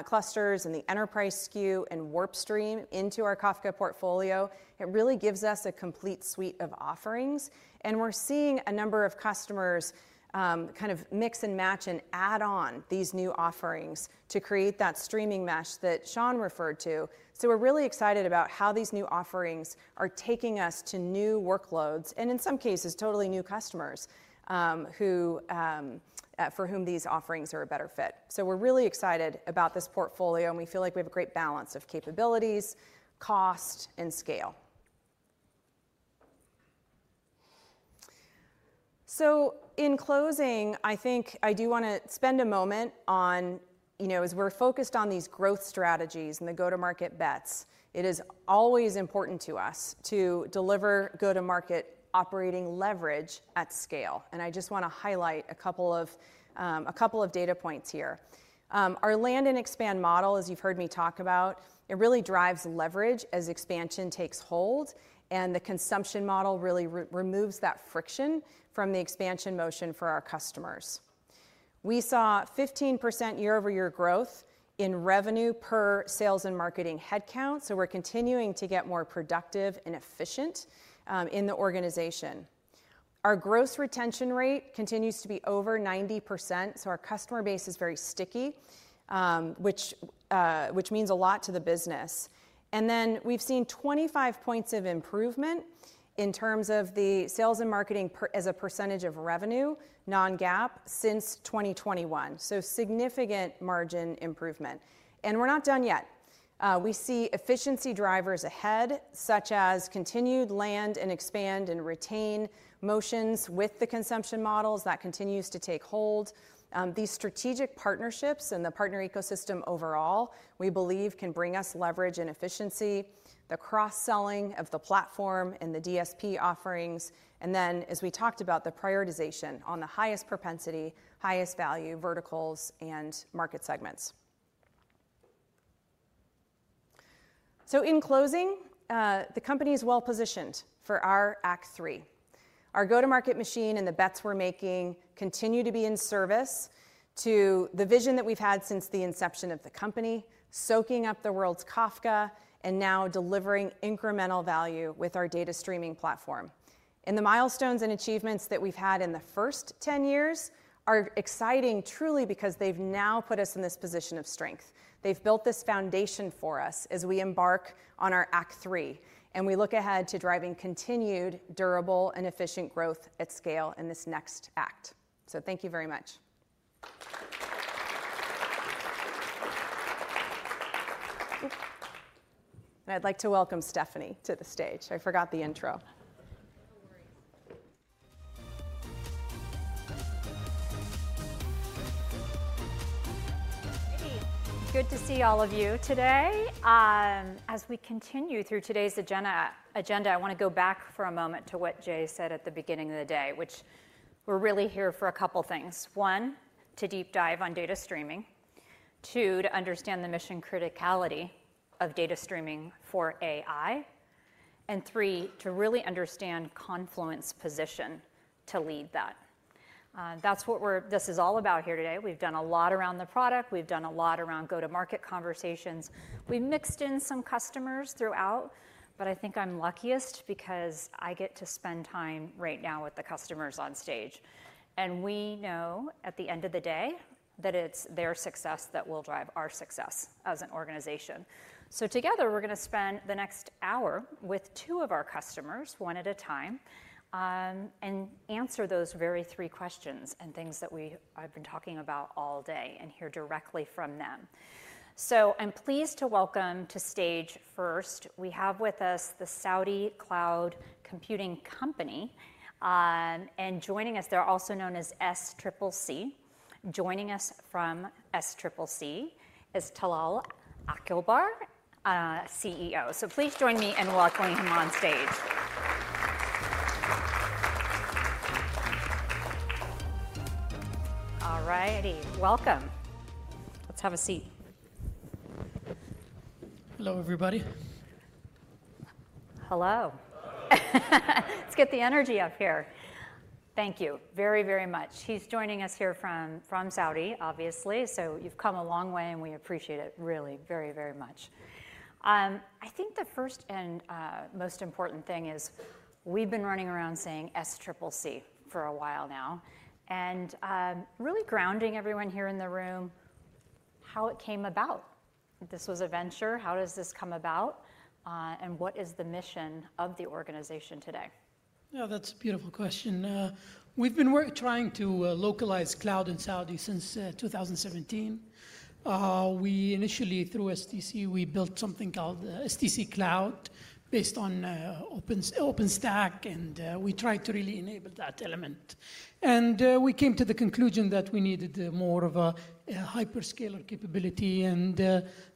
Clusters and the Enterprise SKU and WarpStream into our Kafka portfolio, it really gives us a complete suite of offerings. And we're seeing a number of customers kind of mix and match and add on these new offerings to create that streaming mesh that Shaun referred to. So we're really excited about how these new offerings are taking us to new workloads and, in some cases, totally new customers for whom these offerings are a better fit. So we're really excited about this portfolio. And we feel like we have a great balance of capabilities, cost, and scale. So in closing, I think I do want to spend a moment on, as we're focused on these growth strategies and the go-to-market bets, it is always important to us to deliver go-to-market operating leverage at scale. And I just want to highlight a couple of data points here. Our land and expand model, as you've heard me talk about, it really drives leverage as expansion takes hold. And the consumption model really removes that friction from the expansion motion for our customers. We saw 15% year-over-year growth in revenue per sales and marketing headcount. We're continuing to get more productive and efficient in the organization. Our gross retention rate continues to be over 90%. Our customer base is very sticky, which means a lot to the business. We've seen 25 points of improvement in terms of the sales and marketing as a percentage of revenue, non-GAAP, since 2021. Significant margin improvement. We're not done yet. We see efficiency drivers ahead, such as continued land and expand and retain motions with the consumption models that continues to take hold. These strategic partnerships and the partner ecosystem overall, we believe, can bring us leverage and efficiency, the cross-selling of the platform and the DSP offerings. As we talked about, the prioritization on the highest propensity, highest value verticals and market segments. In closing, the company is well-positioned for our Act Three. Our go-to-market machine and the bets we're making continue to be in service to the vision that we've had since the inception of the company, soaking up the world's Kafka, and now delivering incremental value with our data streaming platform. And the milestones and achievements that we've had in the first 10 years are exciting, truly, because they've now put us in this position of strength. They've built this foundation for us as we embark on our Act Three. And we look ahead to driving continued durable and efficient growth at scale in this next act. So thank you very much. And I'd like to welcome Stephanie to the stage. I forgot the intro. No worries. Good to see all of you today. As we continue through today's agenda, I want to go back for a moment to what Jay said at the beginning of the day, which we're really here for a couple of things. One, to deep dive on data streaming. Two, to understand the mission criticality of data streaming for AI. And three, to really understand Confluent's position to lead that. That's what this is all about here today. We've done a lot around the product. We've done a lot around go-to-market conversations. We've mixed in some customers throughout. But I think I'm luckiest because I get to spend time right now with the customers on stage. And we know at the end of the day that it's their success that will drive our success as an organization. So, together, we're going to spend the next hour with two of our customers, one at a time, and answer those very three questions and things that I've been talking about all day and hear directly from them. So, I'm pleased to welcome to stage first; we have with us the Saudi Cloud Computing Company. And joining us, they're also known as SCCC. Joining us from SCCC is Talal Albakr, CEO. So, please join me in welcoming him on stage. All righty. Welcome. Let's have a seat. Hello, everybody. Hello. Let's get the energy up here. Thank you very, very much. He's joining us here from Saudi, obviously. So, you've come a long way, and we appreciate it really very, very much. I think the first and most important thing is we've been running around saying SCCC for a while now. And really grounding everyone here in the room, how it came about. This was a venture. How does this come about? And what is the mission of the organization today? Yeah, that's a beautiful question. We've been trying to localize cloud in Saudi since 2017. We initially, through stc, we built something called stc Cloud based on OpenStack. And we tried to really enable that element. And we came to the conclusion that we needed more of a hyperscaler capability. And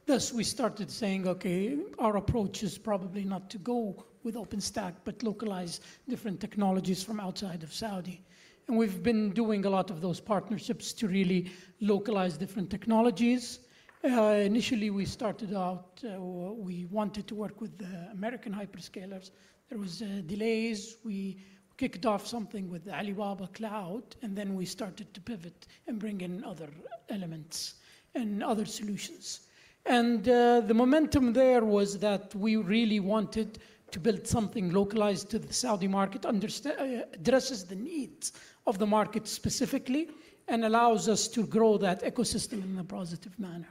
thus, we started saying, "Okay, our approach is probably not to go with OpenStack, but localize different technologies from outside of Saudi." And we've been doing a lot of those partnerships to really localize different technologies. Initially, we started out, we wanted to work with American hyperscalers. There were delays. We kicked off something with Alibaba Cloud. And then we started to pivot and bring in other elements and other solutions. And the momentum there was that we really wanted to build something localized to the Saudi market, addresses the needs of the market specifically, and allows us to grow that ecosystem in a positive manner.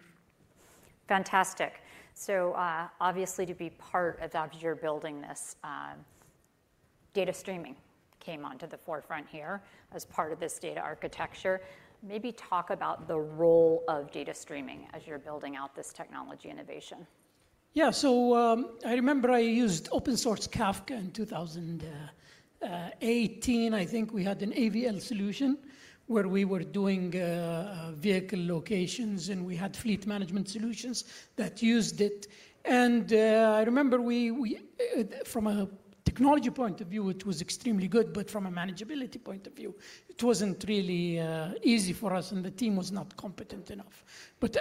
Fantastic. So obviously, to be part of that, you're building this data streaming came to the forefront here as part of this data architecture. Maybe talk about the role of data streaming as you're building out this technology innovation. Yeah. So I remember I used open-source Kafka in 2018. I think we had an AVL solution where we were doing vehicle locations. And we had fleet management solutions that used it. And I remember from a technology point of view, it was extremely good. But from a manageability point of view, it wasn't really easy for us. The team was not competent enough.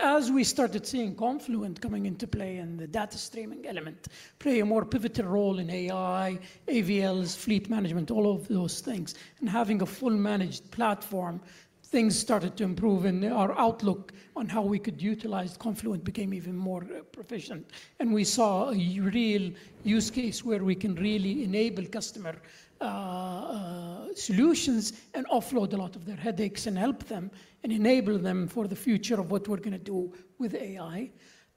As we started seeing Confluent coming into play and the data streaming element play a more pivotal role in AI, AVLs, fleet management, all of those things. Having a full managed platform, things started to improve. Our outlook on how we could utilize Confluent became even more proficient. We saw a real use case where we can really enable customer solutions and offload a lot of their headaches and help them and enable them for the future of what we're going to do with AI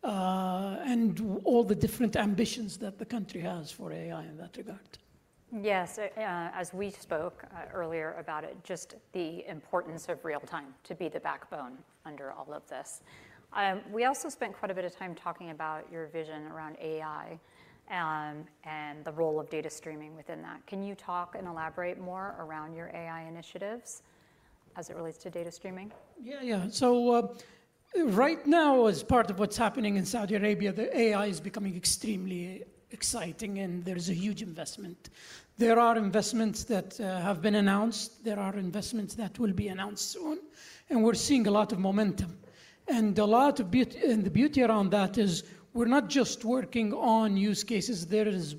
and all the different ambitions that the country has for AI in that regard. Yes. As we spoke earlier about it, just the importance of real-time to be the backbone under all of this. We also spent quite a bit of time talking about your vision around AI and the role of data streaming within that. Can you talk and elaborate more around your AI initiatives as it relates to data streaming? Yeah, yeah. So right now, as part of what's happening in Saudi Arabia, the AI is becoming extremely exciting. And there is a huge investment. There are investments that have been announced. There are investments that will be announced soon. And we're seeing a lot of momentum. And the beauty around that is we're not just working on use cases. There is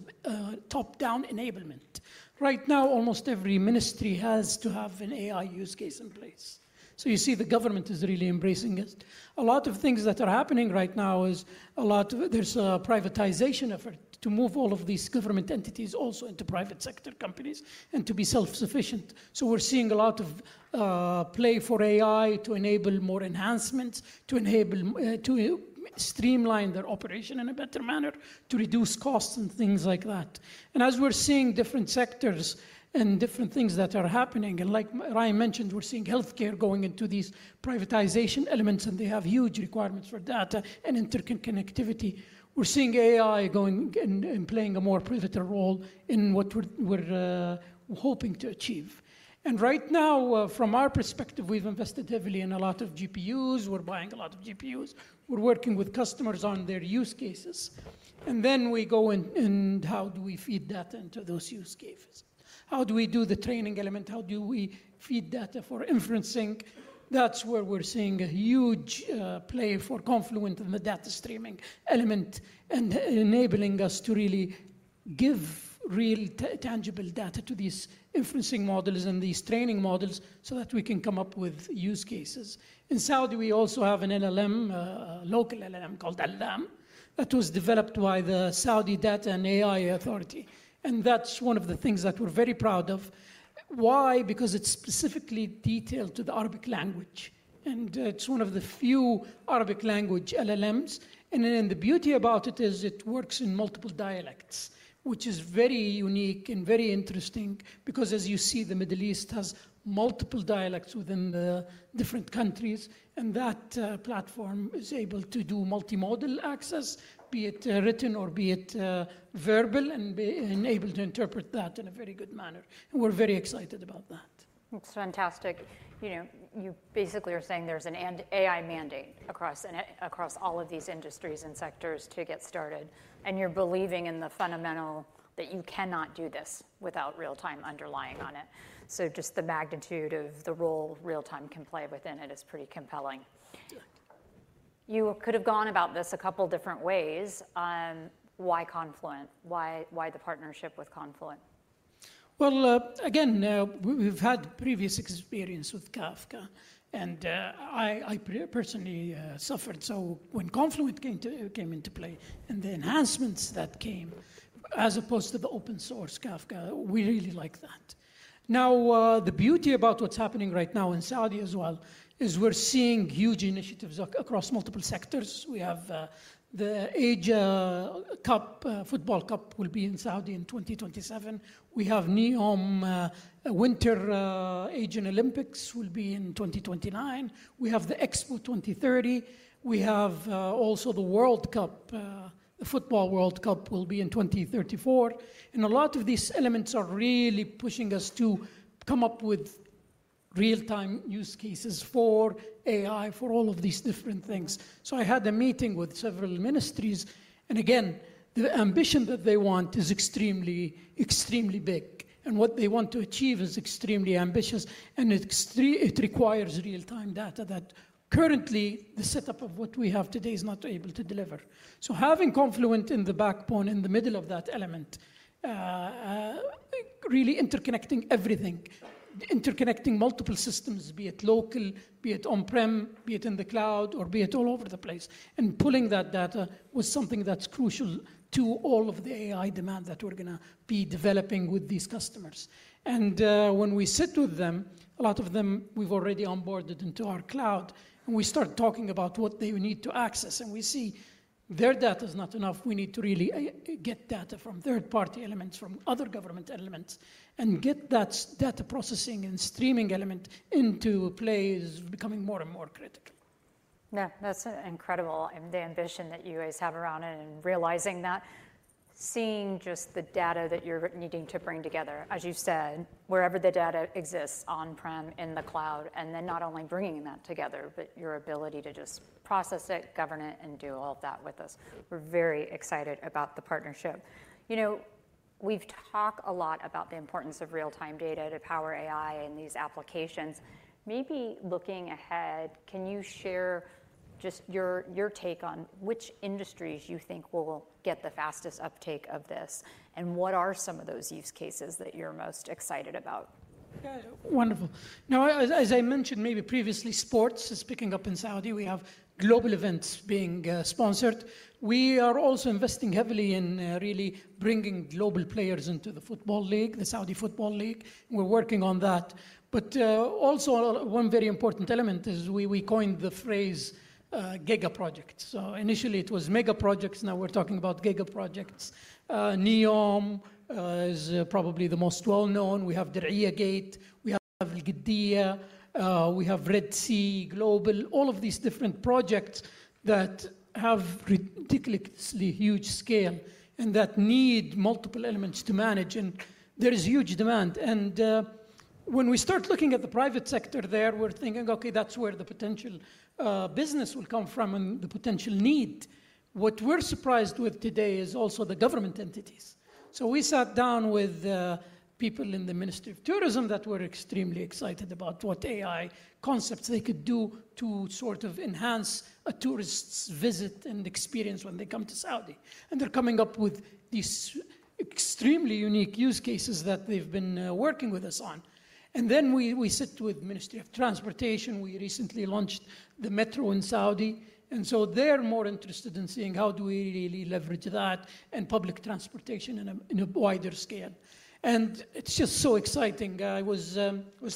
top-down enablement. Right now, almost every ministry has to have an AI use case in place. So you see the government is really embracing it. A lot of things that are happening right now is a lot of there's a privatization effort to move all of these government entities also into private sector companies and to be self-sufficient. So we're seeing a lot of play for AI to enable more enhancements, to streamline their operation in a better manner, to reduce costs and things like that. And as we're seeing different sectors and different things that are happening, and like Ryan mentioned, we're seeing healthcare going into these privatization elements. And they have huge requirements for data and interconnectivity. We're seeing AI going and playing a more pivotal role in what we're hoping to achieve. And right now, from our perspective, we've invested heavily in a lot of GPUs. We're buying a lot of GPUs. We're working with customers on their use cases. Then we go in, how do we feed data into those use cases? How do we do the training element? How do we feed data for inferencing? That's where we're seeing a huge play for Confluent and the data streaming element and enabling us to really give real tangible data to these inferencing models and these training models so that we can come up with use cases. In Saudi, we also have an LLM, a local LLM called ALLaM, that was developed by the Saudi Data and AI Authority. And that's one of the things that we're very proud of. Why? Because it's specifically detailed to the Arabic language. And it's one of the few Arabic language LLMs. And then the beauty about it is it works in multiple dialects, which is very unique and very interesting. Because as you see, the Middle East has multiple dialects within the different countries, and that platform is able to do multimodal access, be it written or be it verbal, and be able to interpret that in a very good manner. And we're very excited about that. It's fantastic. You basically are saying there's an AI mandate across all of these industries and sectors to get started, and you're believing in the fundamental that you cannot do this without real-time underlying on it, so just the magnitude of the role real-time can play within it is pretty compelling. You could have gone about this a couple of different ways. Why Confluent? Why the partnership with Confluent? Well, again, we've had previous experience with Kafka, and I personally suffered, so when Confluent came into play and the enhancements that came as opposed to the open-source Kafka, we really liked that. Now, the beauty about what's happening right now in Saudi as well is we're seeing huge initiatives across multiple sectors. We have the AFC Asian Cup will be in Saudi in 2027. We have NEOM Asian Winter Games will be in 2029. We have the Expo 2030. We have also the World Cup, the Football World Cup will be in 2034, and a lot of these elements are really pushing us to come up with real-time use cases for AI, for all of these different things, so I had a meeting with several ministries, and again, the ambition that they want is extremely, extremely big, and what they want to achieve is extremely ambitious, and it requires real-time data that currently the setup of what we have today is not able to deliver. Having Confluent in the backbone in the middle of that element, really interconnecting everything, interconnecting multiple systems, be it local, be it on-prem, be it in the cloud, or be it all over the place, and pulling that data was something that's crucial to all of the AI demand that we're going to be developing with these customers. When we sit with them, a lot of them we've already onboarded into our cloud. We start talking about what they need to access. We see their data is not enough. We need to really get data from third-party elements, from other government elements. Getting that data processing and streaming element into play is becoming more and more critical. Yeah, that's incredible. The ambition that you guys have around it and realizing that, seeing just the data that you're needing to bring together, as you said, wherever the data exists on-prem in the cloud, and then not only bringing that together, but your ability to just process it, govern it, and do all of that with us. We're very excited about the partnership. We've talked a lot about the importance of real-time data to power AI and these applications. Maybe looking ahead, can you share just your take on which industries you think will get the fastest uptake of this? And what are some of those use cases that you're most excited about? Wonderful. Now, as I mentioned maybe previously, sports is picking up in Saudi. We have global events being sponsored. We are also investing heavily in really bringing global players into the football league, the Saudi Football League. We're working on that. But also one very important element is we coined the phrase giga project. So initially, it was mega projects. Now we're talking about giga projects. NEOM is probably the most well-known. We have the Diriyah Gate. We have Qiddiya. We have Red Sea Global. All of these different projects that have ridiculously huge scale and that need multiple elements to manage. And there is huge demand. And when we start looking at the private sector there, we're thinking, "Okay, that's where the potential business will come from and the potential need." What we're surprised with today is also the government entities. So we sat down with people in the Ministry of Tourism that were extremely excited about what AI concepts they could do to sort of enhance a tourist's visit and experience when they come to Saudi. They're coming up with these extremely unique use cases that they've been working with us on. Then we sit with the Ministry of Transportation. We recently launched the metro in Saudi. They're more interested in seeing how we really leverage that and public transportation on a wider scale. It's just so exciting. I was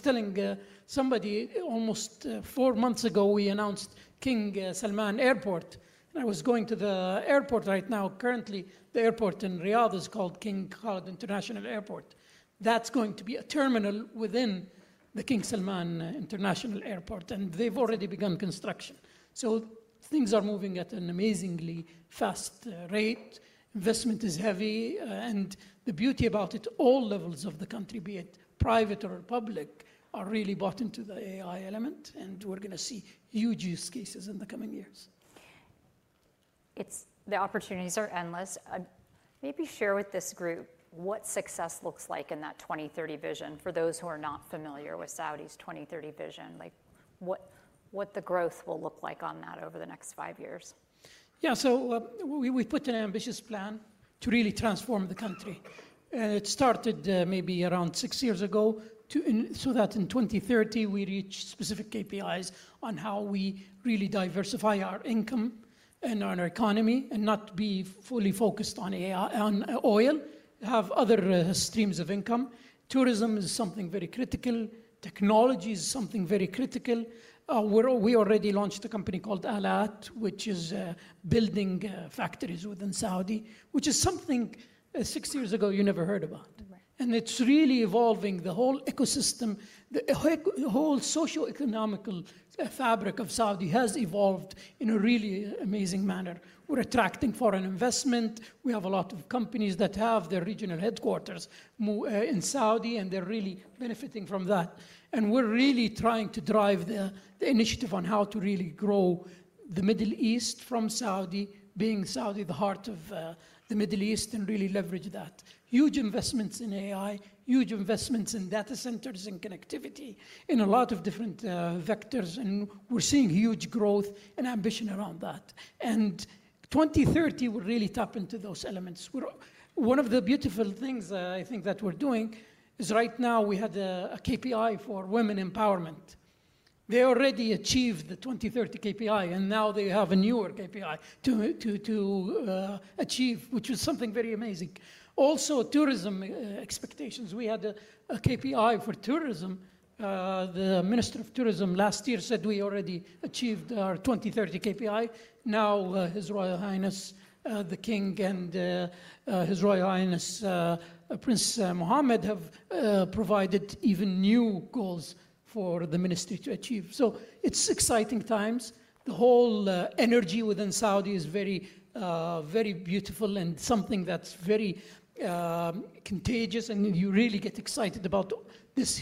telling somebody almost four months ago we announced King Salman Airport. I was going to the airport right now. Currently, the airport in Riyadh is called King Khalid International Airport. That's going to be a terminal within the King Salman International Airport. They've already begun construction. Things are moving at an amazingly fast rate. Investment is heavy. The beauty about it is all levels of the country, be it private or public, are really bought into the AI element. We're going to see huge use cases in the coming years. The opportunities are endless. Maybe share with this group what success looks like in that 2030 vision for those who are not familiar with Saudi Arabia's Vision 2030. What the growth will look like on that over the next five years. Yeah. We've put an ambitious plan to really transform the country. It started maybe around six years ago so that in 2030, we reach specific KPIs on how we really diversify our income and our economy and not be fully focused on oil, have other streams of income. Tourism is something very critical. Technology is something very critical. We already launched a company called Alat, which is building factories within Saudi Arabia, which is something six years ago you never heard about. And it's really evolving. The whole ecosystem, the whole socioeconomical fabric of Saudi has evolved in a really amazing manner. We're attracting foreign investment. We have a lot of companies that have their regional headquarters in Saudi, and they're really benefiting from that. And we're really trying to drive the initiative on how to really grow the Middle East from Saudi, being Saudi the heart of the Middle East, and really leverage that. Huge investments in AI, huge investments in data centers and connectivity in a lot of different vectors. And we're seeing huge growth and ambition around that. And 2030 will really tap into those elements. One of the beautiful things I think that we're doing is right now we had a KPI for women empowerment. They already achieved the 2030 KPI. And now they have a newer KPI to achieve, which was something very amazing. Also, tourism expectations. We had a KPI for tourism. The Minister of Tourism last year said we already achieved our 2030 KPI. Now, His Royal Highness, the King, and His Royal Highness, Prince Mohammed, have provided even new goals for the ministry to achieve. So it's exciting times. The whole energy within Saudi is very beautiful and something that's very contagious. And you really get excited about this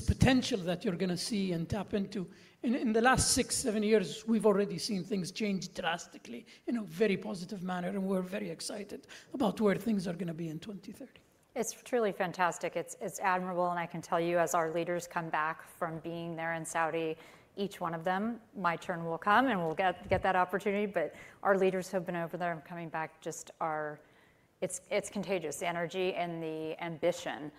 potential that you're going to see and tap into. And in the last six, seven years, we've already seen things change drastically in a very positive manner. And we're very excited about where things are going to be in 2030. It's truly fantastic. It's admirable. And I can tell you, as our leaders come back from being there in Saudi, each one of them, my turn will come. And we'll get that opportunity. But our leaders who have been over there and coming back just raving, it's contagious energy and the ambition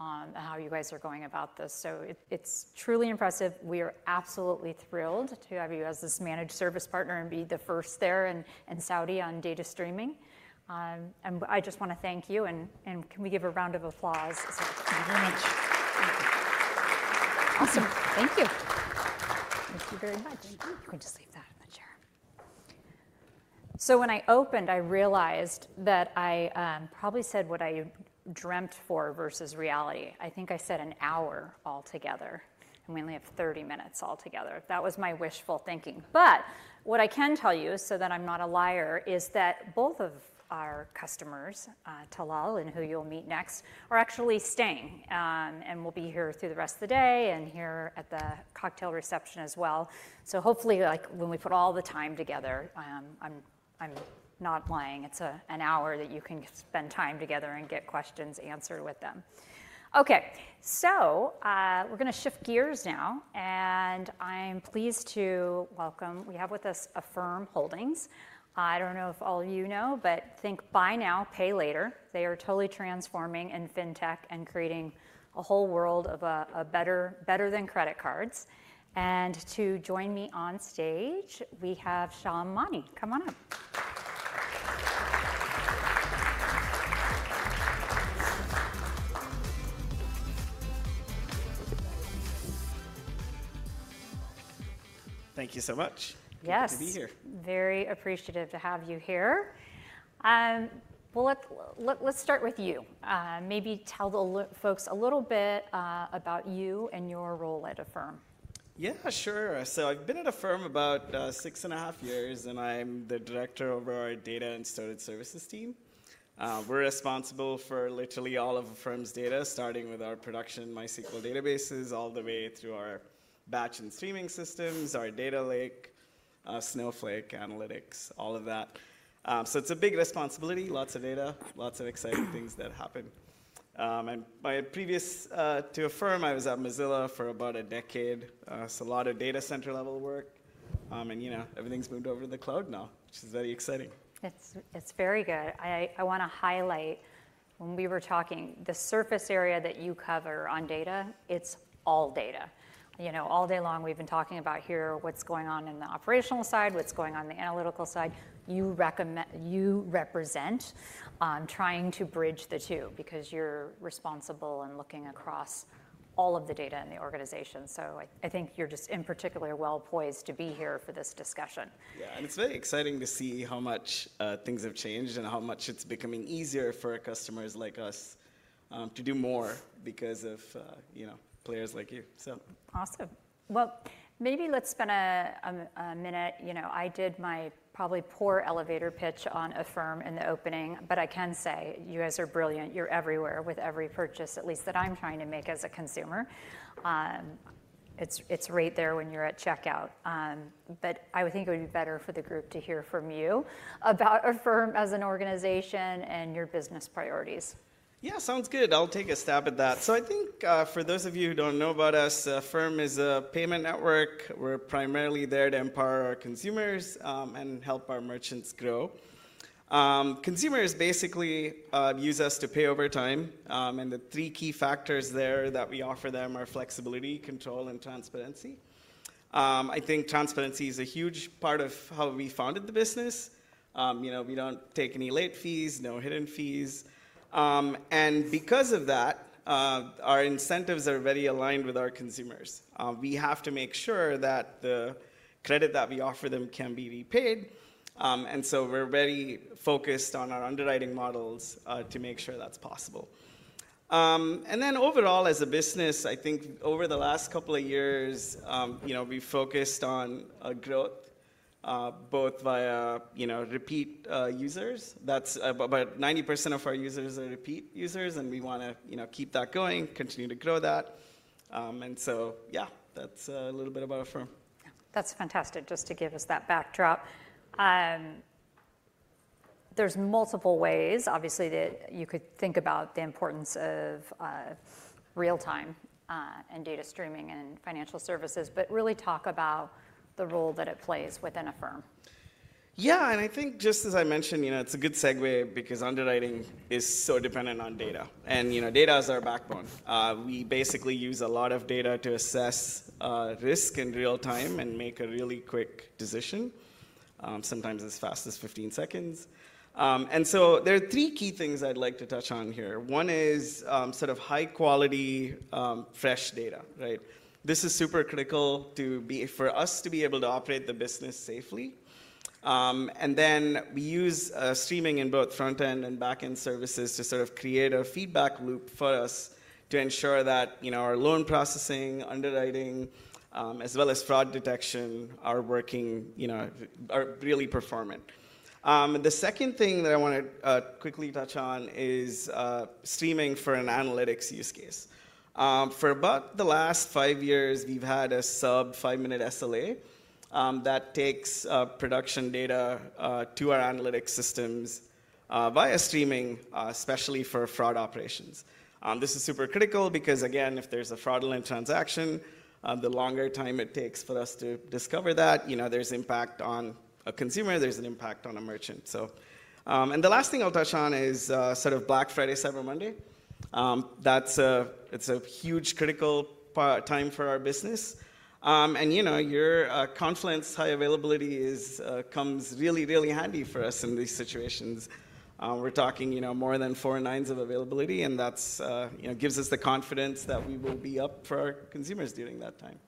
on how you guys are going about this. So it's truly impressive. We are absolutely thrilled to have you as this managed service partner and be the first there in Saudi on data streaming. And I just want to thank you. And can we give a round of applause? Awesome. Thank you. Thank you very much. You can just leave that in the chair. So when I opened, I realized that I probably said what I dreamt for versus reality. I think I said an hour altogether. And we only have 30 minutes altogether. That was my wishful thinking. But what I can tell you, so that I'm not a liar, is that both of our customers, Talal and who you'll meet next, are actually staying. We'll be here through the rest of the day and here at the cocktail reception as well. So hopefully, when we put all the time together, I'm not lying. It's an hour that you can spend time together and get questions answered with them. Okay. So we're going to shift gears now. And I'm pleased to welcome we have with us Affirm Holdings. I don't know if all of you know, but think buy now, pay later. They are totally transforming in fintech and creating a whole world of better than credit cards. And to join me on stage, we have Shamini. Come on up. Thank you so much. Good to be here. Yes. Very appreciative to have you here. Well, let's start with you. Maybe tell the folks a little bit about you and your role at Affirm. Yeah, sure. So I've been at Affirm about six and a half years. And I'm the director over our data and storage services team. We're responsible for literally all of Affirm's data, starting with our production MySQL databases all the way through our batch and streaming systems, our data lake, Snowflake, analytics, all of that. So it's a big responsibility, lots of data, lots of exciting things that happen. And prior to Affirm, I was at Mozilla for about a decade. So a lot of data center level work. And everything's moved over to the cloud now, which is very exciting. It's very good. I want to highlight, when we were talking, the surface area that you cover on data, it's all data. All day long, we've been talking about here what's going on in the operational side, what's going on in the analytical side. You represent trying to bridge the two because you're responsible and looking across all of the data in the organization, so I think you're just in particular well poised to be here for this discussion. Yeah, and it's very exciting to see how much things have changed and how much it's becoming easier for customers like us to do more because of players like you. So, awesome. Well, maybe let's spend a minute. I did my probably poor elevator pitch on Affirm in the opening, but I can say you guys are brilliant. You're everywhere with every purchase, at least that I'm trying to make as a consumer. It's right there when you're at checkout, but I would think it would be better for the group to hear from you about Affirm as an organization and your business priorities. Yeah, sounds good. I'll take a stab at that. So I think for those of you who don't know about us, Affirm is a payment network. We're primarily there to empower our consumers and help our merchants grow. Consumers basically use us to pay over time. And the three key factors there that we offer them are flexibility, control, and transparency. I think transparency is a huge part of how we founded the business. We don't take any late fees, no hidden fees. And because of that, our incentives are very aligned with our consumers. We have to make sure that the credit that we offer them can be repaid. And so we're very focused on our underwriting models to make sure that's possible. And then overall, as a business, I think over the last couple of years, we've focused on growth both via repeat users. About 90% of our users are repeat users. We want to keep that going, continue to grow that. And so, yeah, that's a little bit about Affirm. That's fantastic just to give us that backdrop. There's multiple ways, obviously, that you could think about the importance of real-time and data streaming and Financial Services, but really talk about the role that it plays within Affirm. Yeah. And I think just as I mentioned, it's a good segue because underwriting is so dependent on data. And data is our backbone. We basically use a lot of data to assess risk in real time and make a really quick decision, sometimes as fast as 15 seconds. And so there are three key things I'd like to touch on here. One is sort of high-quality, fresh data. This is super critical for us to be able to operate the business safely. We use streaming in both front-end and back-end services to sort of create a feedback loop for us to ensure that our loan processing, underwriting, as well as fraud detection are really performant. The second thing that I want to quickly touch on is streaming for an analytics use case. For about the last five years, we've had a sub-five-minute SLA that takes production data to our analytics systems via streaming, especially for fraud operations. This is super critical because, again, if there's a fraudulent transaction, the longer time it takes for us to discover that, there's impact on a consumer. There's an impact on a merchant. The last thing I'll touch on is sort of Black Friday, Cyber Monday. It's a huge critical time for our business. Your Confluent high availability comes really, really handy for us in these situations. We're talking more than four nines of availability, and that gives us the confidence that we will be up for our consumers during that time.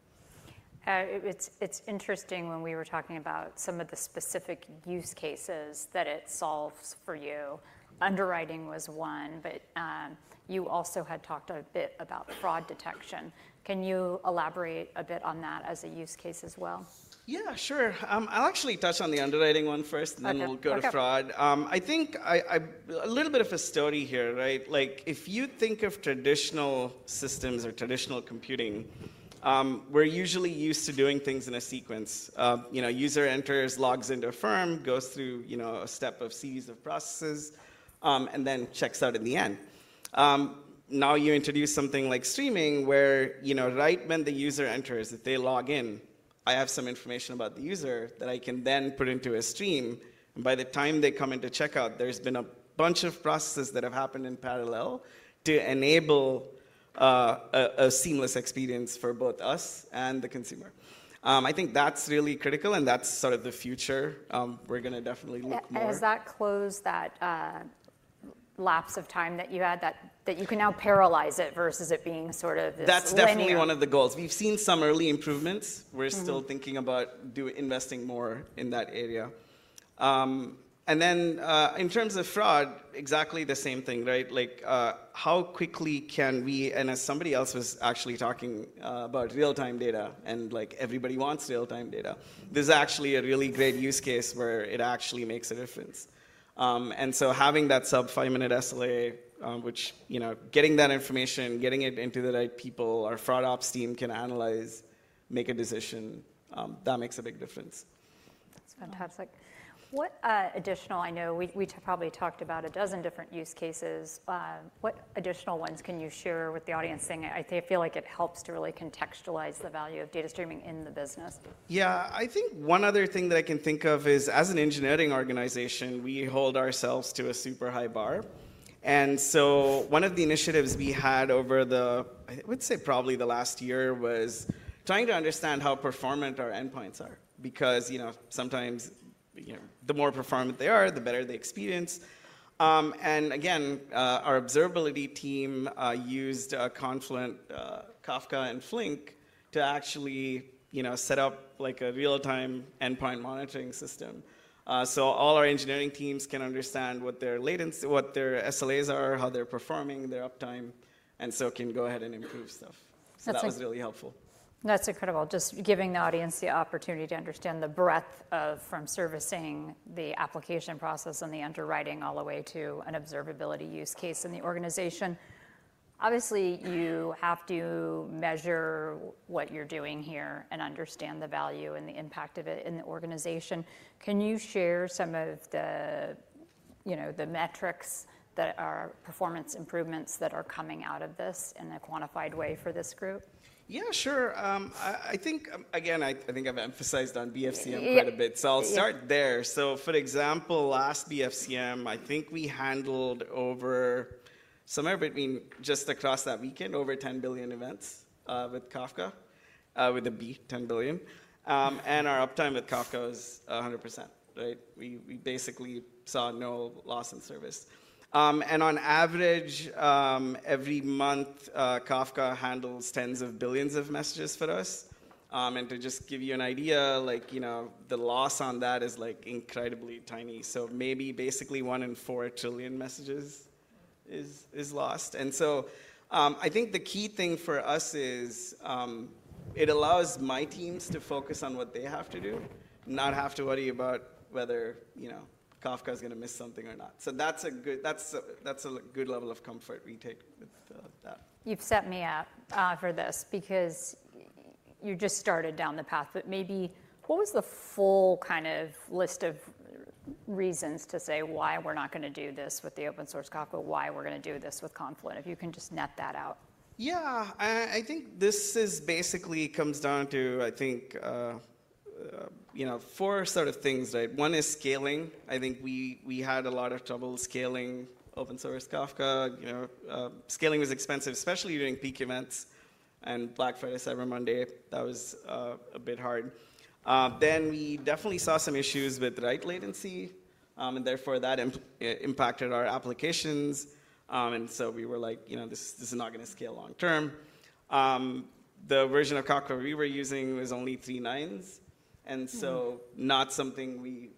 It's interesting when we were talking about some of the specific use cases that it solves for you. Underwriting was one, but you also had talked a bit about fraud detection. Can you elaborate a bit on that as a use case as well? Yeah, sure. I'll actually touch on the underwriting one first, and then we'll go to fraud. I think a little bit of a story here. If you think of traditional systems or traditional computing, we're usually used to doing things in a sequence. User enters, logs into Affirm, goes through a series of processes, and then checks out in the end. Now you introduce something like streaming where, right when the user enters, if they log in, I have some information about the user that I can then put into a stream. And by the time they come into checkout, there's been a bunch of processes that have happened in parallel to enable a seamless experience for both us and the consumer. I think that's really critical. And that's sort of the future we're going to definitely look more at. And does that close that lapse of time that you had, that you can now parallelize it versus it being sort of this thing? That's definitely one of the goals. We've seen some early improvements. We're still thinking about investing more in that area. And then in terms of fraud, exactly the same thing. How quickly can we? And as somebody else was actually talking about real-time data, and everybody wants real-time data, this is actually a really great use case where it actually makes a difference. And so having that sub-five-minute SLA, getting that information, getting it into the right people, our fraud ops team can analyze, make a decision. That makes a big difference. That's fantastic. I know we probably talked about a dozen different use cases. What additional ones can you share with the audience? I feel like it helps to really contextualize the value of data streaming in the business. Yeah. I think one other thing that I can think of is, as an engineering organization, we hold ourselves to a super high bar. And so one of the initiatives we had over the, I would say probably the last year, was trying to understand how performant our endpoints are. Because sometimes the more performant they are, the better the experience. And again, our observability team used Confluent, Kafka, and Flink to actually set up a real-time endpoint monitoring system. So all our engineering teams can understand what their SLAs are, how they're performing, their uptime, and so can go ahead and improve stuff. That was really helpful. That's incredible. Just giving the audience the opportunity to understand the breadth of Affirm servicing, the application process, and the underwriting all the way to an observability use case in the organization. Obviously, you have to measure what you're doing here and understand the value and the impact of it in the organization. Can you share some of the metrics, the performance improvements that are coming out of this in a quantified way for this group? Yeah, sure. Again, I think I've emphasized on BFCM quite a bit. So I'll start there. So, for example, last BFCM, I think we handled somewhere between just across that weekend over 10 billion events with Kafka, with a peak, 10 billion. And our uptime with Kafka was 100%. We basically saw no loss in service. And on average, every month, Kafka handles tens of billions of messages for us. And to just give you an idea, the loss on that is incredibly tiny. So maybe basically one in four trillion messages is lost. And so I think the key thing for us is it allows my teams to focus on what they have to do, not have to worry about whether Kafka is going to miss something or not. So that's a good level of comfort we take with that. You've set me up for this because you just started down the path. But maybe what was the full kind of list of reasons to say why we're not going to do this with the open source Kafka, why we're going to do this with Confluent? If you can just net that out. Yeah. I think this basically comes down to, I think, four sort of things. One is scaling. I think we had a lot of trouble scaling open source Kafka. Scaling was expensive, especially during peak events and Black Friday, Cyber Monday. That was a bit hard. Then we definitely saw some issues with write latency. And therefore, that impacted our applications. And so we were like, this is not going to scale long term. The version of Kafka we were using was only three nines. And so not something we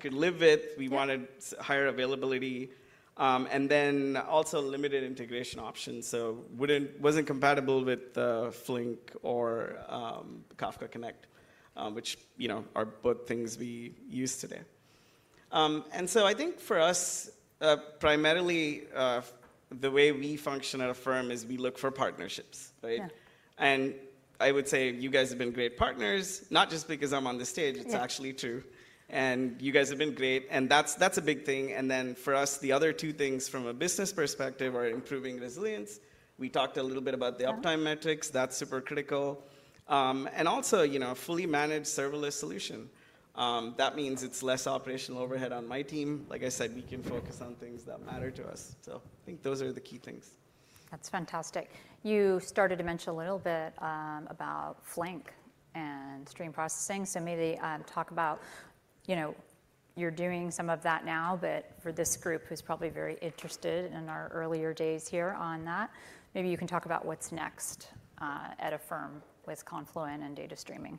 could live with. We wanted higher availability. And then also limited integration options. So it wasn't compatible with Flink or Kafka Connect, which are both things we use today. And so I think for us, primarily, the way we function at Affirm is we look for partnerships. And I would say you guys have been great partners, not just because I'm on the stage. It's actually true. And you guys have been great. And that's a big thing. And then for us, the other two things from a business perspective are improving resilience. We talked a little bit about the uptime metrics. That's super critical. And also a fully managed serverless solution. That means it's less operational overhead on my team. Like I said, we can focus on things that matter to us. So I think those are the key things. That's fantastic. You started to mention a little bit about Flink and stream processing. So maybe talk about you're doing some of that now. But for this group, who's probably very interested in our earlier days here on that, maybe you can talk about what's next at Affirm with Confluent and data streaming.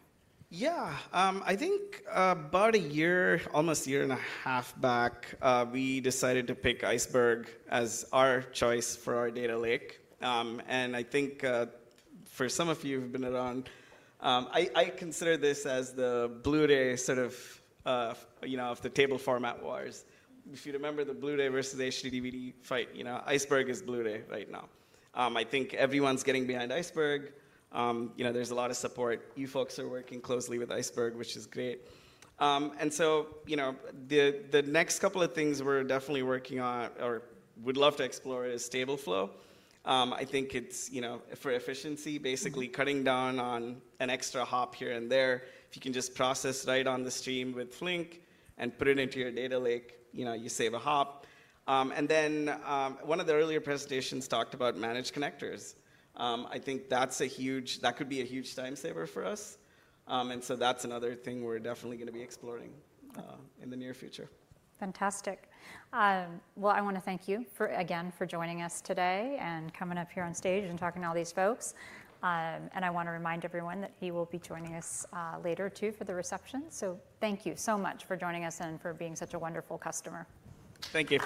Yeah. I think about a year, almost a year and a half back, we decided to pick Iceberg as our choice for our data lake. And I think for some of you who've been around, I consider this as the Blu-ray sort of, if the table format wars. If you remember the Blu-ray versus HD DVD fight, Iceberg is Blu-ray right now. I think everyone's getting behind Iceberg. There's a lot of support. You folks are working closely with Iceberg, which is great. And so the next couple of things we're definitely working on or would love to explore is Tableflow. I think for efficiency, basically cutting down on an extra hop here and there. If you can just process right on the stream with Flink and put it into your data lake, you save a hop, and then one of the earlier presentations talked about managed connectors. I think that could be a huge time saver for us, and so that's another thing we're definitely going to be exploring in the near future. Fantastic. Well, I want to thank you, again, for joining us today and coming up here on stage and talking to all these folks, and I want to remind everyone that he will be joining us later too for the reception, so thank you so much for joining us and for being such a wonderful customer. Thank you.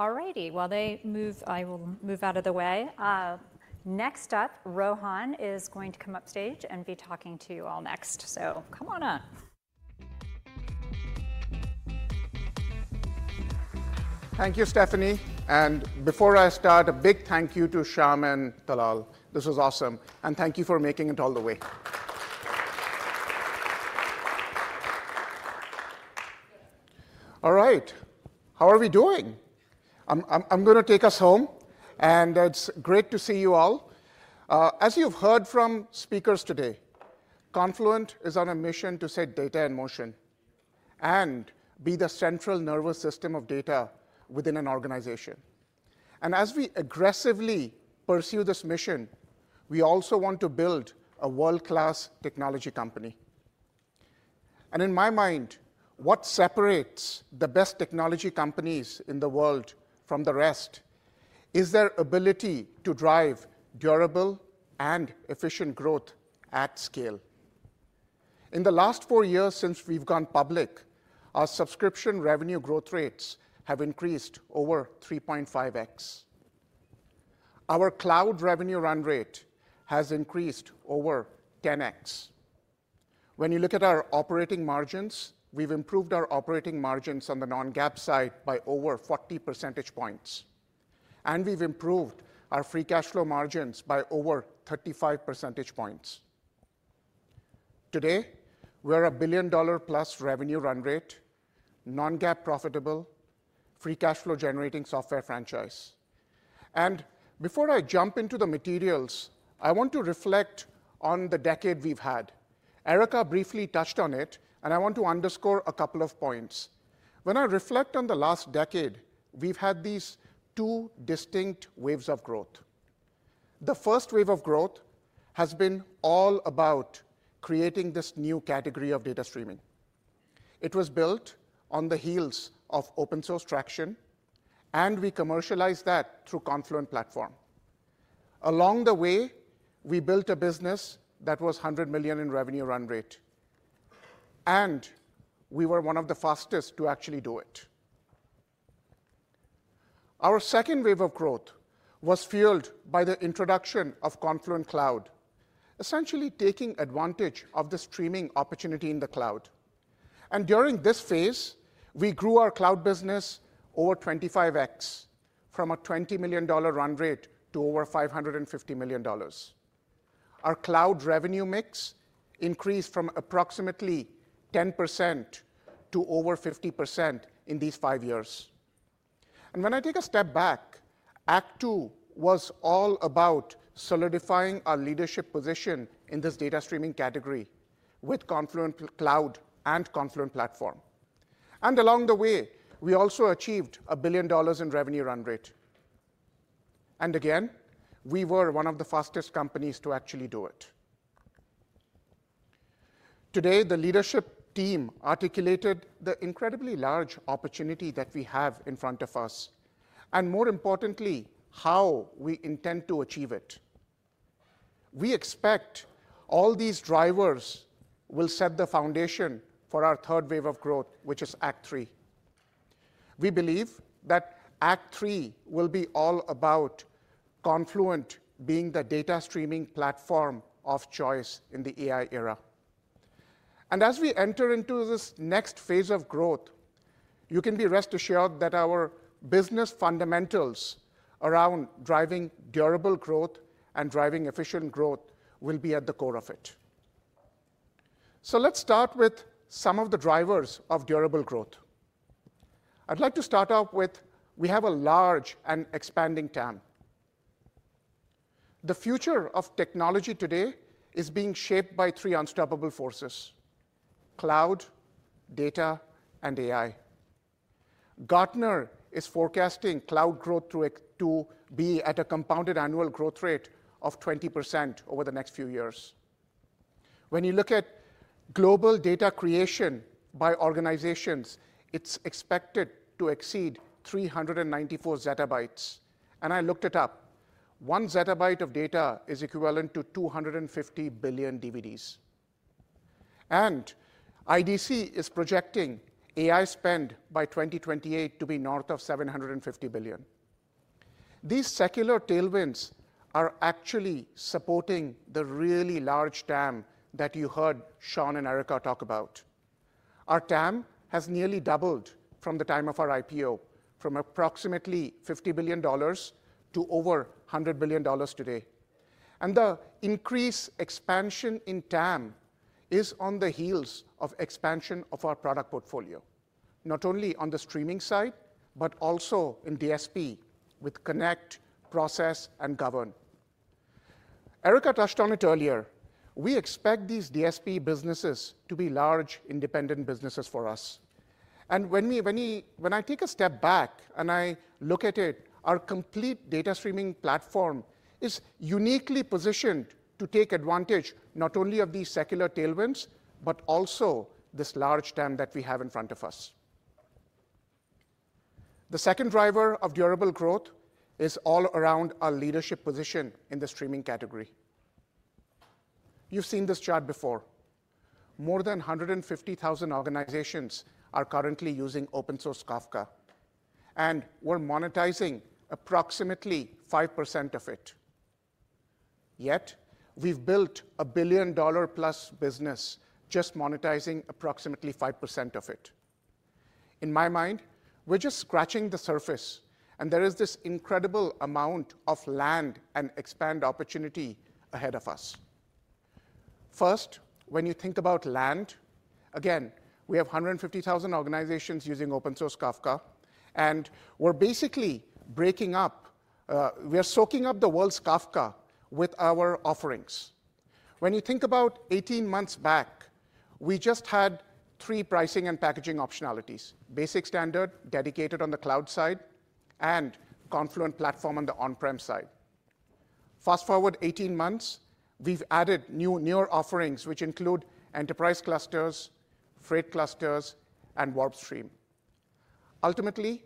All righty. All righty. While they move, I will move out of the way. Next up, Rohan is going to come upstage and be talking to you all next. So come on up. Thank you, Stephanie, and before I start, a big thank you to Sham and Talal. This was awesome, and thank you for making it all the way. All right. How are we doing? I'm going to take us home, and it's great to see you all. As you've heard from speakers today, Confluent is on a mission to set data in motion and be the central nervous system of data within an organization, and as we aggressively pursue this mission, we also want to build a world-class technology company, and in my mind, what separates the best technology companies in the world from the rest is their ability to drive durable and efficient growth at scale. In the last four years since we've gone public, our subscription revenue growth rates have increased over 3.5x. Our cloud revenue run rate has increased over 10x. When you look at our operating margins, we've improved our operating margins on the non-GAAP side by over 40 percentage points, and we've improved our free cash flow margins by over 35 percentage points. Today, we're a $1 billion-plus revenue run rate, non-GAAP profitable, free cash flow generating software franchise, and before I jump into the materials, I want to reflect on the decade we've had. Erica briefly touched on it, and I want to underscore a couple of points. When I reflect on the last decade, we've had these two distinct waves of growth. The first wave of growth has been all about creating this new category of data streaming. It was built on the heels of open source traction. And we commercialized that through Confluent Platform. Along the way, we built a business that was $100 million in revenue run rate. And we were one of the fastest to actually do it. Our second wave of growth was fueled by the introduction of Confluent Cloud, essentially taking advantage of the streaming opportunity in the cloud. And during this phase, we grew our cloud business over 25x from a $20 million run rate to over $550 million. Our cloud revenue mix increased from approximately 10% to over 50% in these five years. And when I take a step back, Act Two was all about solidifying our leadership position in this data streaming category with Confluent Cloud and Confluent Platform. And along the way, we also achieved $1 billion in revenue run rate. And again, we were one of the fastest companies to actually do it. Today, the leadership team articulated the incredibly large opportunity that we have in front of us, and more importantly, how we intend to achieve it. We expect all these drivers will set the foundation for our third wave of growth, which is Act Three. We believe that Act Three will be all about Confluent being the data streaming platform of choice in the AI era, and as we enter into this next phase of growth, you can be rest assured that our business fundamentals around driving durable growth and driving efficient growth will be at the core of it, so let's start with some of the drivers of durable growth. I'd like to start off with we have a large and expanding TAM. The future of technology today is being shaped by three unstoppable forces: cloud, data, and AI. Gartner is forecasting cloud growth to be at a compounded annual growth rate of 20% over the next few years. When you look at global data creation by organizations, it's expected to exceed 394 zettabytes, and I looked it up. One zettabyte of data is equivalent to 250 billion DVDs, and IDC is projecting AI spend by 2028 to be north of $750 billion. These secular tailwinds are actually supporting the really large TAM that you heard Shaun and Erica talk about. Our TAM has nearly doubled from the time of our IPO, from approximately $50 billion to over $100 billion today, and the increase expansion in TAM is on the heels of expansion of our product portfolio, not only on the streaming side, but also in DSP with Connect, Process, and Govern. Erica touched on it earlier. We expect these DSP businesses to be large independent businesses for us. And when I take a step back and I look at it, our complete data streaming platform is uniquely positioned to take advantage not only of these secular tailwinds, but also this large TAM that we have in front of us. The second driver of durable growth is all around our leadership position in the streaming category. You've seen this chart before. More than 150,000 organizations are currently using open source Kafka. And we're monetizing approximately 5% of it. Yet, we've built a $1 billion-plus business just monetizing approximately 5% of it. In my mind, we're just scratching the surface. And there is this incredible amount of land and expand opportunity ahead of us. First, when you think about land, again, we have 150,000 organizations using open source Kafka. And we're basically breaking up. We are soaking up the world's Kafka with our offerings. When you think about 18 months back, we just had three pricing and packaging optionalities: Basic, Standard, Dedicated on the cloud side, and Confluent Platform on the on-prem side. Fast forward 18 months, we've added newer offerings, which include Enterprise Clusters, Freight Clusters, and WarpStream. Ultimately,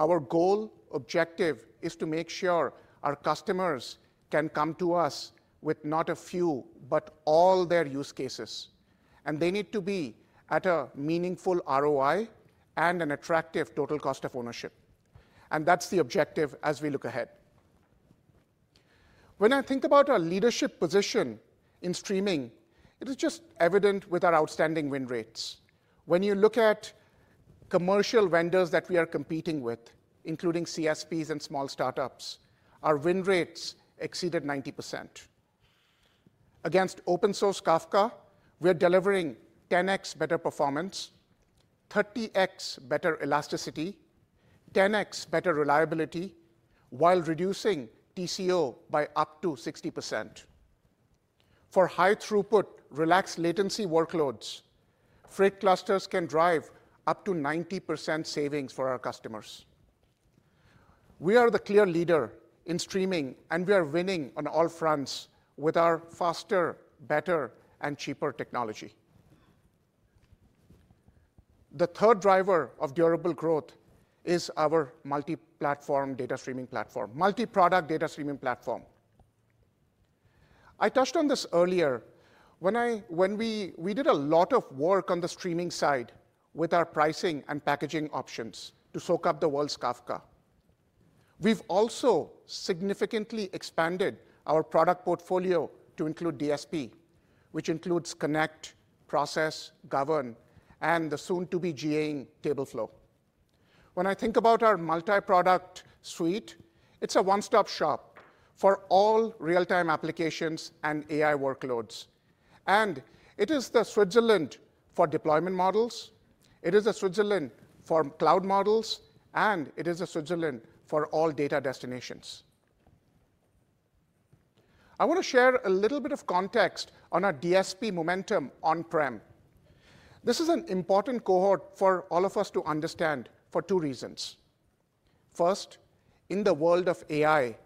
our goal objective is to make sure our customers can come to us with not a few, but all their use cases. They need to be at a meaningful ROI and an attractive total cost of ownership. That's the objective as we look ahead. When I think about our leadership position in streaming, it is just evident with our outstanding win rates. When you look at commercial vendors that we are competing with, including CSPs and small startups, our win rates exceeded 90%. Against open source Kafka, we're delivering 10x better performance, 30x better elasticity, 10x better reliability, while reducing TCO by up to 60%. For high throughput, relaxed latency workloads, freight clusters can drive up to 90% savings for our customers. We are the clear leader in streaming and we are winning on all fronts with our faster, better, and cheaper technology. The third driver of durable growth is our multi-platform data streaming platform, multi-product data streaming platform. I touched on this earlier when we did a lot of work on the streaming side with our pricing and packaging options to soak up the world's Kafka. We've also significantly expanded our product portfolio to include DSP, which includes Connect, Process, Govern, and the soon-to-be GAing Tableflow. When I think about our multi-product suite, it's a one-stop shop for all real-time applications and AI workloads, and it is the Switzerland for deployment models. It is the Switzerland for cloud models, and it is the Switzerland for all data destinations. I want to share a little bit of context on our DSP momentum on-prem. This is an important cohort for all of us to understand for two reasons. First, in the world of AI,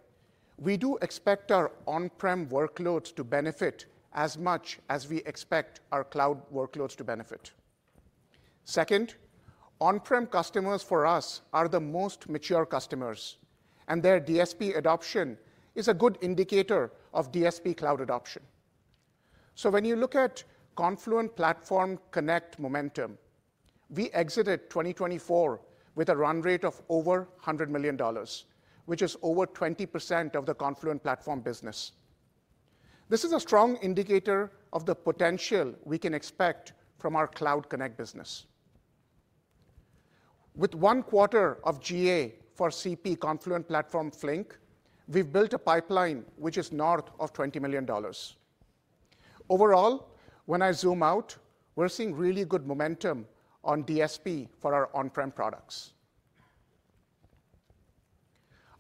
we do expect our on-prem workloads to benefit as much as we expect our cloud workloads to benefit. Second, on-prem customers for us are the most mature customers, and their DSP adoption is a good indicator of DSP cloud adoption. When you look at Confluent Platform Connect momentum, we exited 2024 with a run rate of over $100 million, which is over 20% of the Confluent Platform business. This is a strong indicator of the potential we can expect from our cloud Connect business. With one quarter of GA for CP Confluent Platform Flink, we've built a pipeline which is north of $20 million. Overall, when I zoom out, we're seeing really good momentum on DSP for our on-prem products.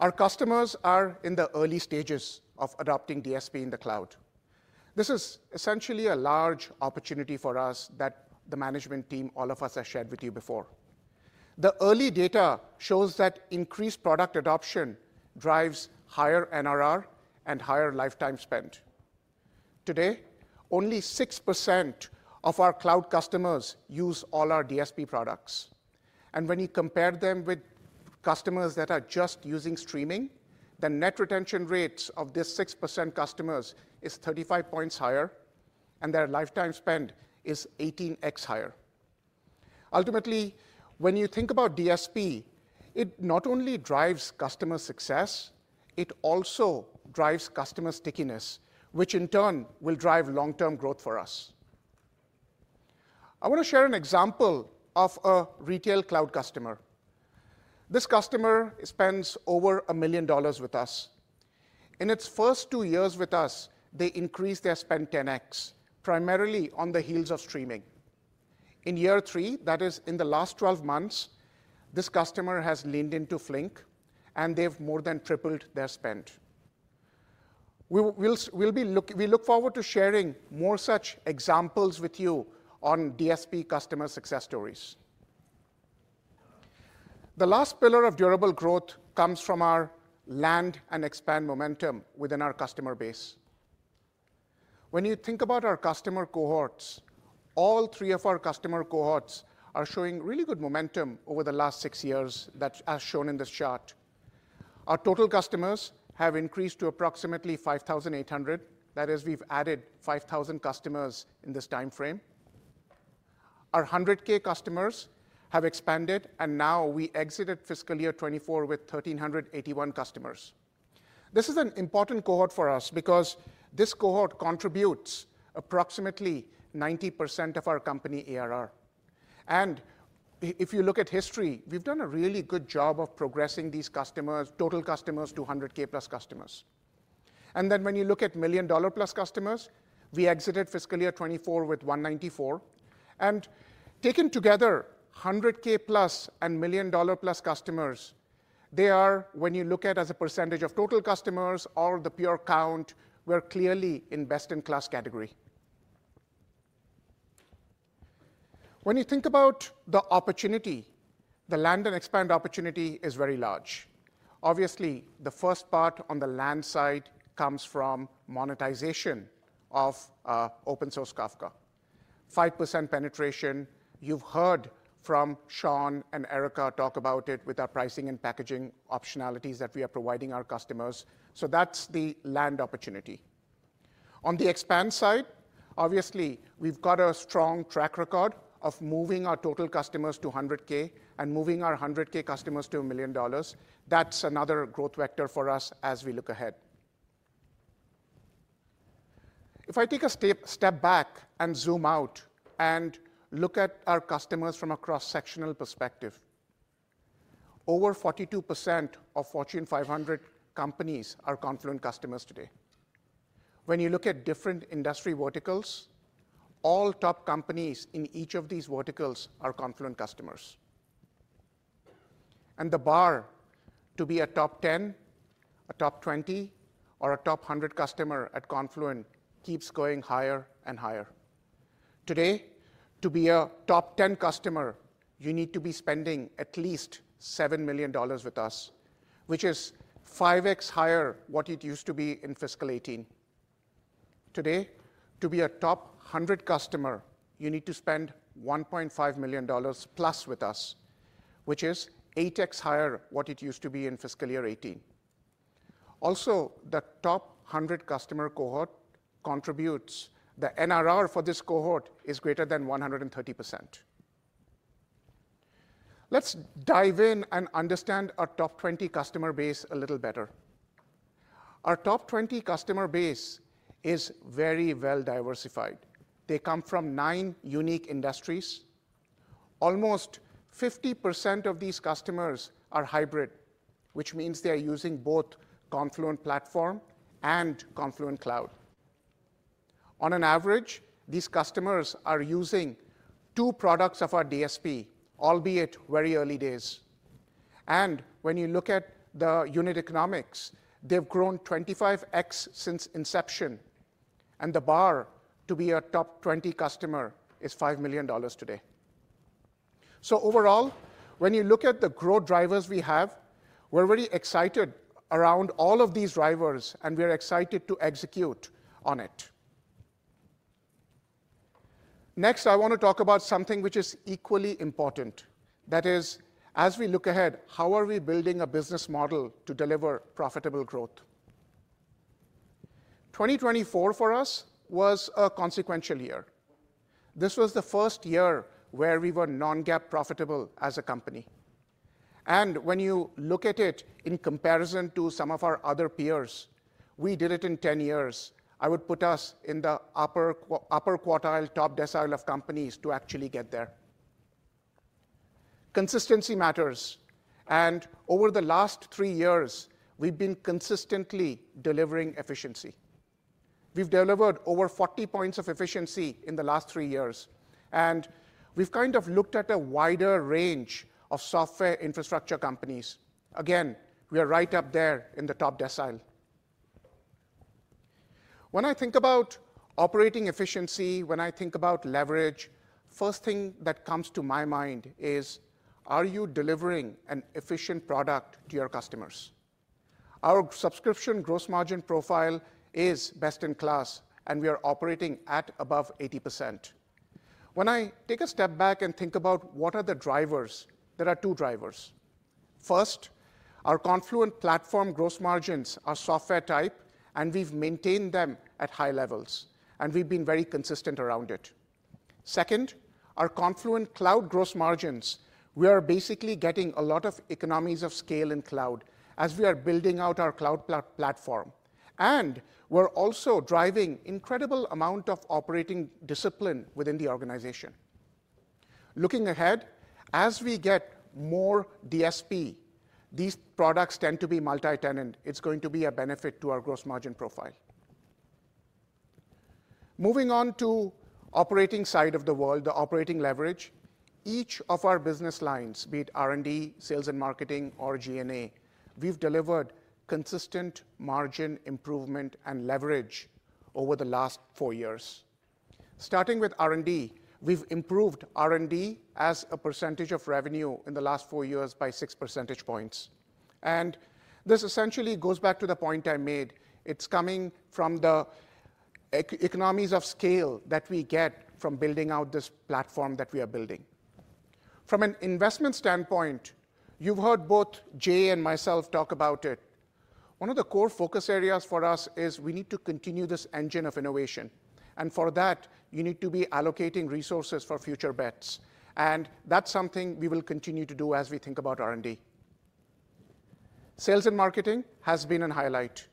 Our customers are in the early stages of adopting DSP in the cloud. This is essentially a large opportunity for us that the management team, all of us, have shared with you before. The early data shows that increased product adoption drives higher NRR and higher lifetime spend. Today, only 6% of our cloud customers use all our DSP products, and when you compare them with customers that are just using streaming, the net retention rates of this 6% customers is 35 points higher, and their lifetime spend is 18x higher. Ultimately, when you think about DSP, it not only drives customer success, it also drives customer stickiness, which in turn will drive long-term growth for us. I want to share an example of a retail cloud customer. This customer spends over $1 million with us. In its first two years with us, they increased their spend 10x, primarily on the heels of streaming. In year three, that is in the last 12 months, this customer has leaned into Flink. And they've more than tripled their spend. We look forward to sharing more such examples with you on DSP customer success stories. The last pillar of durable growth comes from our land and expand momentum within our customer base. When you think about our customer cohorts, all three of our customer cohorts are showing really good momentum over the last six years, as shown in this chart. Our total customers have increased to approximately 5,800. That is, we've added 5,000 customers in this time frame. Our 100K customers have expanded, and now we exited fiscal year 2024 with 1,381 customers. This is an important cohort for us because this cohort contributes approximately 90% of our company ARR, and if you look at history, we've done a really good job of progressing these customers, total customers to 100K plus customers, and then when you look at million dollar plus customers, we exited fiscal year 2024 with 194, and taken together, 100K plus and million dollar plus customers, they are, when you look at as a percentage of total customers or the pure count, we're clearly in best-in-class category. When you think about the opportunity, the land and expand opportunity is very large. Obviously, the first part on the land side comes from monetization of open source Kafka, 5% penetration. You've heard from Shaun and Erica talk about it with our pricing and packaging optionalities that we are providing our customers, so that's the land opportunity. On the expand side, obviously, we've got a strong track record of moving our total customers to 100K and moving our 100K customers to $1 million. That's another growth vector for us as we look ahead. If I take a step back and zoom out and look at our customers from a cross-sectional perspective, over 42% of Fortune 500 companies are Confluent customers today. When you look at different industry verticals, all top companies in each of these verticals are Confluent customers, and the bar to be a top 10, a top 20, or a top 100 customer at Confluent keeps going higher and higher. Today, to be a top 10 customer, you need to be spending at least $7 million with us, which is 5x higher than what it used to be in fiscal 2018. Today, to be a top 100 customer, you need to spend $1.5 million plus with us, which is 8x higher than what it used to be in fiscal year 2018. Also, the top 100 customer cohort contributes. The NRR for this cohort is greater than 130%. Let's dive in and understand our top 20 customer base a little better. Our top 20 customer base is very well diversified. They come from nine unique industries. Almost 50% of these customers are hybrid, which means they are using both Confluent Platform and Confluent Cloud. On an average, these customers are using two products of our DSP, albeit very early days. And when you look at the unit economics, they've grown 25x since inception. And the bar to be a top 20 customer is $5 million today. So overall, when you look at the growth drivers we have, we're very excited around all of these drivers. And we're excited to execute on it. Next, I want to talk about something which is equally important. That is, as we look ahead, how are we building a business model to deliver profitable growth? 2024 for us was a consequential year. This was the first year where we were non-GAAP profitable as a company. And when you look at it in comparison to some of our other peers, we did it in 10 years. I would put us in the upper quartile, top decile of companies to actually get there. Consistency matters. And over the last three years, we've been consistently delivering efficiency. We've delivered over 40 points of efficiency in the last three years, and we've kind of looked at a wider range of software infrastructure companies. Again, we are right up there in the top decile. When I think about operating efficiency, when I think about leverage, the first thing that comes to my mind is, are you delivering an efficient product to your customers? Our subscription gross margin profile is best in class, and we are operating at above 80%. When I take a step back and think about what are the drivers, there are two drivers. First, our Confluent Platform gross margins are software type, and we've maintained them at high levels, and we've been very consistent around it. Second, our Confluent Cloud gross margins, we are basically getting a lot of economies of scale in cloud as we are building out our cloud platform. We're also driving an incredible amount of operating discipline within the organization. Looking ahead, as we get more DSP, these products tend to be multi-tenant. It's going to be a benefit to our gross margin profile. Moving on to the operating side of the world, the operating leverage, each of our business lines, be it R&D, sales and marketing, or G&A, we've delivered consistent margin improvement and leverage over the last four years. Starting with R&D, we've improved R&D as a percentage of revenue in the last four years by 6 percentage points. And this essentially goes back to the point I made. It's coming from the economies of scale that we get from building out this platform that we are building. From an investment standpoint, you've heard both Jay and myself talk about it. One of the core focus areas for us is we need to continue this engine of innovation. And for that, you need to be allocating resources for future bets. And that's something we will continue to do as we think about R&D. Sales and marketing has been a highlight.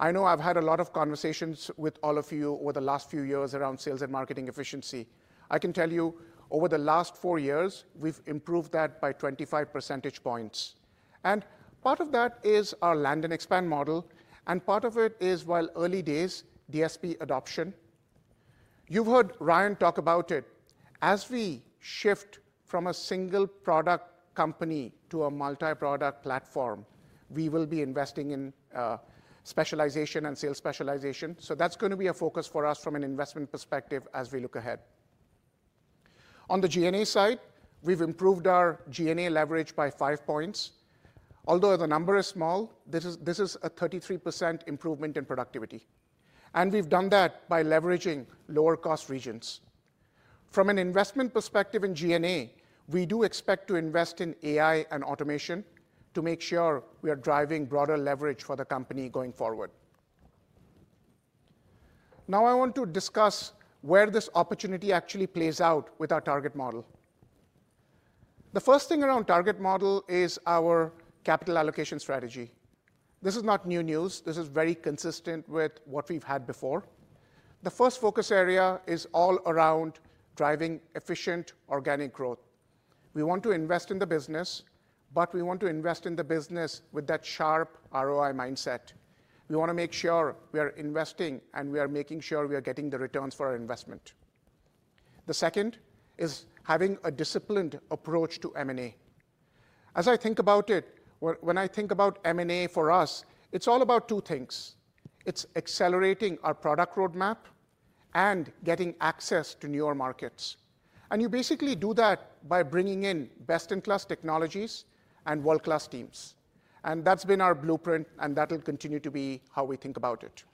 I know I've had a lot of conversations with all of you over the last few years around sales and marketing efficiency. I can tell you, over the last four years, we've improved that by 25 percentage points. And part of that is our land and expand model. And part of it is, while early days, DSP adoption. You've heard Ryan talk about it. As we shift from a single product company to a multi-product platform, we will be investing in specialization and sales specialization. So that's going to be a focus for us from an investment perspective as we look ahead. On the G&A side, we've improved our G&A leverage by five points. Although the number is small, this is a 33% improvement in productivity. And we've done that by leveraging lower-cost regions. From an investment perspective in G&A, we do expect to invest in AI and automation to make sure we are driving broader leverage for the company going forward. Now I want to discuss where this opportunity actually plays out with our target model. The first thing around the target model is our capital allocation strategy. This is not new news. This is very consistent with what we've had before. The first focus area is all around driving efficient organic growth. We want to invest in the business, but we want to invest in the business with that sharp ROI mindset. We want to make sure we are investing and we are making sure we are getting the returns for our investment. The second is having a disciplined approach to M&A. As I think about it, when I think about M&A for us, it's all about two things. It's accelerating our product roadmap and getting access to newer markets, and you basically do that by bringing in best-in-class technologies and world-class teams. And that's been our blueprint, and that'll continue to be how we think about it.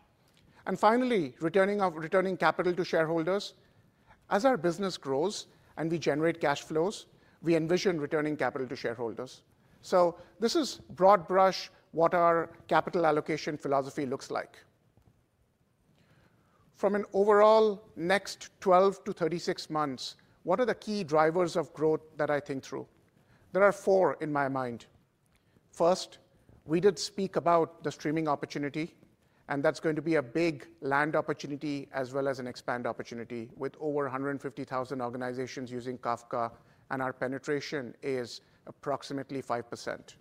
And finally, returning capital to shareholders. As our business grows and we generate cash flows, we envision returning capital to shareholders. So this is broad brush what our capital allocation philosophy looks like. From an overall next 12-36 months, what are the key drivers of growth that I think through? There are four in my mind. First, we did speak about the streaming opportunity. And that's going to be a big land opportunity as well as an expand opportunity with over 150,000 organizations using Kafka. And our penetration is approximately 5%.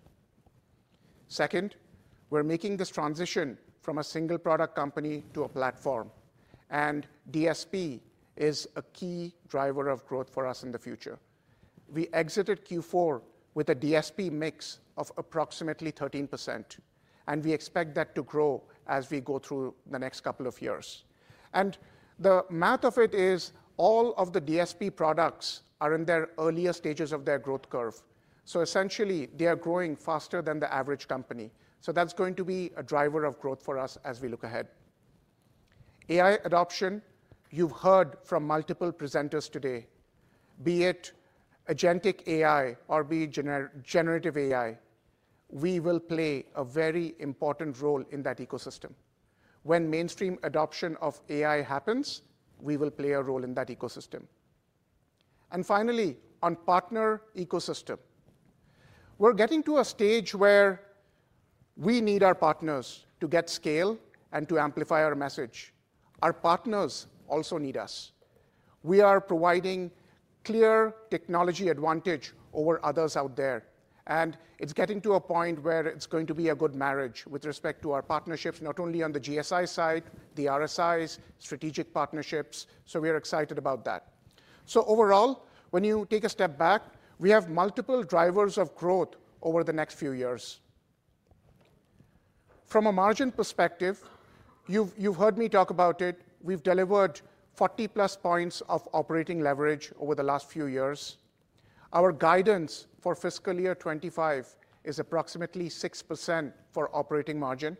Second, we're making this transition from a single product company to a platform. And DSP is a key driver of growth for us in the future. We exited Q4 with a DSP mix of approximately 13%. And we expect that to grow as we go through the next couple of years. And the math of it is all of the DSP products are in their earlier stages of their growth curve. So essentially, they are growing faster than the average company. So that's going to be a driver of growth for us as we look ahead. AI adoption, you've heard from multiple presenters today, be it agentic AI or be it generative AI, we will play a very important role in that ecosystem. When mainstream adoption of AI happens, we will play a role in that ecosystem. And finally, on the partner ecosystem, we're getting to a stage where we need our partners to get scale and to amplify our message. Our partners also need us. We are providing clear technology advantage over others out there. And it's getting to a point where it's going to be a good marriage with respect to our partnerships, not only on the GSI side, the RSIs, strategic partnerships. So we are excited about that. So overall, when you take a step back, we have multiple drivers of growth over the next few years. From a margin perspective, you've heard me talk about it. We've delivered 40 plus points of operating leverage over the last few years. Our guidance for fiscal year 2025 is approximately 6% for operating margin.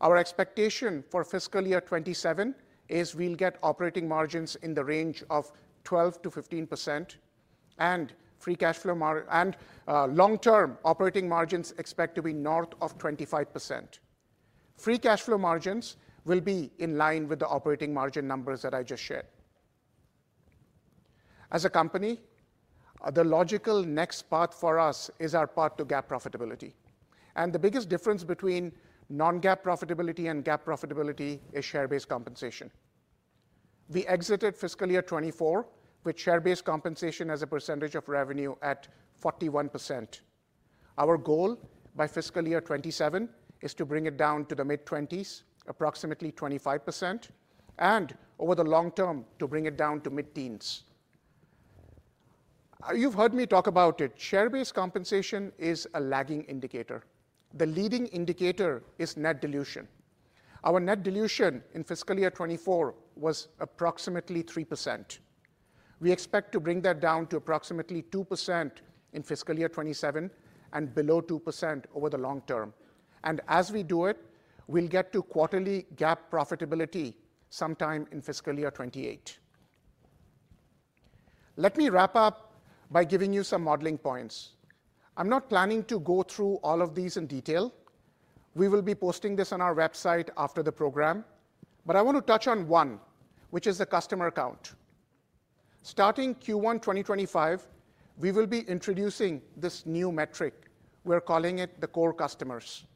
Our expectation for fiscal year 2027 is we'll get operating margins in the range of 12%-15%. And long-term operating margins expect to be north of 25%. Free cash flow margins will be in line with the operating margin numbers that I just shared. As a company, the logical next path for us is our path to GAAP profitability. And the biggest difference between non-GAAP profitability and GAAP profitability is share-based compensation. We exited fiscal year 2024 with share-based compensation as a percentage of revenue at 41%. Our goal by fiscal year 2027 is to bring it down to the mid-20s, approximately 25%. And over the long term, to bring it down to mid-teens. You've heard me talk about it. Share-based compensation is a lagging indicator. The leading indicator is net dilution. Our net dilution in fiscal year 2024 was approximately 3%. We expect to bring that down to approximately 2% in fiscal year 2027 and below 2% over the long term, and as we do it, we'll get to quarterly GAAP profitability sometime in fiscal year 2028. Let me wrap up by giving you some modeling points. I'm not planning to go through all of these in detail. We will be posting this on our website after the program, but I want to touch on one, which is the customer count. Starting Q1 2025, we will be introducing this new metric. We're calling it the Core Customers.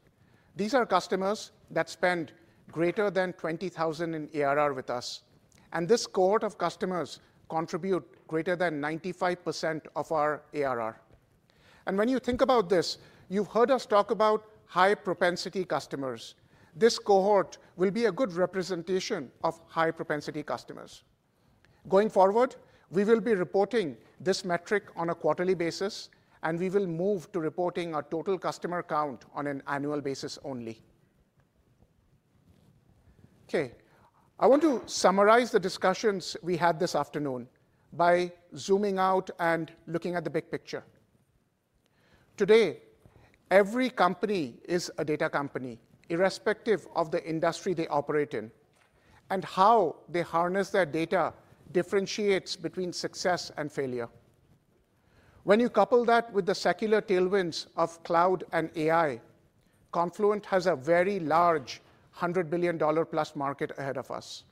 These are customers that spend greater than $20,000 in ARR with us. And this cohort of customers contributes greater than 95% of our ARR. And when you think about this, you've heard us talk about high-propensity customers. This cohort will be a good representation of high-propensity customers. Going forward, we will be reporting this metric on a quarterly basis. And we will move to reporting our total customer count on an annual basis only. Okay. I want to summarize the discussions we had this afternoon by zooming out and looking at the big picture. Today, every company is a data company, irrespective of the industry they operate in. And how they harness their data differentiates between success and failure. When you couple that with the secular tailwinds of cloud and AI, Confluent has a very large $100 billion-plus market ahead of us.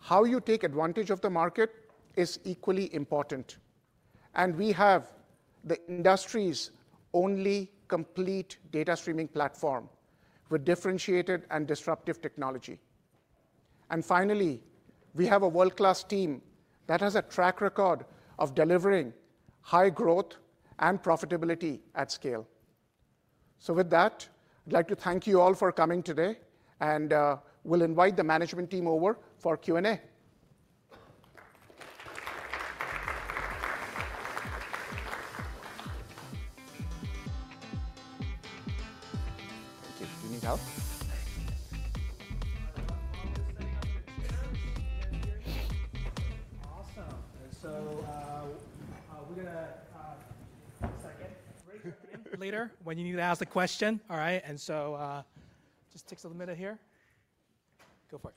How you take advantage of the market is equally important. And we have the industry's only complete data streaming platform with differentiated and disruptive technology. And finally, we have a world-class team that has a track record of delivering high growth and profitability at scale. So with that, I'd like to thank you all for coming today. And we'll invite the management team over for Q&A. Thank you. Do you need help? Awesome. And so we're going to take a second. Later, when you need to ask a question. All right? And so it just takes a little minute here. Go for it.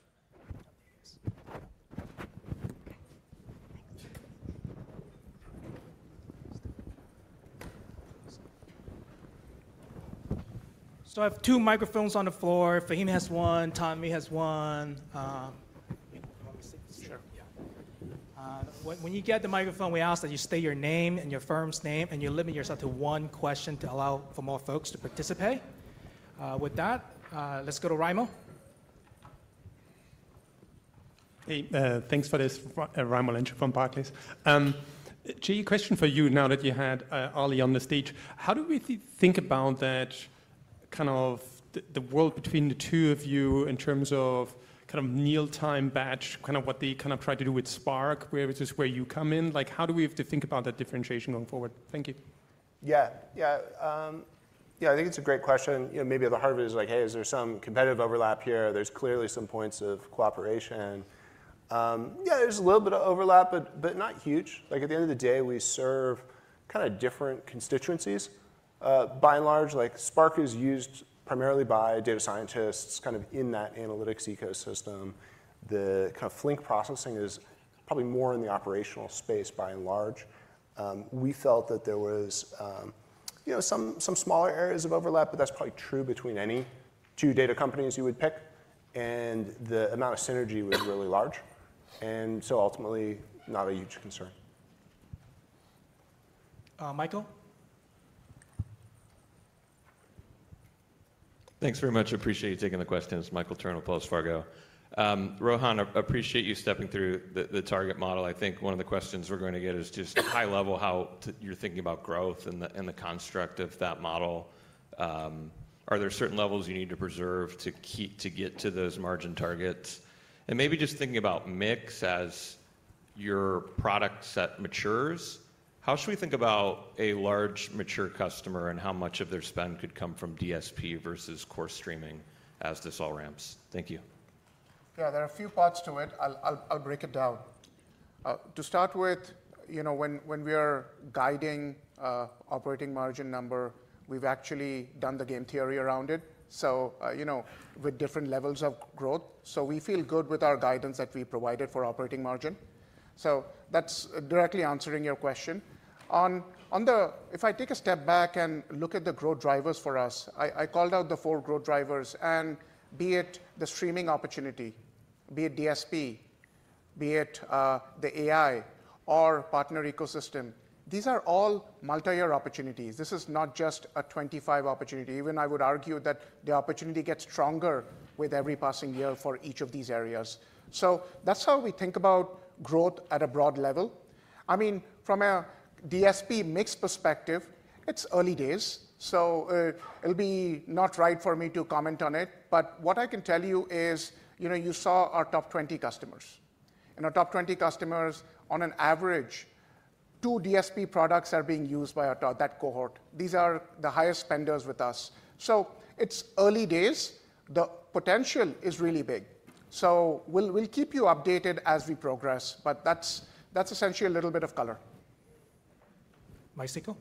So I have two microphones on the floor. Fahim has one. Tommy has one. Sure. Yeah. When you get the microphone, we ask that you state your name and your firm's name. And you limit yourself to one question to allow for more folks to participate. With that, let's go to Raimo. Hey. Thanks, Raimo Lenschow from Barclays. Jay, a question for you now that you had Ali on the stage. How do we think about that kind of the world between the two of you in terms of kind of real-time batch, kind of what they kind of tried to do with Spark, where it's just where you come in? How do we have to think about that differentiation going forward? Thank you. Yeah. Yeah. Yeah. I think it's a great question. Maybe at the heart of it is like, hey, is there some competitive overlap here? There's clearly some points of cooperation. Yeah. There's a little bit of overlap, but not huge. At the end of the day, we serve kind of different constituencies. By and large, Spark is used primarily by data scientists kind of in that analytics ecosystem. The kind of Flink processing is probably more in the operational space by and large. We felt that there was some smaller areas of overlap, but that's probably true between any two data companies you would pick. And the amount of synergy was really large. And so ultimately, not a huge concern. Michael. Thanks very much. Appreciate you taking the questions. Michael Turrin, Wells Fargo. Rohan, I appreciate you stepping through the target model. I think one of the questions we're going to get is just high level how you're thinking about growth and the construct of that model. Are there certain levels you need to preserve to get to those margin targets? And maybe just thinking about mix as your product set matures, how should we think about a large mature customer and how much of their spend could come from DSP versus core streaming as this all ramps? Thank you. Yeah. There are a few parts to it. I'll break it down. To start with, when we are guiding operating margin number, we've actually done the game theory around it with different levels of growth. So we feel good with our guidance that we provided for operating margin. So that's directly answering your question. If I take a step back and look at the growth drivers for us, I called out the four growth drivers. And be it the streaming opportunity, be it DSP, be it the AI, or partner ecosystem, these are all multi-year opportunities. This is not just a 25 opportunity. Even I would argue that the opportunity gets stronger with every passing year for each of these areas. So that's how we think about growth at a broad level. I mean, from a DSP mix perspective, it's early days. So it'll be not right for me to comment on it. But what I can tell you is you saw our top 20 customers. And our top 20 customers, on an average, two DSP products are being used by that cohort. These are the highest spenders with us. So it's early days. The potential is really big. So we'll keep you updated as we progress. But that's essentially a little bit of color. Mike Cikos.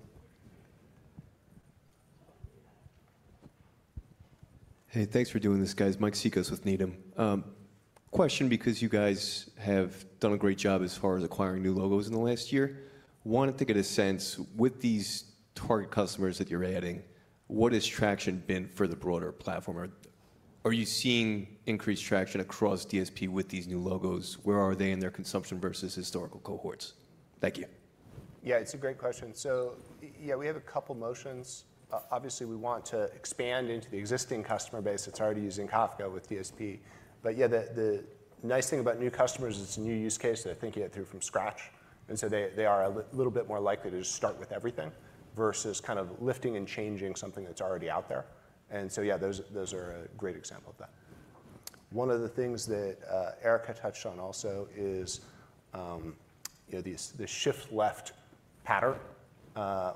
Hey. Thanks for doing this, guys. Mike Cikos with Needham. Question because you guys have done a great job as far as acquiring new logos in the last year. Wanted to get a sense with these target customers that you're adding, what has traction been for the broader platform? Are you seeing increased traction across DSP with these new logos? Where are they in their consumption versus historical cohorts? Thank you. Yeah. It's a great question. So yeah, we have a couple of motions. Obviously, we want to expand into the existing customer base that's already using Kafka with DSP. But yeah, the nice thing about new customers is it's a new use case. They're thinking it through from scratch. And so they are a little bit more likely to just start with everything versus kind of lifting and changing something that's already out there. And so yeah, those are a great example of that. One of the things that Erica touched on also is the shift left pattern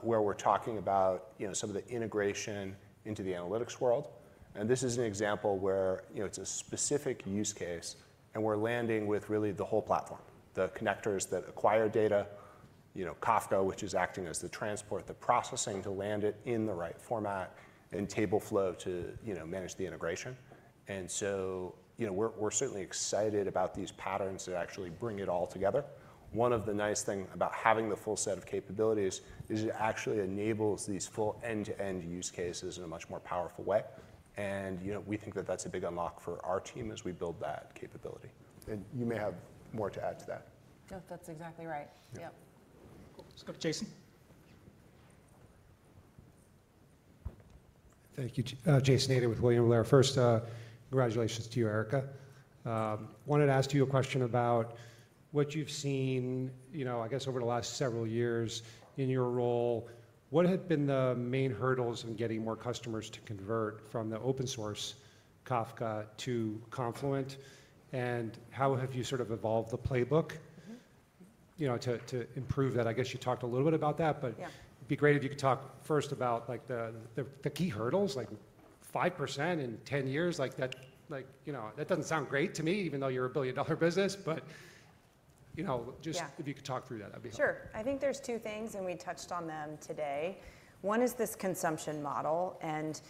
where we're talking about some of the integration into the analytics world. And this is an example where it's a specific use case. And we're landing with really the whole platform, the connectors that acquire data, Kafka, which is acting as the transport, the processing to land it in the right format, and Tableflow to manage the integration. And so we're certainly excited about these patterns that actually bring it all together. One of the nice things about having the full set of capabilities is it actually enables these full end-to-end use cases in a much more powerful way. And we think that that's a big unlock for our team as we build that capability. And you may have more to add to that. Nope. That's exactly right. Yep. Cool. Let's go to Jason. Thank you. Jason Ader with William Blair. First, congratulations to you, Erica. Wanted to ask you a question about what you've seen, I guess, over the last several years in your role. What have been the main hurdles in getting more customers to convert from the open source Kafka to Confluent? And how have you sort of evolved the playbook to improve that? I guess you talked a little bit about that. But it'd be great if you could talk first about the key hurdles, like 5% in 10 years. That doesn't sound great to me, even though you're a billion-dollar business. But just if you could talk through that, that'd be helpful. Sure. I think there's two things. And we touched on them today. One is this consumption model. And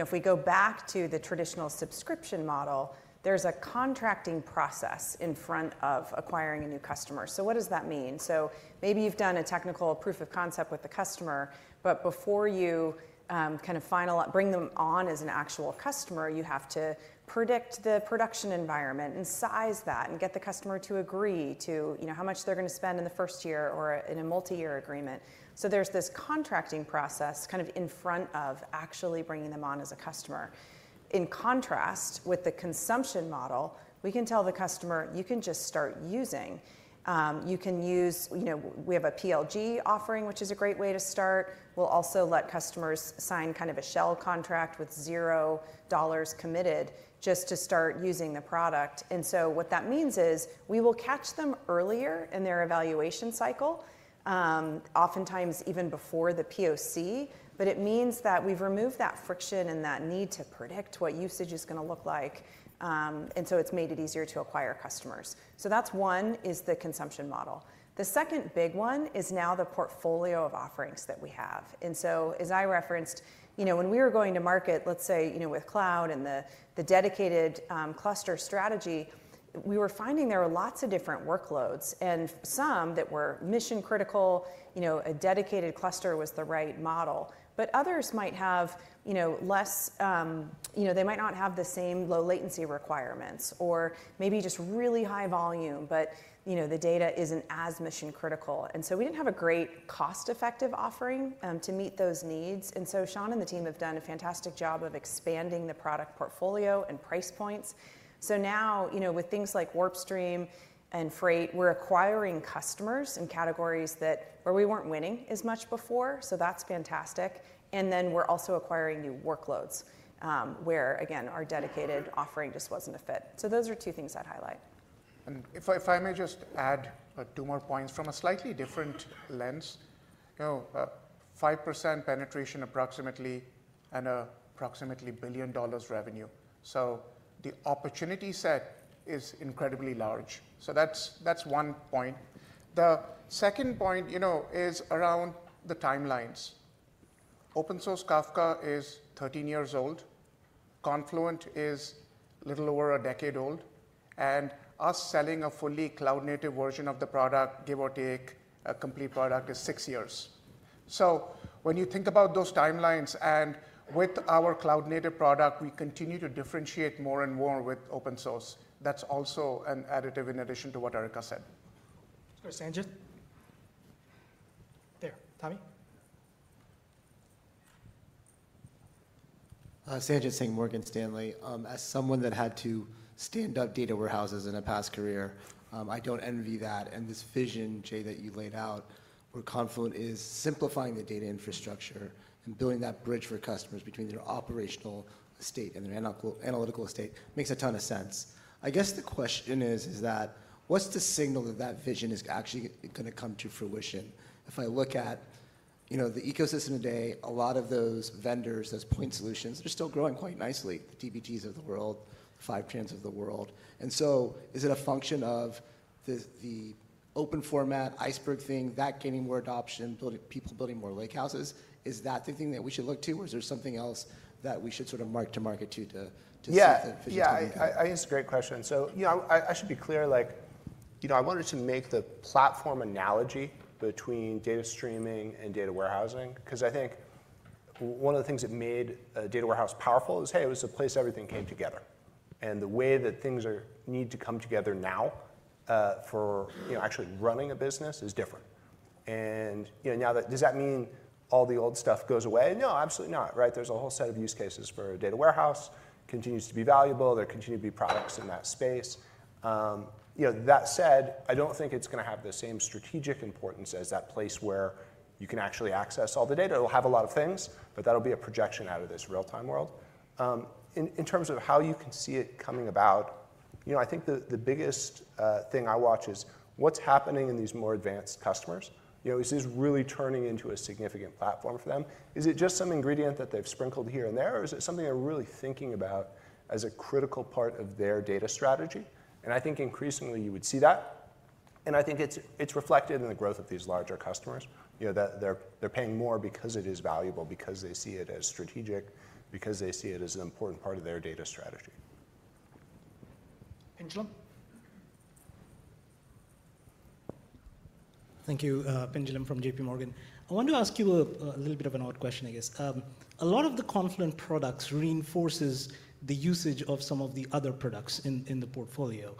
if we go back to the traditional subscription model, there's a contracting process in front of acquiring a new customer. So what does that mean? So maybe you've done a technical proof of concept with the customer. But before you kind of bring them on as an actual customer, you have to predict the production environment and size that and get the customer to agree to how much they're going to spend in the first year or in a multi-year agreement. So there's this contracting process kind of in front of actually bringing them on as a customer. In contrast with the consumption model, we can tell the customer, you can just start using. You can use we have a PLG offering, which is a great way to start. We'll also let customers sign kind of a shell contract with $0 committed just to start using the product. And so what that means is we will catch them earlier in their evaluation cycle, oftentimes even before the POC. But it means that we've removed that friction and that need to predict what usage is going to look like. And so it's made it easier to acquire customers. So that's one is the consumption model. The second big one is now the portfolio of offerings that we have. As I referenced, when we were going to market, let's say with cloud and the dedicated cluster strategy, we were finding there were lots of different workloads. Some that were mission-critical, a dedicated cluster was the right model. But others might have less. They might not have the same low-latency requirements or maybe just really high volume. But the data isn't as mission-critical. And so we didn't have a great cost-effective offering to meet those needs. And so Shaun and the team have done a fantastic job of expanding the product portfolio and price points. So now, with things like WarpStream and Freight, we're acquiring customers in categories where we weren't winning as much before. So that's fantastic. And then we're also acquiring new workloads where, again, our dedicated offering just wasn't a fit. So those are two things I'd highlight. And if I may just add two more points from a slightly different lens. 5% penetration approximately and approximately $1 billion revenue. So the opportunity set is incredibly large. So that's one point. The second point is around the timelines. Open source Kafka is 13 years old. Confluent is a little over a decade old. And us selling a fully cloud-native version of the product, give or take a complete product, is six years. So when you think about those timelines, and with our cloud-native product, we continue to differentiate more and more with open source. That's also an additive in addition to what Erica said. Of course. Sanjit? There. Tommy? Sanjit Singh, Morgan Stanley. As someone that had to stand up data warehouses in a past career, I don't envy that. And this vision, Jay, that you laid out for Confluent is simplifying the data infrastructure and building that bridge for customers between their operational estate and their analytical estate makes a ton of sense. I guess the question is, is that what's the signal that that vision is actually going to come to fruition? If I look at the ecosystem today, a lot of those vendors, those point solutions, they're still growing quite nicely. The dbts of the world, the Fivetrans of the world. And so is it a function of the open format, Iceberg thing, that gaining more adoption, people building more lakehouses? Is that the thing that we should look to? Or is there something else that we should sort of mark to market to see the efficiency? Yeah. I think it's a great question. So I should be clear. I wanted to make the platform analogy between data streaming and data warehousing because I think one of the things that made a data warehouse powerful is, hey, it was a place everything came together. And the way that things need to come together now for actually running a business is different. And now, does that mean all the old stuff goes away? No, absolutely not. There's a whole set of use cases for a data warehouse. It continues to be valuable. There continue to be products in that space. That said, I don't think it's going to have the same strategic importance as that place where you can actually access all the data. It'll have a lot of things. But that'll be a projection out of this real-time world. In terms of how you can see it coming about, I think the biggest thing I watch is what's happening in these more advanced customers. Is this really turning into a significant platform for them? Is it just some ingredient that they've sprinkled here and there? Or is it something they're really thinking about as a critical part of their data strategy, and I think increasingly you would see that, and I think it's reflected in the growth of these larger customers. They're paying more because it is valuable, because they see it as strategic, because they see it as an important part of their data strategy. Pinjalim? Thank you, Pinjalim from JPMorgan. I wanted to ask you a little bit of an odd question, I guess. A lot of the Confluent products reinforce the usage of some of the other products in the portfolio.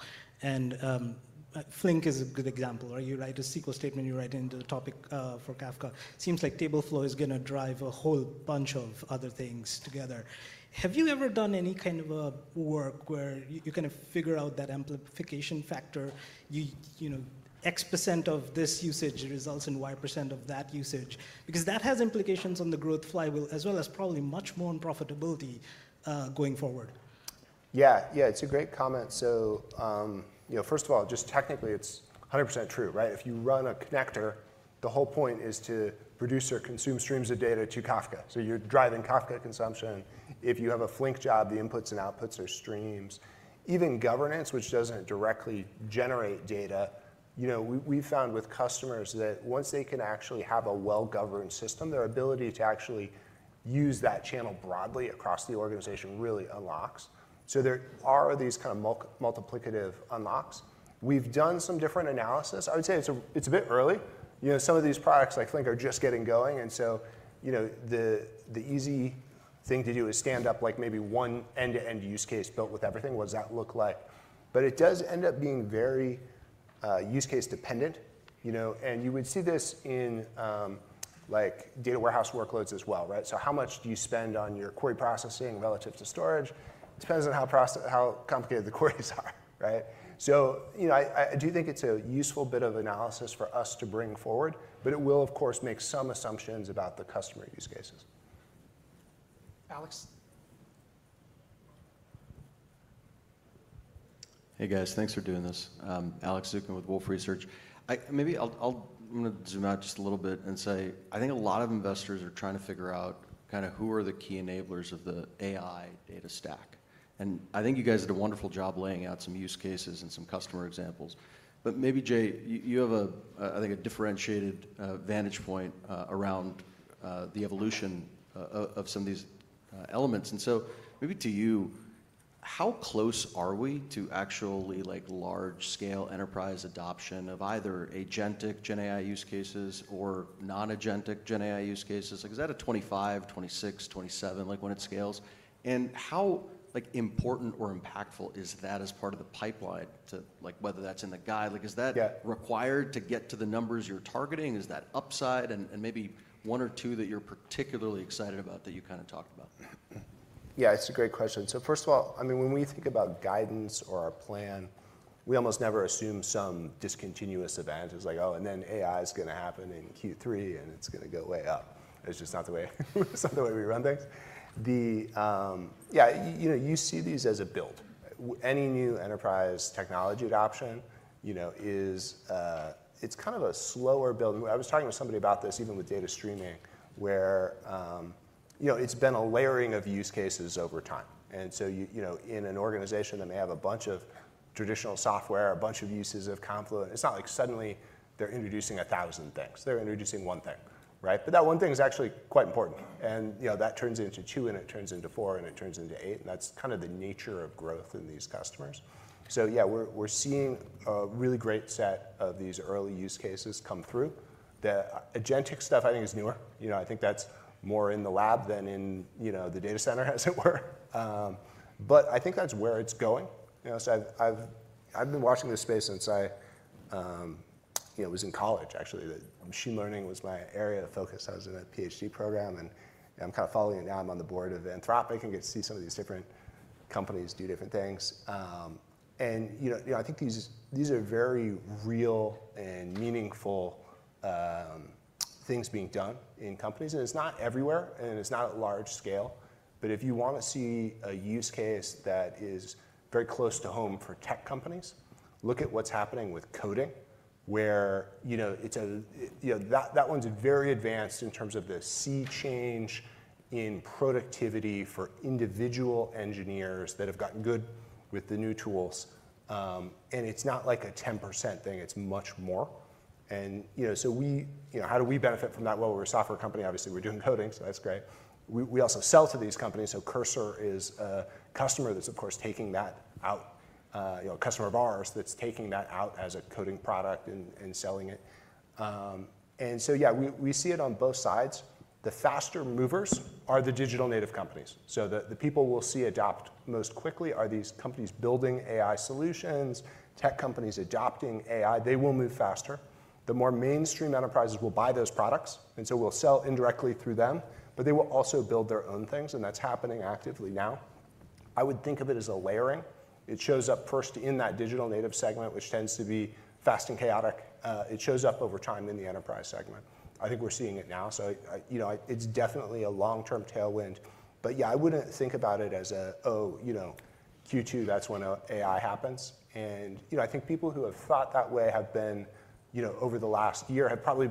Flink is a good example. You write a SQL statement. You write into the topic for Kafka. Seems like Tableflow is going to drive a whole bunch of other things together. Have you ever done any kind of work where you kind of figure out that amplification factor? X% of this usage results in Y% of that usage? Because that has implications on the growth flywheel as well as probably much more on profitability going forward. Yeah. Yeah. It's a great comment. So first of all, just technically, it's 100% true. If you run a connector, the whole point is to produce or consume streams of data to Kafka. So you're driving Kafka consumption. If you have a Flink job, the inputs and outputs are streams. Even governance, which doesn't directly generate data, we've found with customers that once they can actually have a well-governed system, their ability to actually use that channel broadly across the organization really unlocks. So there are these kind of multiplicative unlocks. We've done some different analysis. I would say it's a bit early. Some of these products like Flink are just getting going. And so the easy thing to do is stand up maybe one end-to-end use case built with everything. What does that look like? But it does end up being very use case dependent. And you would see this in data warehouse workloads as well. So how much do you spend on your query processing relative to storage? It depends on how complicated the queries are. So I do think it's a useful bit of analysis for us to bring forward. But it will, of course, make some assumptions about the customer use cases. Alex? Hey, guys. Thanks for doing this. Alex Zukin with Wolfe Research. Maybe I'm going to zoom out just a little bit and say I think a lot of investors are trying to figure out kind of who are the key enablers of the AI data stack. And I think you guys did a wonderful job laying out some use cases and some customer examples. But maybe, Jay, you have, I think, a differentiated vantage point around the evolution of some of these elements. And so maybe to you, how close are we to actually large-scale enterprise adoption of either agentic GenAI use cases or non-agentic GenAI use cases? Is that a 2025, 2026, 2027 when it scales? And how important or impactful is that as part of the pipeline, whether that's in the guide? Is that required to get to the numbers you're targeting? Is that upside? And maybe one or two that you're particularly excited about that you kind of talked about? Yeah. It's a great question. So first of all, I mean, when we think about guidance or our plan, we almost never assume some discontinuous event. It's like, oh, and then AI is going to happen in Q3, and it's going to go way up. It's just not the way we run things. Yeah. You see these as a build. Any new enterprise technology adoption, it's kind of a slower build. I was talking to somebody about this even with data streaming, where it's been a layering of use cases over time. And so in an organization that may have a bunch of traditional software, a bunch of uses of Confluent, it's not like suddenly they're introducing 1,000 things. They're introducing one thing. But that one thing is actually quite important. And that turns into two, and it turns into four, and it turns into eight. And that's kind of the nature of growth in these customers. So yeah, we're seeing a really great set of these early use cases come through. The agentic stuff, I think, is newer. I think that's more in the lab than in the data center, as it were. But I think that's where it's going. So I've been watching this space since I was in college, actually. Machine learning was my area of focus. I was in a PhD program. And I'm kind of following it now. I'm on the board of Anthropic and get to see some of these different companies do different things. And I think these are very real and meaningful things being done in companies. And it's not everywhere. And it's not at large scale. But if you want to see a use case that is very close to home for tech companies, look at what's happening with coding, where that one's very advanced in terms of the sea change in productivity for individual engineers that have gotten good with the new tools. And it's not like a 10% thing. It's much more. And so how do we benefit from that? Well, we're a software company. Obviously, we're doing coding. So that's great. We also sell to these companies. So Cursor is a customer that's, of course, taking that out, a customer of ours that's taking that out as a coding product and selling it. And so yeah, we see it on both sides. The faster movers are the Digital Native companies. So the people we'll see adopt most quickly are these companies building AI solutions, tech companies adopting AI. They will move faster. The more mainstream enterprises will buy those products. And so we'll sell indirectly through them. But they will also build their own things. And that's happening actively now. I would think of it as a layering. It shows up first in that Digital Native segment, which tends to be fast and chaotic. It shows up over time in the enterprise segment. I think we're seeing it now. So it's definitely a long-term tailwind. But yeah, I wouldn't think about it as a, oh, Q2, that's when AI happens. And I think people who have thought that way have been, over the last year, probably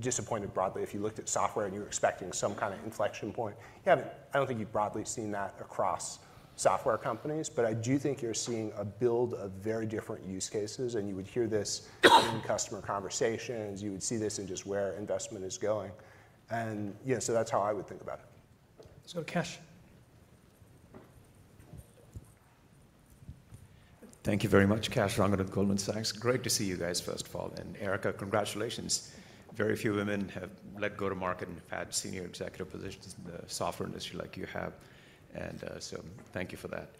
disappointed broadly. If you looked at software and you were expecting some kind of inflection point, I don't think you've broadly seen that across software companies. But I do think you're seeing a build of very different use cases. And you would hear this in customer conversations. You would see this in just where investment is going. And so that's how I would think about it. So, Kash? Thank you very much, Kash Rangan, Goldman Sachs. Great to see you guys, first of all. And Erica, congratulations. Very few women have led go-to-market and have had senior executive positions in the software industry like you have. And so thank you for that.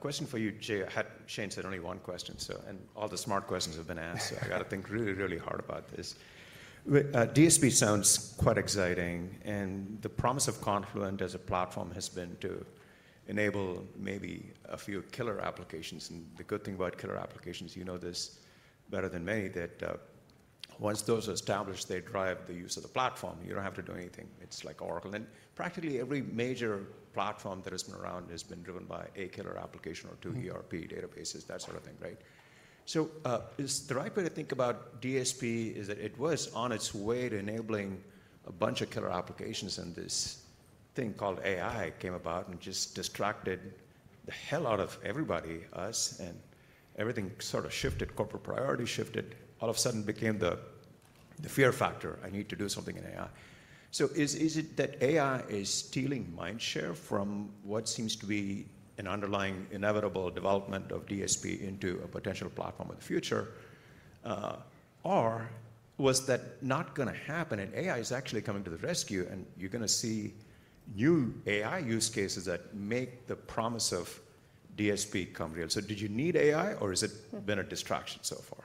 Question for you, Jay. Shane said only one question. And all the smart questions have been answered. I got to think really, really hard about this. DSP sounds quite exciting. And the promise of Confluent as a platform has been to enable maybe a few killer applications. And the good thing about killer applications, you know this better than many, that once those are established, they drive the use of the platform. You don't have to do anything. It's like Oracle. And practically every major platform that has been around has been driven by a killer application or two ERP databases, that sort of thing. So the right way to think about DSP is that it was on its way to enabling a bunch of killer applications. And this thing called AI came about and just distracted the hell out of everybody, us. And everything sort of shifted. Corporate priority shifted. All of a sudden became the fear factor. I need to do something in AI. So is it that AI is stealing mind share from what seems to be an underlying inevitable development of DSP into a potential platform of the future? Or was that not going to happen? And AI is actually coming to the rescue. And you're going to see new AI use cases that make the promise of DSP come real. So did you need AI? Or has it been a distraction so far?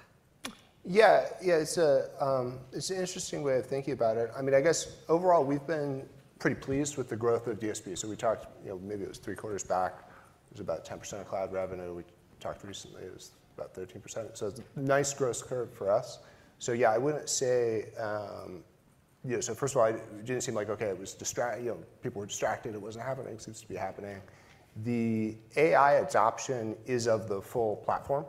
Yeah. Yeah. It's an interesting way of thinking about it. I mean, I guess overall, we've been pretty pleased with the growth of DSP. So we talked, maybe it was three quarters back, it was about 10% of cloud revenue. We talked recently. It was about 13%. So it's a nie growth curve for us. So yeah, I wouldn't say so first of all, it didn't seem like, OK, people were distracted. It wasn't happening. It seems to be happening. The AI adoption is of the full platform.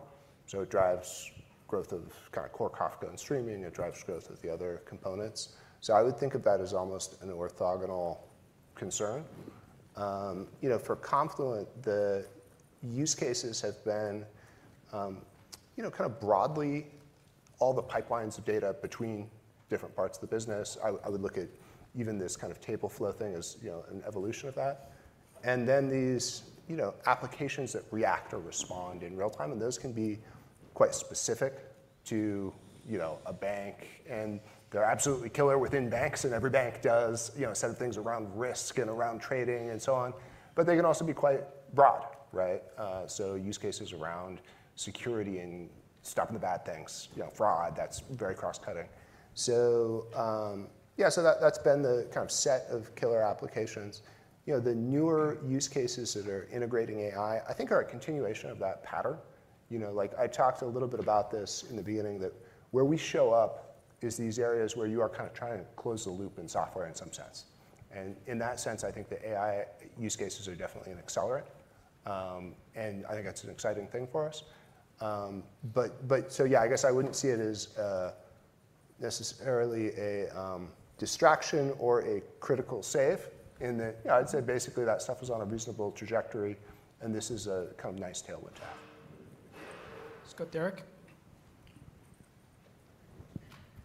So it drives growth of kind of core Kafka and streaming. It drives growth of the other components. So I would think of that as almost an orthogonal concern. For Confluent, the use cases have been kind of broadly all the pipelines of data between different parts of the business. I would look at even this kind of Tableflow thing as an evolution of that. And then these applications that react or respond in real time. And those can be quite specific to a bank. And they're absolutely killer within banks. And every bank does a set of things around risk and around trading and so on. But they can also be quite broad. So use cases around security and stopping the bad things, fraud, that's very cross-cutting. Yeah, so that's been the kind of set of killer applications. The newer use cases that are integrating AI, I think, are a continuation of that pattern. I talked a little bit about this in the beginning, that where we show up is these areas where you are kind of trying to close the loop in software in some sense. And in that sense, I think the AI use cases are definitely an accelerant. And I think that's an exciting thing for us. But yeah, I guess I wouldn't see it as necessarily a distraction or a critical shift. And I'd say basically that stuff is on a reasonable trajectory. And this is a kind of nice tailwind to have. Derrick?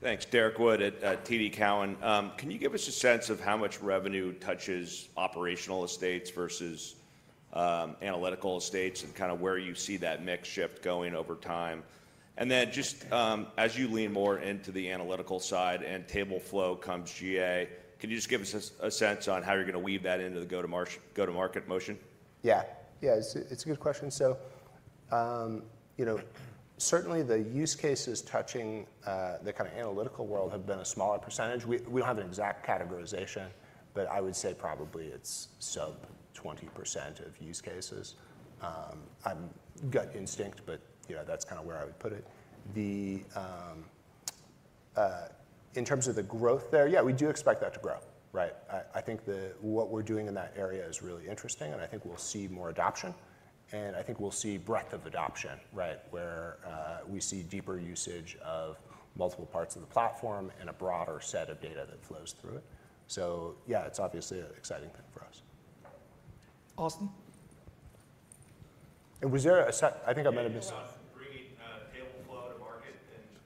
Thanks. Derrick Wood at TD Cowen. Can you give us a sense of how much revenue touches operational estates versus analytical estates and kind of where you see that mix shift going over time? And then just as you lean more into the analytical side and Tableflow comes GA, can you just give us a sense on how you're going to weave that into the go-to-market motion? Yeah. Yeah. It's a good question. So certainly the use cases touching the kind of analytical world have been a smaller percentage. We don't have an exact categorization. But I would say probably it's sub 20% of use cases. I've got instinct. But that's kind of where I would put it. In terms of the growth there, yeah, we do expect that to grow. I think what we're doing in that area is really interesting, and I think we'll see more adoption. I think we'll see breadth of adoption, where we see deeper usage of multiple parts of the platform and a broader set of data that flows through it. So yeah, it's obviously an exciting thing for us. Awesome. And was there a set? I think I might have missed.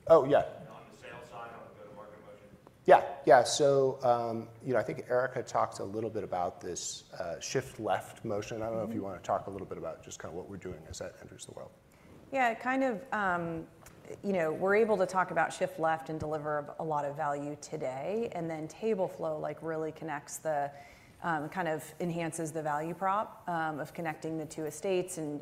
Bringing Tableflow to market and not in the sales side on the go-to-market motion? Yeah. Yeah. So I think Erica talked a little bit about this shift left motion. I don't know if you want to talk a little bit about just kind of what we're doing as that enters the world. Yeah. Kind of we're able to talk about shift left and deliver a lot of value today. And then Tableflow really connects the kind of enhances the value prop of connecting the two estates and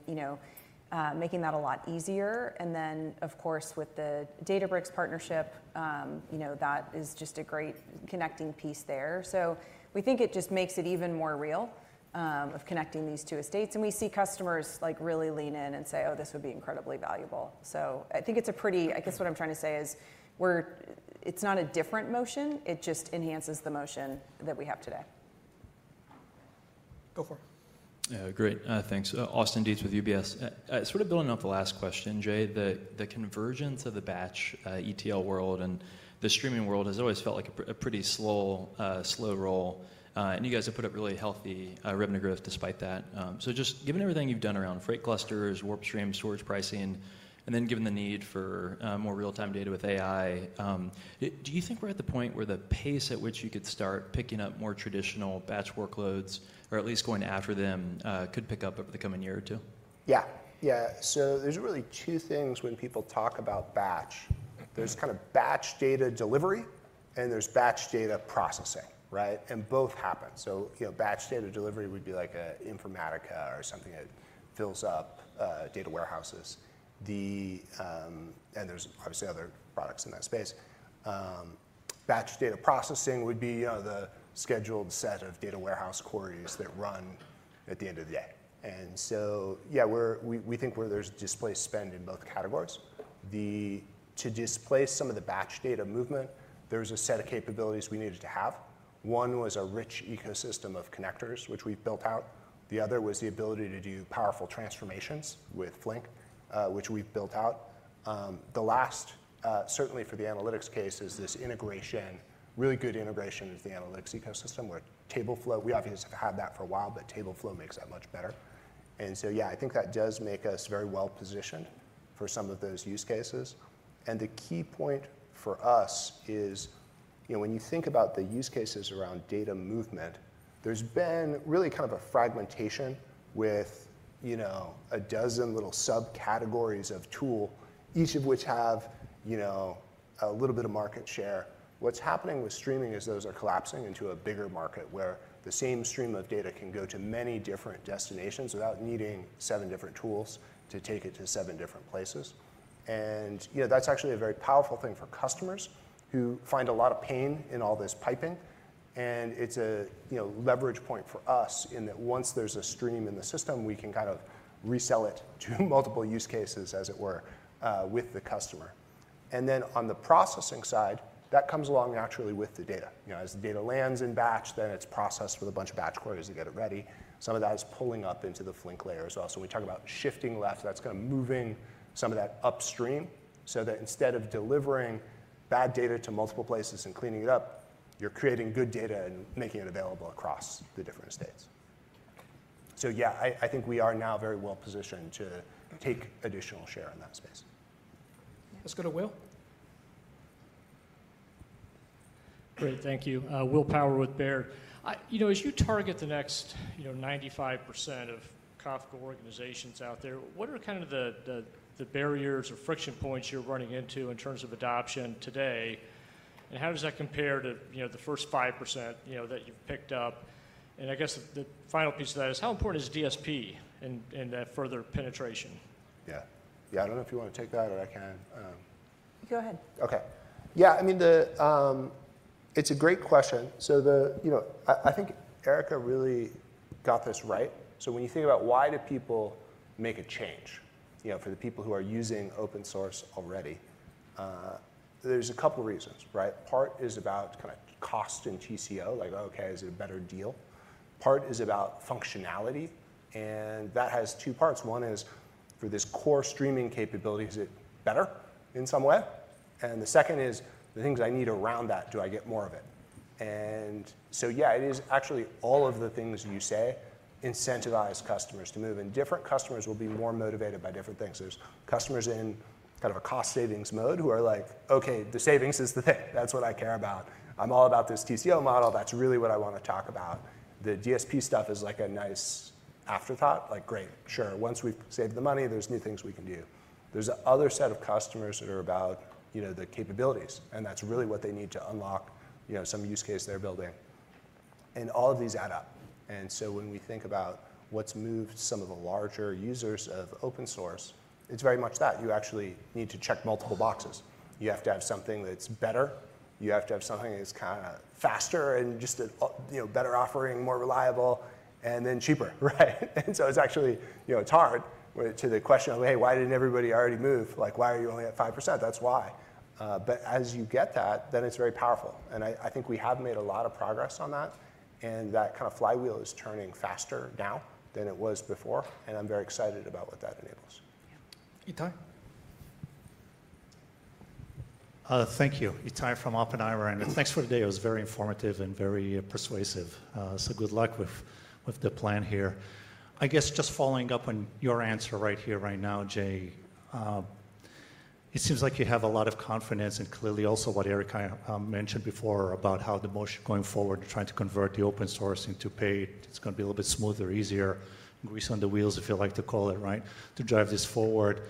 making that a lot easier. And then, of course, with the Databricks partnership, that is just a great connecting piece there. So we think it just makes it even more real of connecting these two estates. And we see customers really lean in and say, oh, this would be incredibly valuable. So I think it's a pretty, I guess, what I'm trying to say is it's not a different motion. It just enhances the motion that we have today. Go for it. Great. Thanks. Austin Dietz with UBS. Sort of building up the last question, Jay, the convergence of the batch ETL world and the streaming world has always felt like a pretty slow roll. And you guys have put up really healthy revenue growth despite that. So just given everything you've done around Freight Clusters, WarpStream, storage pricing, and then given the need for more real-time data with AI, do you think we're at the point where the pace at which you could start picking up more traditional batch workloads, or at least going after them, could pick up over the coming year or two? Yeah. Yeah. So there's really two things when people talk about batch. There's kind of batch data delivery, and there's batch data processing. And both happen. So batch data delivery would be like an Informatica or something that fills up data warehouses. And there's obviously other products in that space. Batch data processing would be the scheduled set of data warehouse queries that run at the end of the day. And so yeah, we think there's displaceable spend in both categories. To display some of the batch data movement, there was a set of capabilities we needed to have. One was a rich ecosystem of connectors, which we've built out. The other was the ability to do powerful transformations with Flink, which we've built out. The last, certainly for the analytics case, is this integration, really good integration of the analytics ecosystem where Tableflow, we obviously have had that for a while, but Tableflow makes that much better, and so yeah, I think that does make us very well positioned for some of those use cases, and the key point for us is when you think about the use cases around data movement, there's been really kind of a fragmentation with a dozen little subcategories of tool, each of which have a little bit of market share. What's happening with streaming is those are collapsing into a bigger market where the same stream of data can go to many different destinations without needing seven different tools to take it to seven different places, and that's actually a very powerful thing for customers who find a lot of pain in all this piping, and it's a leverage point for us in that once there's a stream in the system, we can kind of resell it to multiple use cases, as it were, with the customer, and then on the processing side, that comes along naturally with the data. As the data lands in batch, then it's processed with a bunch of batch queries to get it ready. Some of that is pulling up into the Flink layer as well. So when we talk about shifting left, that's kind of moving some of that upstream so that instead of delivering bad data to multiple places and cleaning it up, you're creating good data and making it available across the different estates. So yeah, I think we are now very well positioned to take additional share in that space. Let's go to Will. Great. Thank you. Will Power with Baird. As you target the next 95% of Kafka organizations out there, what are kind of the barriers or friction points you're running into in terms of adoption today? And how does that compare to the first 5% that you've picked up? And I guess the final piece of that is how important is DSP and that further penetration? Yeah. Yeah. I don't know if you want to take that, or I can. Go ahead. OK. Yeah. I mean, it's a great question. So I think Erica really got this right. So when you think about why do people make a change for the people who are using open source already, there's a couple of reasons. Part is about kind of cost and TCO, like, OK, is it a better deal? Part is about functionality. And that has two parts. One is for this core streaming capability, is it better in some way? And the second is the things I need around that, do I get more of it? And so yeah, it is actually all of the things you say incentivize customers to move. And different customers will be more motivated by different things. There's customers in kind of a cost savings mode who are like, OK, the savings is the thing. That's what I care about. I'm all about this TCO model. That's really what I want to talk about. The DSP stuff is like a nice afterthought, like, great, sure. Once we've saved the money, there's new things we can do. There's another set of customers that are about the capabilities, and that's really what they need to unlock some use case they're building. And all of these add up, and so when we think about what's moved some of the larger users of open source, it's very much that. You actually need to check multiple boxes. You have to have something that's better. You have to have something that's kind of faster and just a better offering, more reliable, and then cheaper. And so it's actually hard to the question of, hey, why didn't everybody already move? Why are you only at 5%? That's why. But as you get that, then it's very powerful. And I think we have made a lot of progress on that. And that kind of flywheel is turning faster now than it was before. And I'm very excited about what that enables. Itai. Thank you. Itai from Oppenheimer. And thanks for the day. It was very informative and very persuasive. So good luck with the plan here. I guess just following up on your answer right here right now, Jay, it seems like you have a lot of confidence in clearly also what Erica mentioned before about how the motion going forward to trying to convert the open source into paid. It's going to be a little bit smoother, easier, grease on the wheels, if you like to call it, to drive this forward.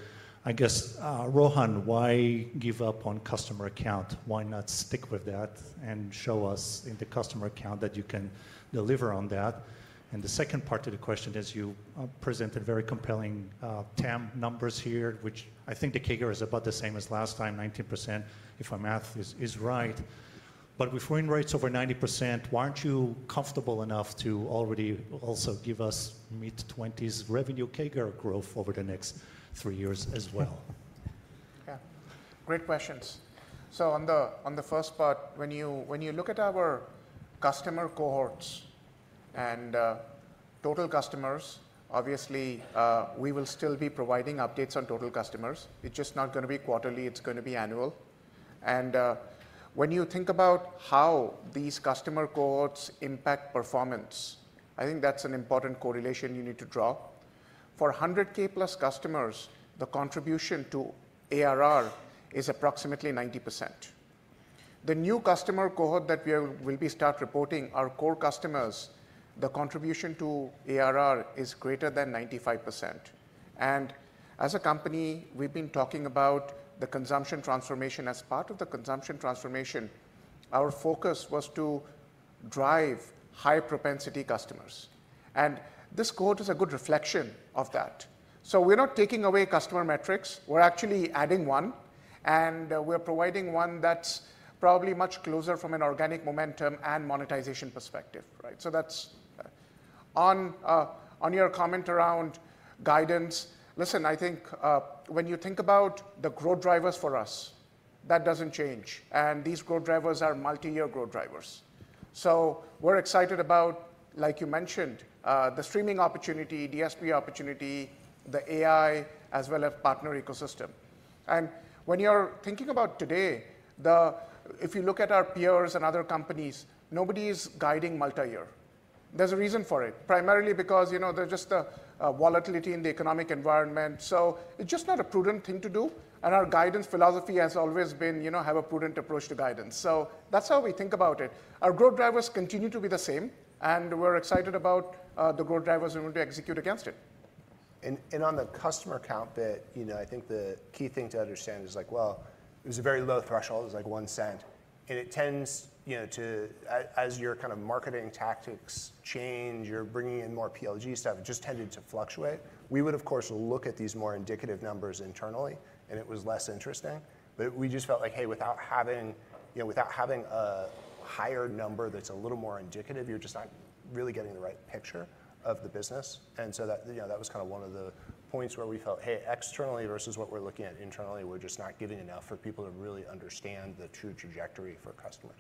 I guess, Rohan, why give up on customer account? Why not stick with that and show us in the customer account that you can deliver on that? And the second part of the question is you presented very compelling TAM numbers here, which I think the kicker is about the same as last time, 19%, if my math is right. But with win rates over 90%, why aren't you comfortable enough to already also give us mid-20s revenue kicker growth over the next three years as well? Yeah. Great questions. So on the first part, when you look at our customer cohorts and total customers, obviously we will still be providing updates on total customers. It's just not going to be quarterly. It's going to be annual. And when you think about how these customer cohorts impact performance, I think that's an important correlation you need to draw. For 100k plus customers, the contribution to ARR is approximately 90%. The new customer cohort that we will be starting reporting are core customers. The contribution to ARR is greater than 95%. And as a company, we've been talking about the consumption transformation. As part of the consumption transformation, our focus was to drive high propensity customers. And this quote is a good reflection of that. So we're not taking away customer metrics. We're actually adding one. And we're providing one that's probably much closer from an organic momentum and monetization perspective. So that's on your comment around guidance. Listen, I think when you think about the growth drivers for us, that doesn't change. And these growth drivers are multi-year growth drivers. So we're excited about, like you mentioned, the streaming opportunity, DSP opportunity, the AI, as well as partner ecosystem. And when you're thinking about today, if you look at our peers and other companies, nobody is guiding multi-year. There's a reason for it, primarily because there's just the volatility in the economic environment. So it's just not a prudent thing to do. And our guidance philosophy has always been have a prudent approach to guidance. So that's how we think about it. Our growth drivers continue to be the same. And we're excited about the growth drivers we're going to execute against it. And on the customer count bit, I think the key thing to understand is like, well, it was a very low threshold. It was like $0.01. And it tends to, as your kind of marketing tactics change, you're bringing in more PLG stuff. It just tended to fluctuate. We would, of course, look at these more indicative numbers internally. And it was less interesting. But we just felt like, hey, without having a higher number that's a little more indicative, you're just not really getting the right picture of the business. And so that was kind of one of the points where we felt, hey, externally versus what we're looking at internally, we're just not giving enough for people to really understand the true trajectory for customers.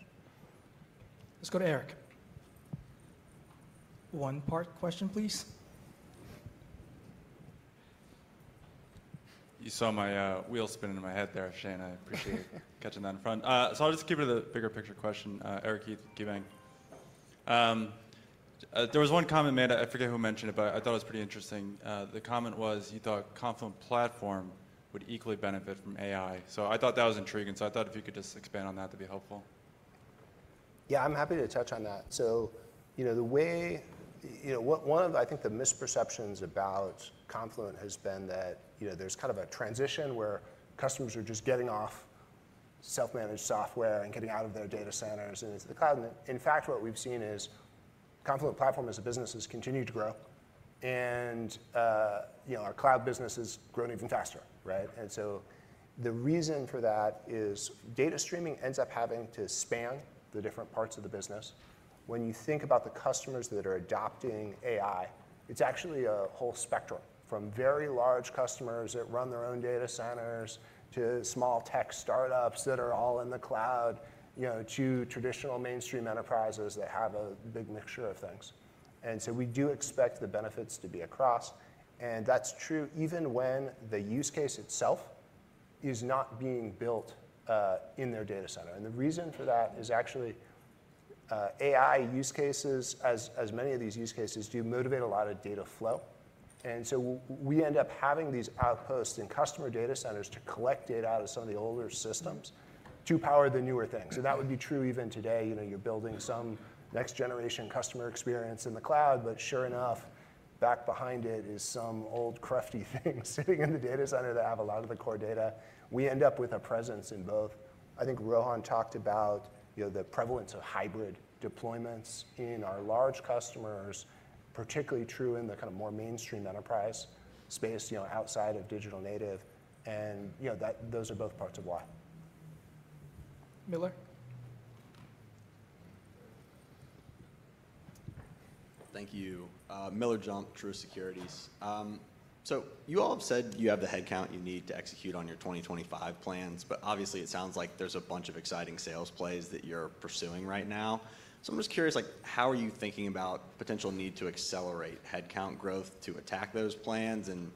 Let's go to Eric. One part question, please. You saw my wheel spin in my head there, Shane. I appreciate catching that in front. So I'll just give it a bigger picture question. There was one comment made. I forget who mentioned it, but I thought it was pretty interesting. The comment was you thought Confluent Platform would equally benefit from AI. So I thought that was intriguing. So I thought if you could just expand on that, that'd be helpful. Yeah. I'm happy to touch on that. So the way one of, I think, the misperceptions about Confluent has been that there's kind of a transition where customers are just getting off self-managed software and getting out of their data centers and into the cloud. And in fact, what we've seen is Confluent Platform as a business has continued to grow. And our cloud business is growing even faster. And so the reason for that is data streaming ends up having to span the different parts of the business. When you think about the customers that are adopting AI, it's actually a whole spectrum from very large customers that run their own data centers to small tech startups that are all in the cloud to traditional mainstream enterprises that have a big mixture of things. And so we do expect the benefits to be across. And that's true even when the use case itself is not being built in their data center. And the reason for that is actually AI use cases, as many of these use cases do, motivate a lot of data flow. And so we end up having these outposts in customer data centers to collect data out of some of the older systems to power the newer things. And that would be true even today. You're building some next generation customer experience in the cloud. But sure enough, back behind it is some old crufty thing sitting in the data center that have a lot of the core data. We end up with a presence in both. I think Rohan talked about the prevalence of hybrid deployments in our large customers, particularly true in the kind of more mainstream enterprise space outside of Digital Native. And those are both parts of why. Miller. Thank you. Miller Jump, Truist Securities. So you all have said you have the headcount you need to execute on your 2025 plans. But obviously, it sounds like there's a bunch of exciting sales plays that you're pursuing right now. So I'm just curious, how are you thinking about potential need to accelerate headcount growth to attack those plans? And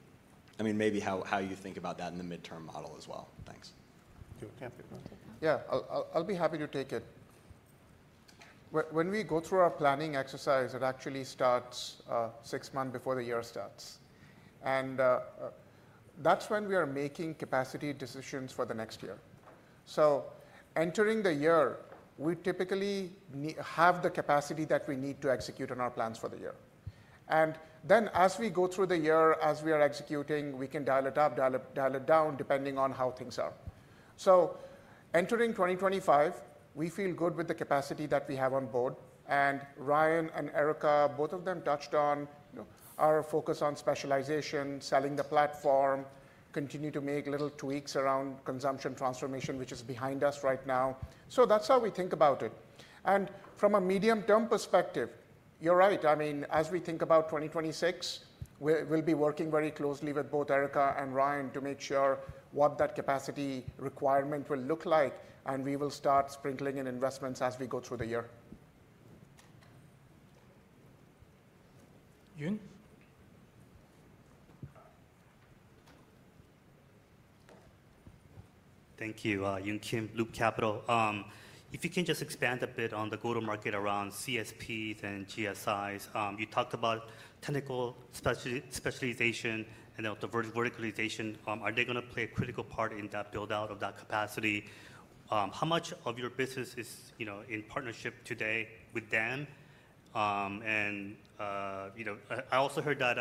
I mean, maybe how you think about that in the midterm model as well. Thanks. Yeah. I'll be happy to take it. When we go through our planning exercise, it actually starts six months before the year starts. And that's when we are making capacity decisions for the next year. So entering the year, we typically have the capacity that we need to execute on our plans for the year. Then as we go through the year, as we are executing, we can dial it up, dial it down, depending on how things are. So entering 2025, we feel good with the capacity that we have on board. And Ryan and Erica, both of them touched on our focus on specialization, selling the platform, continue to make little tweaks around consumption transformation, which is behind us right now. So that's how we think about it. And from a medium-term perspective, you're right. I mean, as we think about 2026, we'll be working very closely with both Erica and Ryan to make sure what that capacity requirement will look like. And we will start sprinkling in investments as we go through the year. Yun Thank you, Yun Kim, Loop Capital. If you can just expand a bit on the go-to-market around CSPs and GSIs. You talked about technical specialization and the verticalization. Are they going to play a critical part in that build-out of that capacity? How much of your business is in partnership today with them? And I also heard that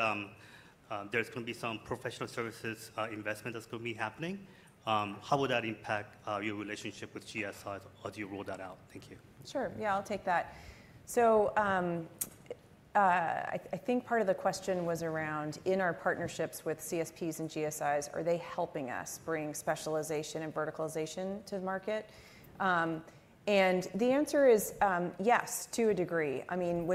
there's going to be some Professional Services investment that's going to be happening. How would that impact your relationship with GSIs? I'll let you roll that out. Thank you. Sure. Yeah, I'll take that, so I think part of the question was around, in our partnerships with CSPs and GSIs, are they helping us bring specialization and verticalization to the market, and the answer is yes, to a degree. I mean,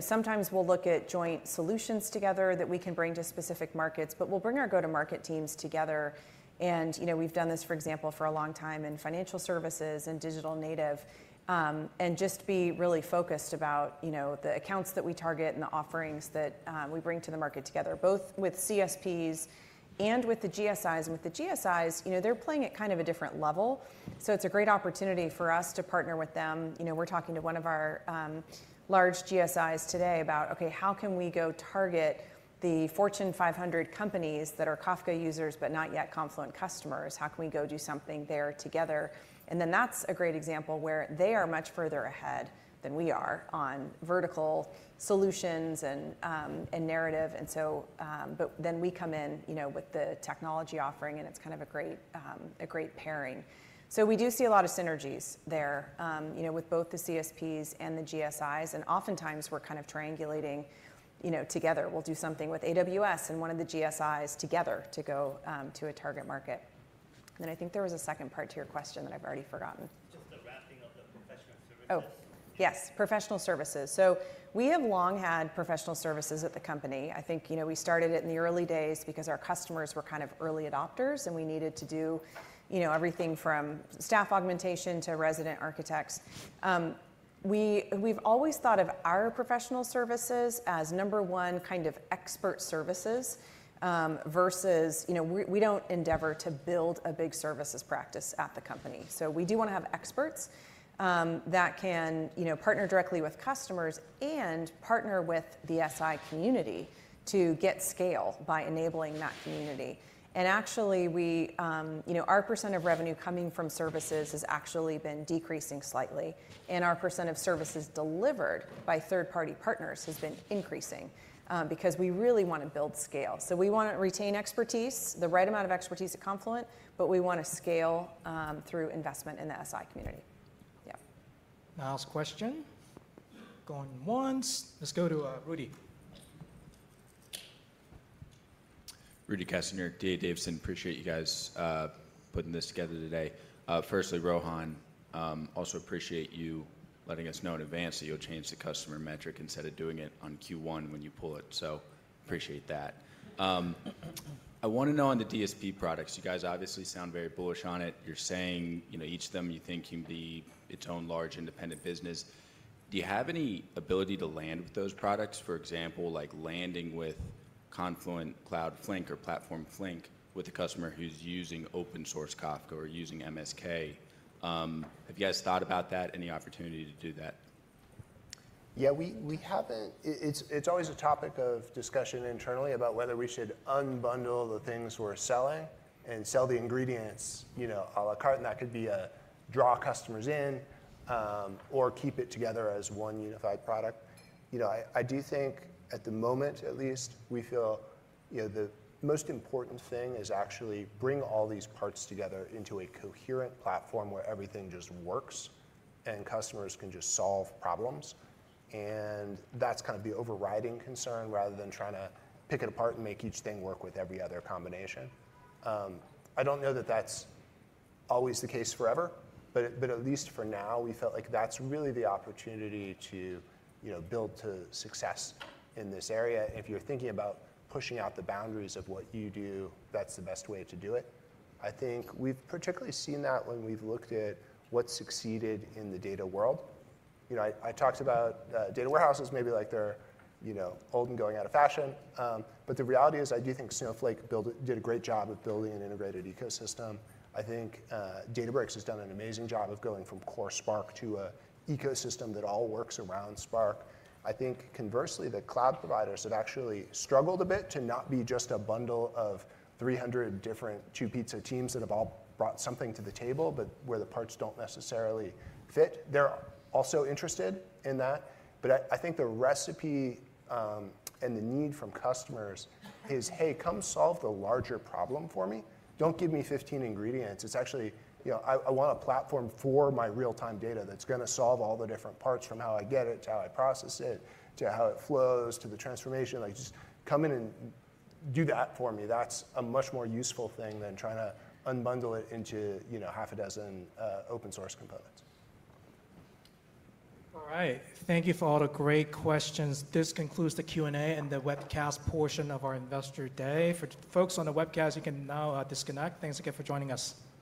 sometimes we'll look at joint solutions together that we can bring to specific markets, but we'll bring our go-to-market teams together. And we've done this, for example, for a long time in Financial Services and Digital Native and just be really focused about the accounts that we target and the offerings that we bring to the market together, both with CSPs and with the GSIs. And with the GSIs, they're playing at kind of a different level. So it's a great opportunity for us to partner with them. We're talking to one of our large GSIs today about, OK, how can we go target the Fortune 500 companies that are Kafka users but not yet Confluent customers? How can we go do something there together? And then that's a great example where they are much further ahead than we are on vertical solutions and narrative. But then we come in with the technology offering. And it's kind of a great pairing. So we do see a lot of synergies there with both the CSPs and the GSIs. And oftentimes, we're kind of triangulating together. We'll do something with AWS and one of the GSIs together to go to a target market. And then I think there was a second part to your question that I've already forgotten. Just the wrapping of the Professional Services. Oh, yes, Professional Services. So we have long had Professional Services at the company. I think we started it in the early days because our customers were kind of early adopters. And we needed to do everything from staff augmentation to resident architects. We've always thought of our Professional Services as number one kind of expert services versus we don't endeavor to build a big services practice at the company. So we do want to have experts that can partner directly with customers and partner with the SI community to get scale by enabling that community. And actually, our percent of revenue coming from services has actually been decreasing slightly. And our percent of services delivered by third-party partners has been increasing because we really want to build scale. So we want to retain expertise, the right amount of expertise at Confluent. But we want to scale through investment in the SI community. Yeah. Last question. Going once. Let's go to Rudy. Rudy Kessinger, D.A. Davidson. Appreciate you guys putting this together today. Firstly, Rohan, also appreciate you letting us know in advance that you'll change the customer metric instead of doing it on Q1 when you pull it. So appreciate that. I want to know on the DSP products. You guys obviously sound very bullish on it. You're saying each of them you think can be its own large independent business. Do you have any ability to land with those products, for example, landing with Confluent Cloud Flink or Platform Flink with a customer who's using open source Kafka or using MSK? Have you guys thought about that, any opportunity to do that? Yeah. It's always a topic of discussion internally about whether we should unbundle the things we're selling and sell the ingredients à la carte. And that could be a way to draw customers in or keep it together as one unified product. I do think at the moment, at least, we feel the most important thing is actually to bring all these parts together into a coherent platform where everything just works and customers can just solve problems. And that's kind of the overriding concern rather than trying to pick it apart and make each thing work with every other combination. I don't know that that's always the case forever. But at least for now, we felt like that's really the opportunity to build to success in this area. And if you're thinking about pushing out the boundaries of what you do, that's the best way to do it. I think we've particularly seen that when we've looked at what succeeded in the data world. I talked about data warehouses maybe like they're old and going out of fashion. But the reality is I do think Snowflake did a great job of building an integrated ecosystem. I think Databricks has done an amazing job of going from core Spark to an ecosystem that all works around Spark. I think conversely, the cloud providers have actually struggled a bit to not be just a bundle of 300 different two-pizza teams that have all brought something to the table, but where the parts don't necessarily fit. They're also interested in that. But I think the recipe and the need from customers is, hey, come solve the larger problem for me. Don't give me 15 ingredients. It's actually, I want a platform for my real-time data that's going to solve all the different parts from how I get it to how I process it to how it flows to the transformation. Just come in and do that for me. That's a much more useful thing than trying to unbundle it into half a dozen open source components. All right. Thank you for all the great questions. This concludes the Q&A and the webcast portion of our Investor Day.For folks on the webcast, you can now disconnect. Thanks again for joining us.